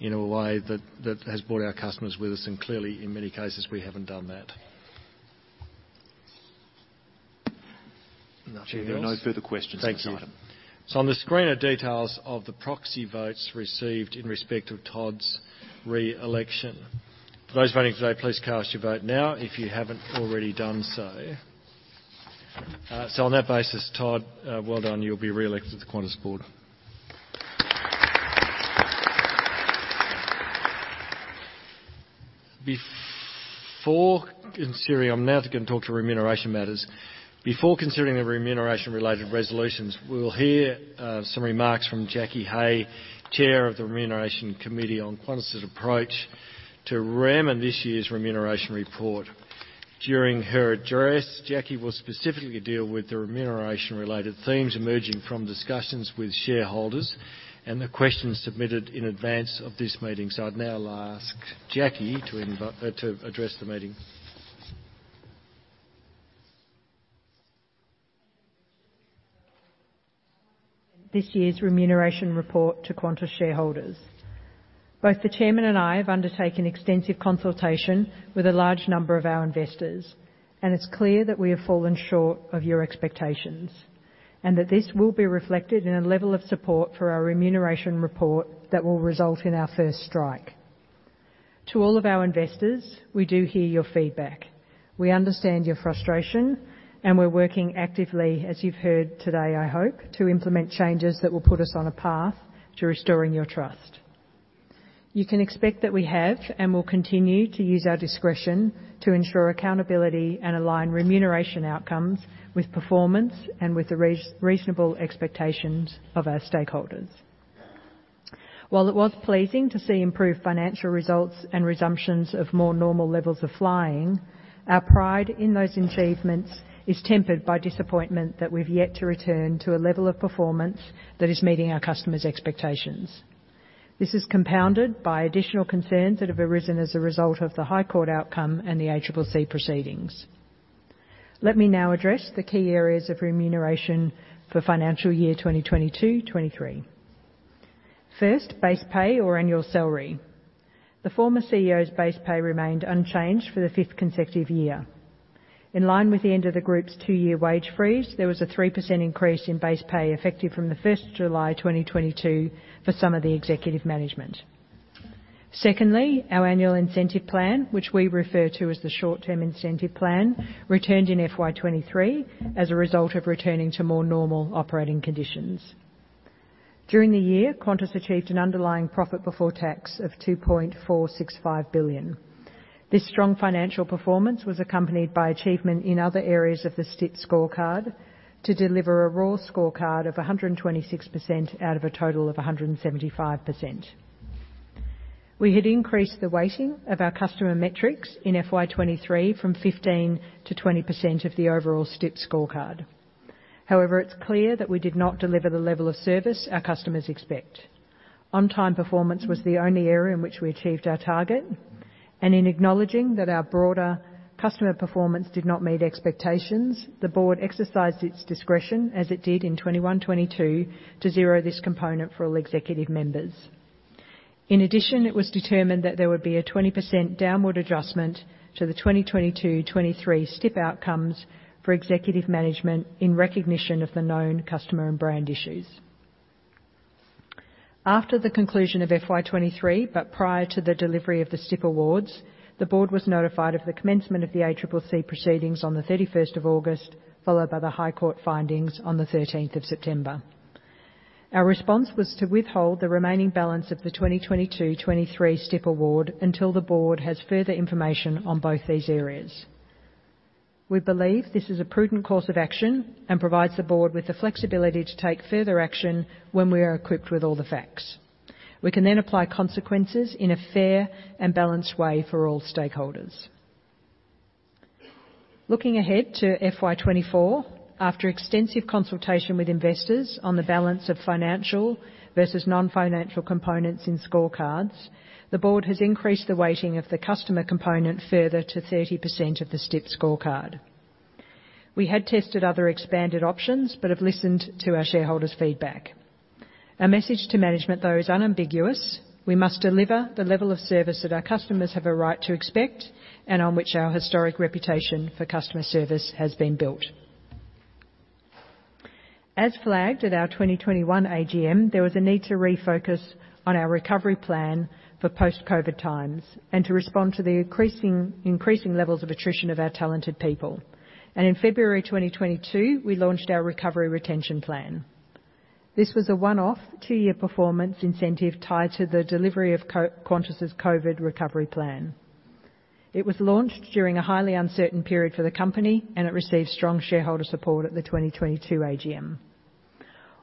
in a way that has brought our customers with us, and clearly, in many cases, we haven't done that. Nothing else? There are no further questions on this item. Thank you. So on the screen are details of the proxy votes received in respect of Todd's re-election. For those voting today, please cast your vote now if you haven't already done so. So on that basis, Todd, well done, you'll be re-elected to the Qantas board. Before considering... I'm now going to talk to remuneration matters. Before considering the remuneration-related resolutions, we will hear some remarks from Jacqueline Hey, Chair of the Remuneration Committee, on Qantas's approach to rem and this year's remuneration report. During her address, Jacqueline will specifically deal with the remuneration-related themes emerging from discussions with shareholders and the questions submitted in advance of this meeting. So I'd now like to ask Jacqueline to address the meeting. This year's remuneration report to Qantas shareholders. Both the chairman and I have undertaken extensive consultation with a large number of our investors, and it's clear that we have fallen short of your expectations, and that this will be reflected in a level of support for our remuneration report that will result in our first strike. To all of our investors, we do hear your feedback, we understand your frustration, and we're working actively, as you've heard today, I hope, to implement changes that will put us on a path to restoring your trust. You can expect that we have and will continue to use our discretion to ensure accountability and align remuneration outcomes with performance and with the reasonable expectations of our stakeholders. While it was pleasing to see improved financial results and resumptions of more normal levels of flying, our pride in those achievements is tempered by disappointment that we've yet to return to a level of performance that is meeting our customers' expectations. This is compounded by additional concerns that have arisen as a result of the High Court outcome and the ACCC proceedings. Let me now address the key areas of remuneration for financial year 2022-23. First, base pay or annual salary. The former CEO's base pay remained unchanged for the fifth consecutive year. In line with the end of the group's two-year wage freeze, there was a 3% increase in base pay, effective from July 1, 2022, for some of the executive management.... Secondly, our annual incentive plan, which we refer to as the short-term incentive plan, returned in FY 2023 as a result of returning to more normal operating conditions. During the year, Qantas achieved an underlying profit before tax of 2.465 billion. This strong financial performance was accompanied by achievement in other areas of the STIP scorecard to deliver a raw scorecard of 126% out of a total of 175%. We had increased the weighting of our customer metrics in FY 2023 from 15%-20% of the overall STIP scorecard. However, it's clear that we did not deliver the level of service our customers expect. On-time performance was the only area in which we achieved our target, and in acknowledging that our broader customer performance did not meet expectations, the Board exercised its discretion, as it did in 2021, 2022, to zero this component for all executive members. In addition, it was determined that there would be a 20% downward adjustment to the 2022, 2023 STIP outcomes for executive management in recognition of the known customer and brand issues. After the conclusion of FY 2023, but prior to the delivery of the STIP awards, the Board was notified of the commencement of the ACCC proceedings on the 31st of August, followed by the High Court findings on the 13th of September. Our response was to withhold the remaining balance of the 2022, 2023 STIP award until the Board has further information on both these areas. We believe this is a prudent course of action and provides the Board with the flexibility to take further action when we are equipped with all the facts. We can then apply consequences in a fair and balanced way for all stakeholders. Looking ahead to FY 2024, after extensive consultation with investors on the balance of financial versus non-financial components in scorecards, the Board has increased the weighting of the customer component further to 30% of the STIP scorecard. We had tested other expanded options but have listened to our shareholders' feedback. Our message to management, though, is unambiguous: We must deliver the level of service that our customers have a right to expect and on which our historic reputation for customer service has been built. As flagged at our 2021 AGM, there was a need to refocus on our recovery plan for post-COVID times and to respond to the increasing levels of attrition of our talented people. In February 2022, we launched our Recovery Retention Plan. This was a one-off, two-year performance incentive tied to the delivery of Qantas's COVID recovery plan. It was launched during a highly uncertain period for the company, and it received strong shareholder support at the 2022 AGM.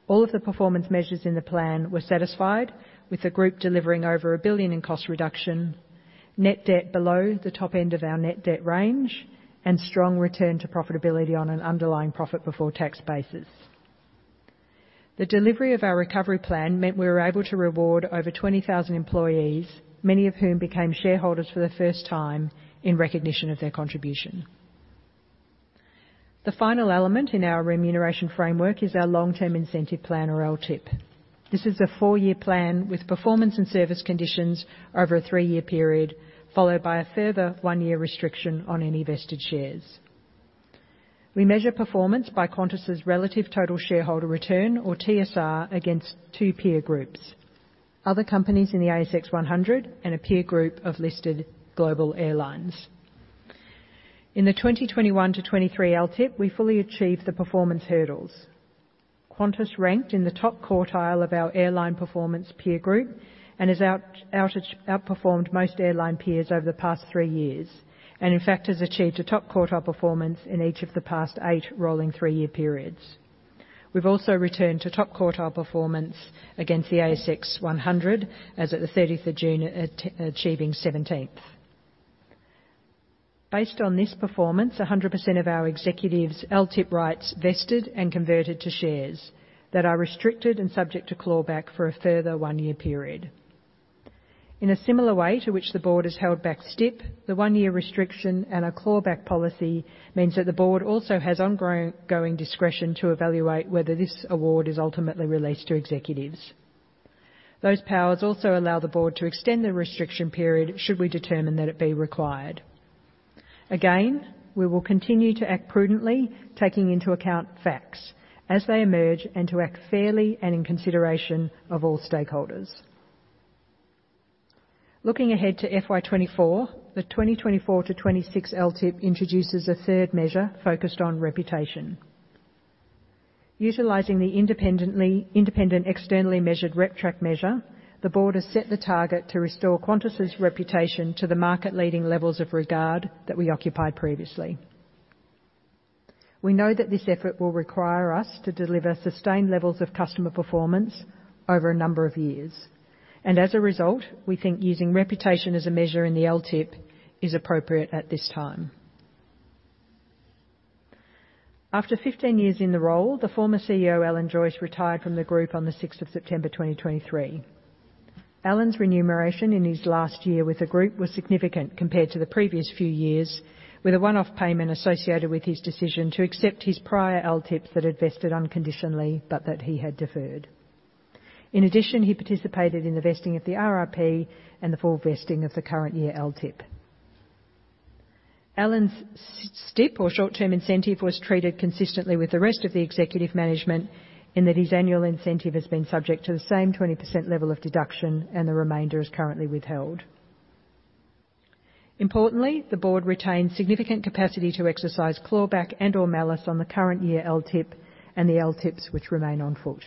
All of the performance measures in the plan were satisfied, with the group delivering over 1 billion in cost reduction, net debt below the top end of our net debt range, and strong return to profitability on an underlying profit before tax basis. The delivery of our recovery plan meant we were able to reward over 20,000 employees, many of whom became shareholders for the first time, in recognition of their contribution. The final element in our remuneration framework is our Long-Term Incentive Plan, or LTIP. This is a four-year plan with performance and service conditions over a three-year period, followed by a further one-year restriction on any vested shares. We measure performance by Qantas's relative total shareholder return, or TSR, against two peer groups: other companies in the ASX 100 and a peer group of listed global airlines. In the 2021-2023 LTIP, we fully achieved the performance hurdles. Qantas ranked in the top quartile of our airline performance peer group and has outperformed most airline peers over the past three years and in fact, has achieved a top quartile performance in each of the past eight rolling three-year periods. We've also returned to top quartile performance against the ASX 100 as at the 30th of June, achieving 17th. Based on this performance, 100% of our executives' LTIP rights vested and converted to shares that are restricted and subject to clawback for a further one-year period. In a similar way to which the Board has held back STIP, the one-year restriction and a clawback policy means that the Board also has ongoing discretion to evaluate whether this award is ultimately released to executives. Those powers also allow the Board to extend the restriction period, should we determine that it be required. Again, we will continue to act prudently, taking into account facts as they emerge, and to act fairly and in consideration of all stakeholders. Looking ahead to FY 2024, the 2024-2026 LTIP introduces a third measure focused on reputation. Utilizing the independent, externally measured RepTrak measure, the Board has set the target to restore Qantas's reputation to the market-leading levels of regard that we occupied previously. We know that this effort will require us to deliver sustained levels of customer performance over a number of years, and as a result, we think using reputation as a measure in the LTIP is appropriate at this time. After 15 years in the role, the former CEO, Alan Joyce, retired from the Group on the 6th of September 2023. Alan's remuneration in his last year with the Group was significant compared to the previous few years, with a one-off payment associated with his decision to accept his prior LTIPs that had vested unconditionally but that he had deferred. In addition, he participated in the vesting of the RRP and the full vesting of the current year LTIP.... Alan's STIP, or short-term incentive, was treated consistently with the rest of the executive management, in that his annual incentive has been subject to the same 20% level of deduction, and the remainder is currently withheld. Importantly, the board retains significant capacity to exercise clawback and/or malus on the current year LTIP and the LTIPs which remain on foot.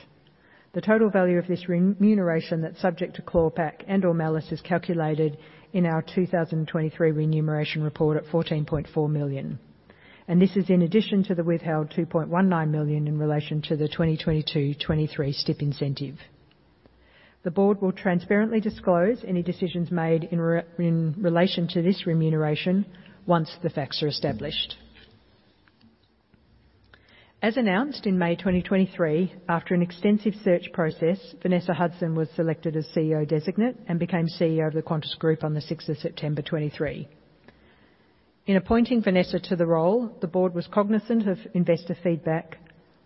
The total value of this remuneration that's subject to clawback and/or malus is calculated in our 2023 remuneration report at 14.4 million, and this is in addition to the withheld 2.19 million in relation to the 2022-23 STIP incentive. The board will transparently disclose any decisions made in relation to this remuneration once the facts are established. As announced in May 2023, after an extensive search process, Vanessa Hudson was selected as CEO designate and became CEO of the Qantas Group on the sixth of September 2023. In appointing Vanessa to the role, the board was cognizant of investor feedback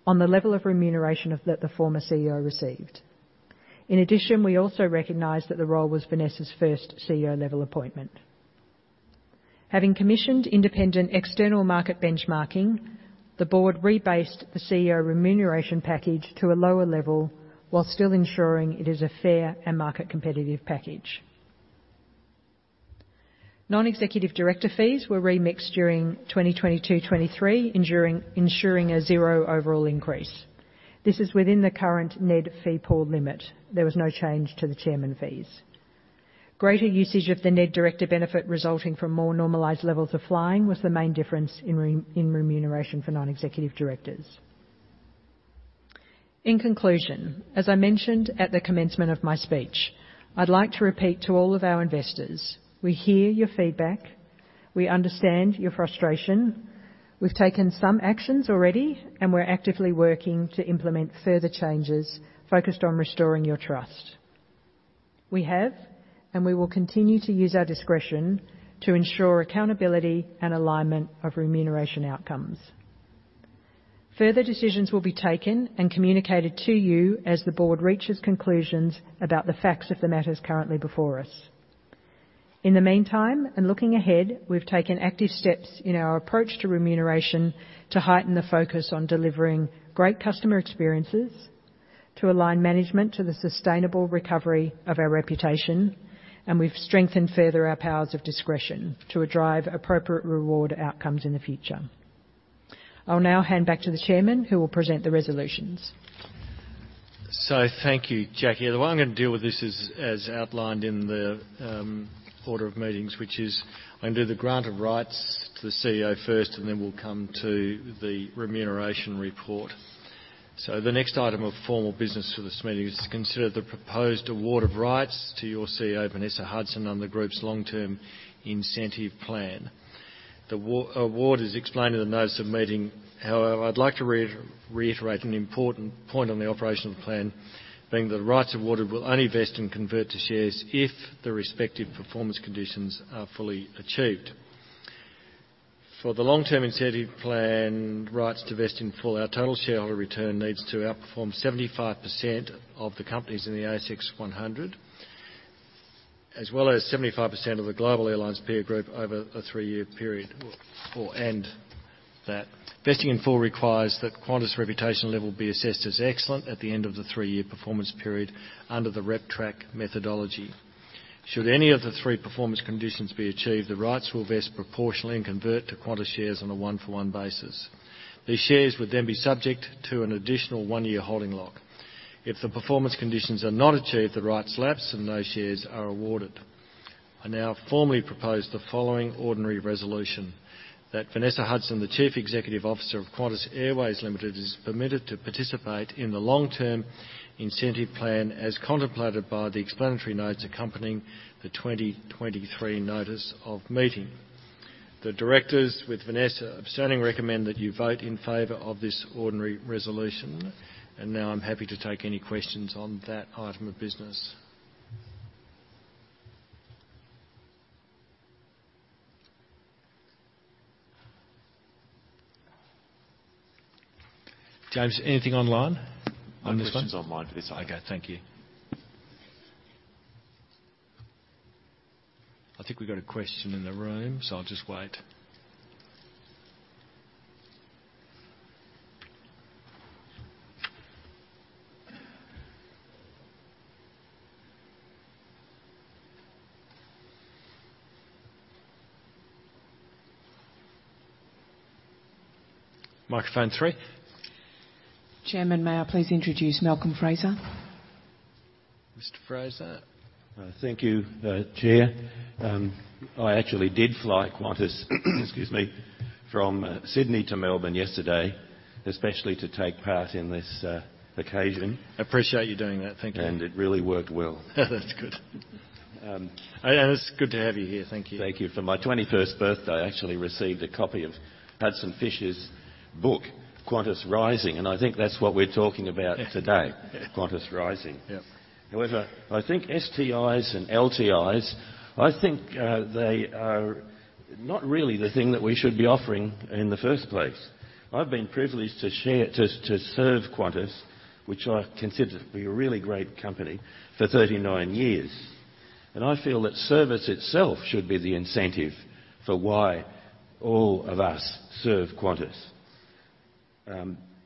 on the level of remuneration of that the former CEO received. In addition, we also recognized that the role was Vanessa's first CEO-level appointment. Having commissioned independent external market benchmarking, the board rebased the CEO remuneration package to a lower level, while still ensuring it is a fair and market-competitive package. Non-executive director fees were remixed during 2022, 2023, ensuring a zero overall increase. This is within the current NED fee pool limit. There was no change to the chairman fees. Greater usage of the NED director benefit, resulting from more normalized levels of flying, was the main difference in remuneration for non-executive directors. In conclusion, as I mentioned at the commencement of my speech, I'd like to repeat to all of our investors: we hear your feedback, we understand your frustration, we've taken some actions already, and we're actively working to implement further changes focused on restoring your trust. We have, and we will continue to use our discretion to ensure accountability and alignment of remuneration outcomes. Further decisions will be taken and communicated to you as the board reaches conclusions about the facts of the matters currently before us. In the meantime, and looking ahead, we've taken active steps in our approach to remuneration to heighten the focus on delivering great customer experiences, to align management to the sustainable recovery of our reputation, and we've strengthened further our powers of discretion to drive appropriate reward outcomes in the future. I'll now hand back to the chairman, who will present the resolutions. So thank you, Jacqueline. The way I'm going to deal with this is as outlined in the order of meetings, which is I'm going to do the grant of rights to the CEO first, and then we'll come to the remuneration report. So the next item of formal business for this meeting is to consider the proposed award of rights to your CEO, Vanessa Hudson, on the group's long-term incentive plan. The award is explained in the notice of meeting. However, I'd like to reiterate an important point on the operational plan, being that the rights awarded will only vest and convert to shares if the respective performance conditions are fully achieved. For the long-term incentive plan, rights to vest in full, our total shareholder return needs to outperform 75% of the companies in the ASX 100, as well as 75% of the global airlines peer group over a 3-year period. Or, and that vesting in full requires that Qantas' reputation level be assessed as excellent at the end of the 3-year performance period under the RepTrak methodology. Should any of the 3 performance conditions be achieved, the rights will vest proportionally and convert to Qantas shares on a 1-for-1 basis. These shares would then be subject to an additional 1-year holding lock. If the performance conditions are not achieved, the rights lapse, and no shares are awarded. I now formally propose the following ordinary resolution: That Vanessa Hudson, the Chief Executive Officer of Qantas Airways Limited, is permitted to participate in the long-term incentive plan as contemplated by the explanatory notes accompanying the 2023 notice of meeting. The directors, with Vanessa abstaining, recommend that you vote in favor of this ordinary resolution. And now I'm happy to take any questions on that item of business. James, anything online on this one? No questions online for this. Okay, thank you. I think we've got a question in the room, so I'll just wait. Microphone three? Chairman, may I please introduce Malcolm Fraser? Mr. Fraser. Thank you, Chair. I actually did fly Qantas, excuse me, from Sydney to Melbourne yesterday, especially to take part in this occasion. Appreciate you doing that. Thank you. It really worked well. That's good. It's good to have you here. Thank you. Thank you. For my twenty-first birthday, I actually received a copy of Hudson Fysh's book, Qantas Rising, and I think that's what we're talking about today. Yeah. -Qantas Rising. Yep. However, I think STIs and LTIs, I think, they are not really the thing that we should be offering in the first place. I've been privileged to serve Qantas, which I consider to be a really great company, for 39 years, and I feel that service itself should be the incentive for why all of us serve Qantas.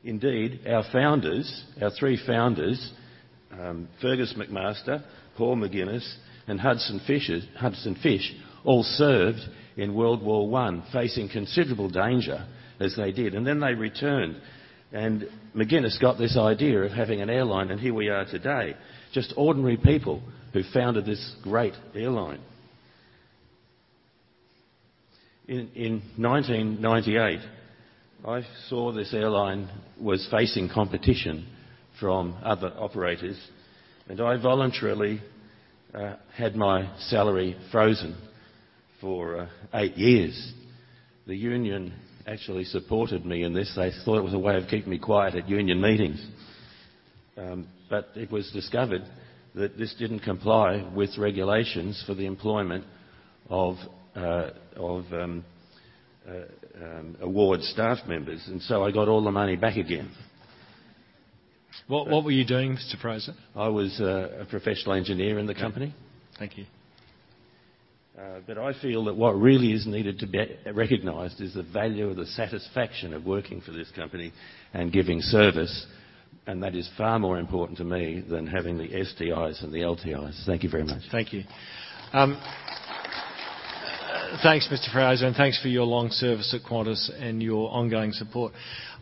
Indeed, our founders, our three founders, Fergus McMaster, Paul McGinness, and Hudson Fysh, all served in World War I, facing considerable danger as they did, and then they returned, and McGinness got this idea of having an airline, and here we are today, just ordinary people who founded this great airline. In 1998, I saw this airline was facing competition from other operators, and I voluntarily had my salary frozen for 8 years. The union actually supported me in this. They thought it was a way of keeping me quiet at union meetings. But it was discovered that this didn't comply with regulations for the employment of award staff members, and so I got all the money back again. What, what were you doing, Mr. Fraser? I was a professional engineer in the company. Thank you. But I feel that what really is needed to be recognized is the value of the satisfaction of working for this company and giving service, and that is far more important to me than having the STIs and the LTIs. Thank you very much. Thank you. Thanks, Mr. Fraser, and thanks for your long service at Qantas and your ongoing support.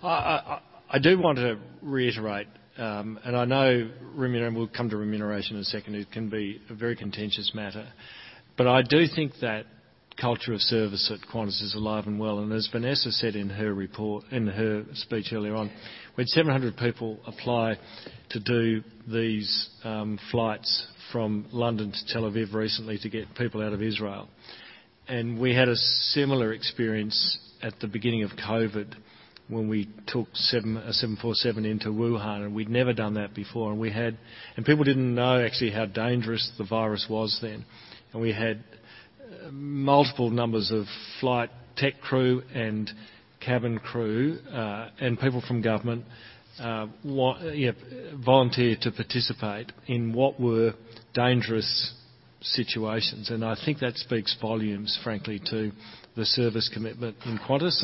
I do want to reiterate, and I know remuneration—we'll come to remuneration in a second. It can be a very contentious matter, but I do think that culture of service at Qantas is alive and well. And as Vanessa said in her report, in her speech earlier on, we had 700 people apply to do these flights from London to Tel Aviv recently to get people out of Israel. And we had a similar experience at the beginning of COVID, when we took a 747 into Wuhan, and we'd never done that before. And people didn't know actually how dangerous the virus was then. We had multiple numbers of flight deck crew and cabin crew, and people from government who volunteer to participate in what were dangerous situations. I think that speaks volumes, frankly, to the service commitment in Qantas.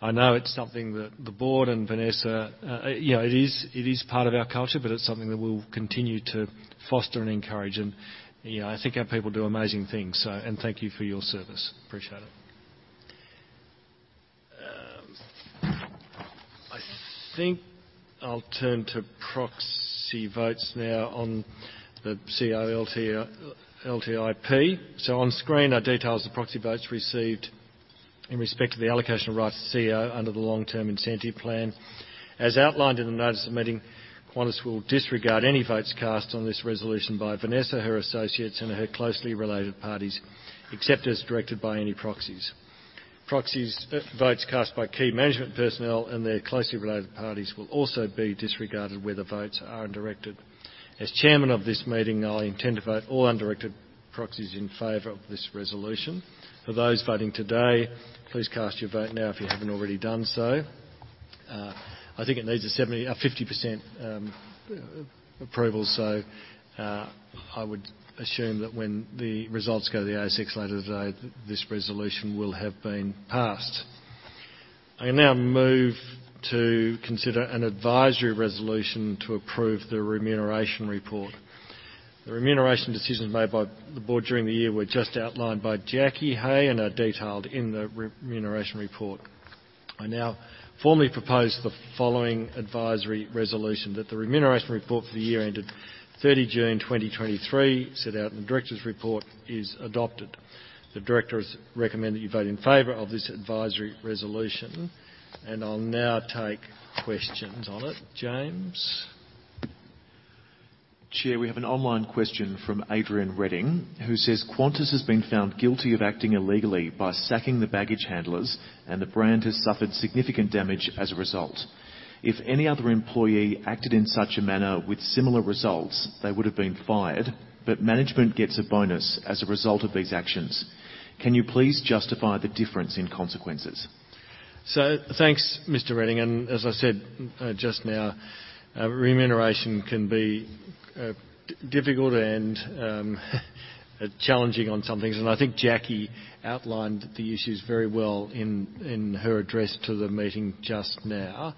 I know it's something that the board and Vanessa, you know, it is, it is part of our culture, but it's something that we'll continue to foster and encourage. You know, I think our people do amazing things. Thank you for your service. Appreciate it. I think I'll turn to proxy votes now on the CEO LTIP. On screen, I detailed the proxy votes received in respect to the allocation of rights to CEO under the long-term incentive plan. As outlined in the notice of meeting, Qantas will disregard any votes cast on this resolution by Vanessa, her associates, and her closely related parties, except as directed by any proxies. Proxies, votes cast by key management personnel and their closely related parties will also be disregarded, where the votes are undirected. As chairman of this meeting, I intend to vote all undirected proxies in favor of this resolution. For those voting today, please cast your vote now, if you haven't already done so. I think it needs a 70, a 50% approval, so, I would assume that when the results go to the ASX later today, this resolution will have been passed. I now move to consider an advisory resolution to approve the remuneration report. The remuneration decisions made by the board during the year were just outlined by Jacqueline Hey and are detailed in the remuneration report. I now formally propose the following advisory resolution, that the remuneration report for the year ended 30 June 2023, set out in the directors' report, is adopted. The directors recommend that you vote in favor of this advisory resolution, and I'll now take questions on it. James? Chair, we have an online question from Adrian Redding, who says: Qantas has been found guilty of acting illegally by sacking the baggage handlers, and the brand has suffered significant damage as a result. If any other employee acted in such a manner with similar results, they would have been fired, but management gets a bonus as a result of these actions. Can you please justify the difference in consequences? So thanks, Mr. Redding, and as I said, just now, remuneration can be difficult and challenging on some things. And I think Jackie outlined the issues very well in her address to the meeting just now.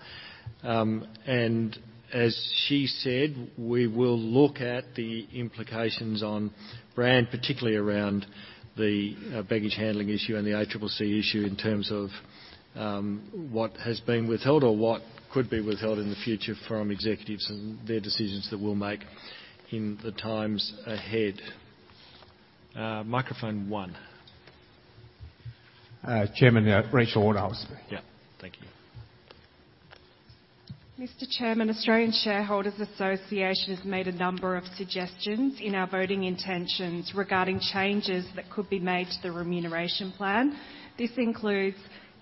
And as she said, we will look at the implications on brand, particularly around the baggage handling issue and the ACCC issue in terms of what has been withheld or what could be withheld in the future from executives and their decisions that we'll make in the times ahead. Microphone one. Chairman, yeah, Rachel Waterhouse. Yeah, thank you. Mr. Chairman, Australian Shareholders Association has made a number of suggestions in our voting intentions regarding changes that could be made to the remuneration plan. This includes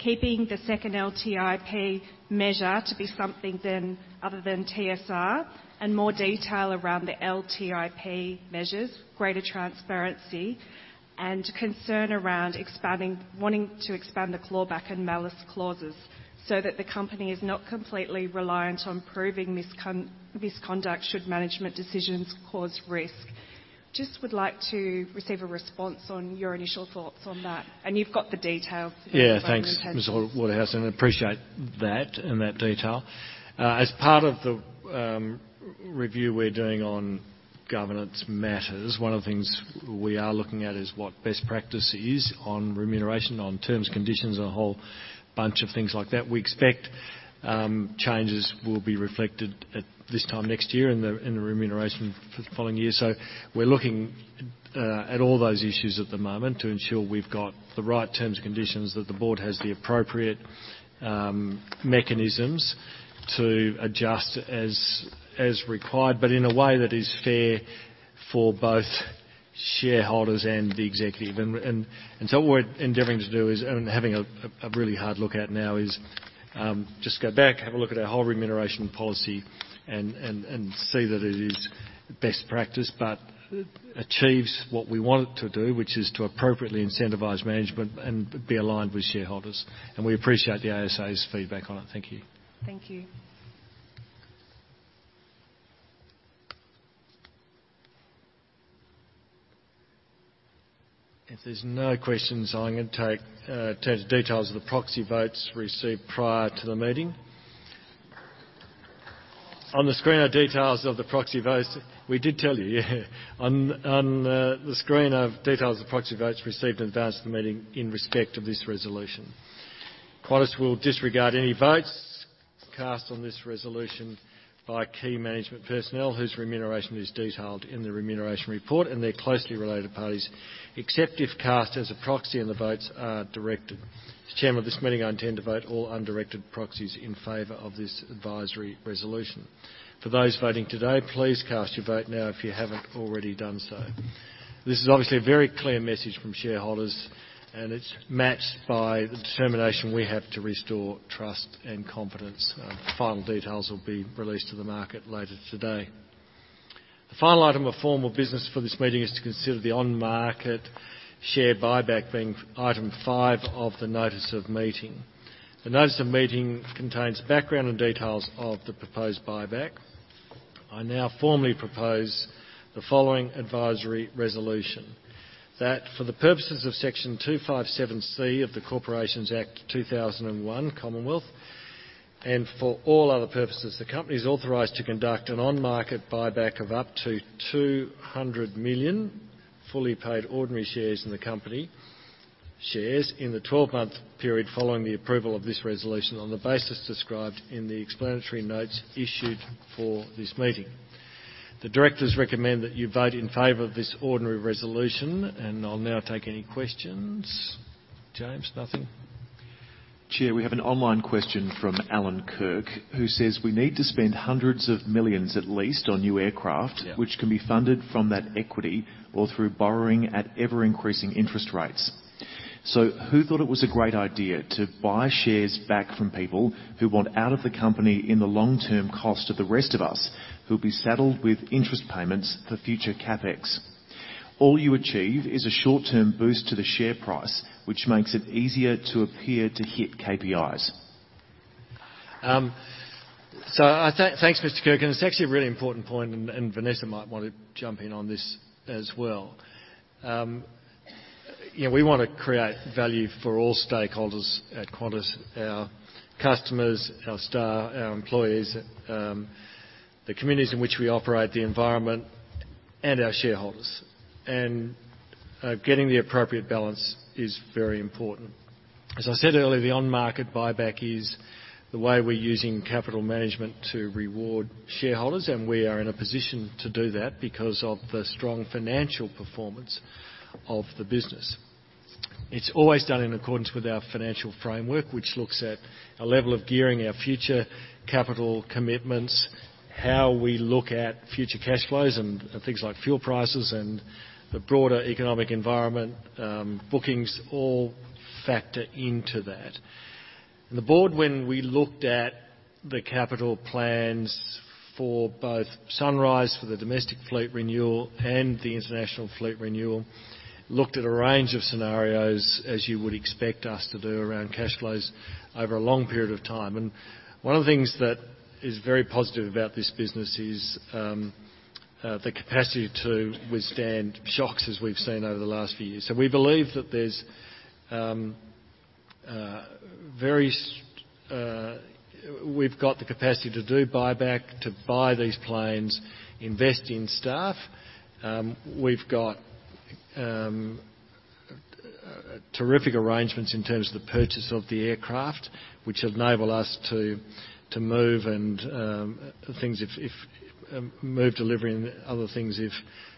keeping the second LTIP measure to be something other than TSR, and more detail around the LTIP measures, greater transparency, and concern around wanting to expand the clawback and malus clauses so that the company is not completely reliant on proving misconduct, should management decisions cause risk. ... Just would like to receive a response on your initial thoughts on that, and you've got the details. Yeah, thanks, Ms. Waterhouse, and appreciate that and that detail. As part of the review we're doing on governance matters, one of the things we are looking at is what best practice is on remuneration, on terms, conditions, and a whole bunch of things like that. We expect changes will be reflected at this time next year in the remuneration for the following year. So we're looking at all those issues at the moment to ensure we've got the right terms and conditions, that the board has the appropriate mechanisms to adjust as required, but in a way that is fair for both shareholders and the executive. So what we're endeavoring to do is having a really hard look at now is just go back, have a look at our whole remuneration policy and see that it is best practice, but achieves what we want it to do, which is to appropriately incentivize management and be aligned with shareholders. We appreciate the ASA's feedback on it. Thank you. Thank you. If there's no questions, I'm going to take turn to details of the proxy votes received prior to the meeting. On the screen are details of the proxy votes. We did tell you, yeah. On the screen are details of proxy votes received in advance to the meeting in respect of this resolution. Qantas will disregard any votes cast on this resolution by key management personnel whose remuneration is detailed in the remuneration report and their closely related parties, except if cast as a proxy and the votes are directed. As Chairman of this meeting, I intend to vote all undirected proxies in favor of this advisory resolution. For those voting today, please cast your vote now if you haven't already done so. This is obviously a very clear message from shareholders, and it's matched by the determination we have to restore trust and confidence. Final details will be released to the market later today. The final item of formal business for this meeting is to consider the on-market share buyback, being item 5 of the notice of meeting. The notice of meeting contains background and details of the proposed buyback. I now formally propose the following advisory resolution: that for the purposes of Section 257C of the Corporations Act 2001, Commonwealth, and for all other purposes, the company is authorized to conduct an on-market buyback of up to 200 million fully paid ordinary shares in the company, shares in the 12-month period following the approval of this resolution on the basis described in the explanatory notes issued for this meeting. The directors recommend that you vote in favor of this ordinary resolution, and I'll now take any questions. James, nothing? Chair, we have an online question from Alan Kirk, who says, "We need to spend AUD hundreds of millions, at least, on new aircraft- Yeah. which can be funded from that equity or through borrowing at ever-increasing interest rates. So who thought it was a great idea to buy shares back from people who want out of the company in the long-term cost of the rest of us, who'll be saddled with interest payments for future CapEx? All you achieve is a short-term boost to the share price, which makes it easier to appear to hit KPIs. So thanks, Mr. Kirk, and it's actually a really important point, and Vanessa might want to jump in on this as well. You know, we want to create value for all stakeholders at Qantas: our customers, our staff, our employees, the communities in which we operate, the environment, and our shareholders. And getting the appropriate balance is very important. As I said earlier, the on-market buyback is the way we're using capital management to reward shareholders, and we are in a position to do that because of the strong financial performance of the business. It's always done in accordance with our financial framework, which looks at our level of gearing, our future capital commitments, how we look at future cash flows and things like fuel prices and the broader economic environment, bookings, all factor into that. The board, when we looked at the capital plans for both Sunrise, for the domestic fleet renewal and the international fleet renewal, looked at a range of scenarios, as you would expect us to do, around cash flows over a long period of time. And one of the things that is very positive about this business is the capacity to withstand shocks, as we've seen over the last few years. So we believe that we've got the capacity to do buyback, to buy these planes, invest in staff. We've got terrific arrangements in terms of the purchase of the aircraft, which enable us to move delivery and other things, if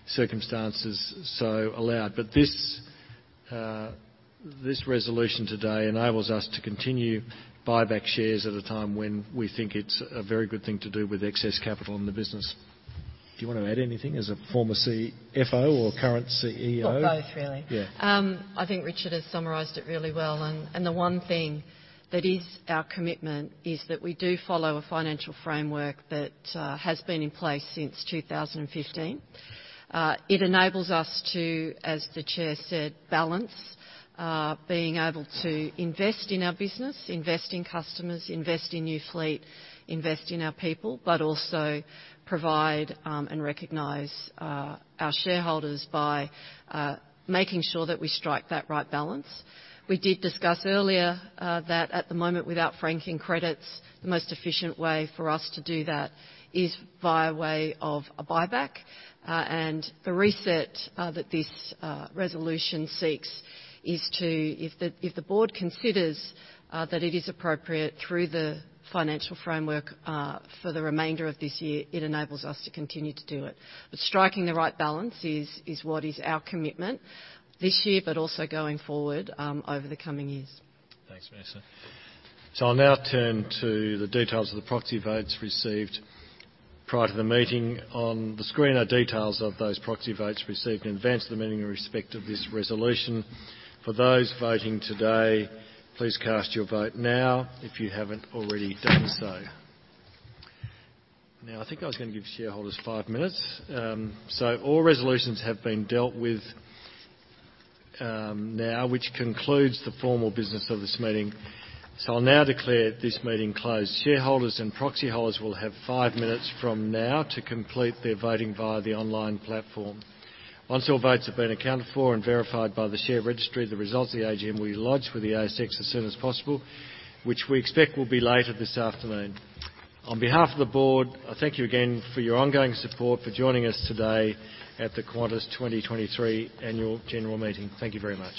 circumstances so allow. But this, this resolution today enables us to continue buyback shares at a time when we think it's a very good thing to do with excess capital in the business. Do you want to add anything as a former CFO or current CEO? Well, both, really. Yeah. I think Richard has summarized it really well, and the one thing that is our commitment is that we do follow a financial framework that has been in place since 2015. It enables us to, as the chair said, balance being able to invest in our business, invest in customers, invest in new fleet, invest in our people, but also provide and recognize our shareholders by making sure that we strike that right balance. We did discuss earlier that at the moment, without franking credits, the most efficient way for us to do that is via way of a buyback. And the reset that this resolution seeks is to—if the board considers that it is appropriate through the financial framework for the remainder of this year, it enables us to continue to do it. But striking the right balance is what is our commitment this year, but also going forward over the coming years. Thanks, Vanessa. So I'll now turn to the details of the proxy votes received prior to the meeting. On the screen are details of those proxy votes received in advance to the meeting in respect of this resolution. For those voting today, please cast your vote now, if you haven't already done so. Now, I think I was going to give shareholders five minutes. So all resolutions have been dealt with, now, which concludes the formal business of this meeting. So I'll now declare this meeting closed. Shareholders and proxy holders will have five minutes from now to complete their voting via the online platform. Once all votes have been accounted for and verified by the share registry, the results of the AGM will be lodged with the ASX as soon as possible, which we expect will be later this afternoon. On behalf of the board, I thank you again for your ongoing support for joining us today at the Qantas 2023 Annual General Meeting. Thank you very much.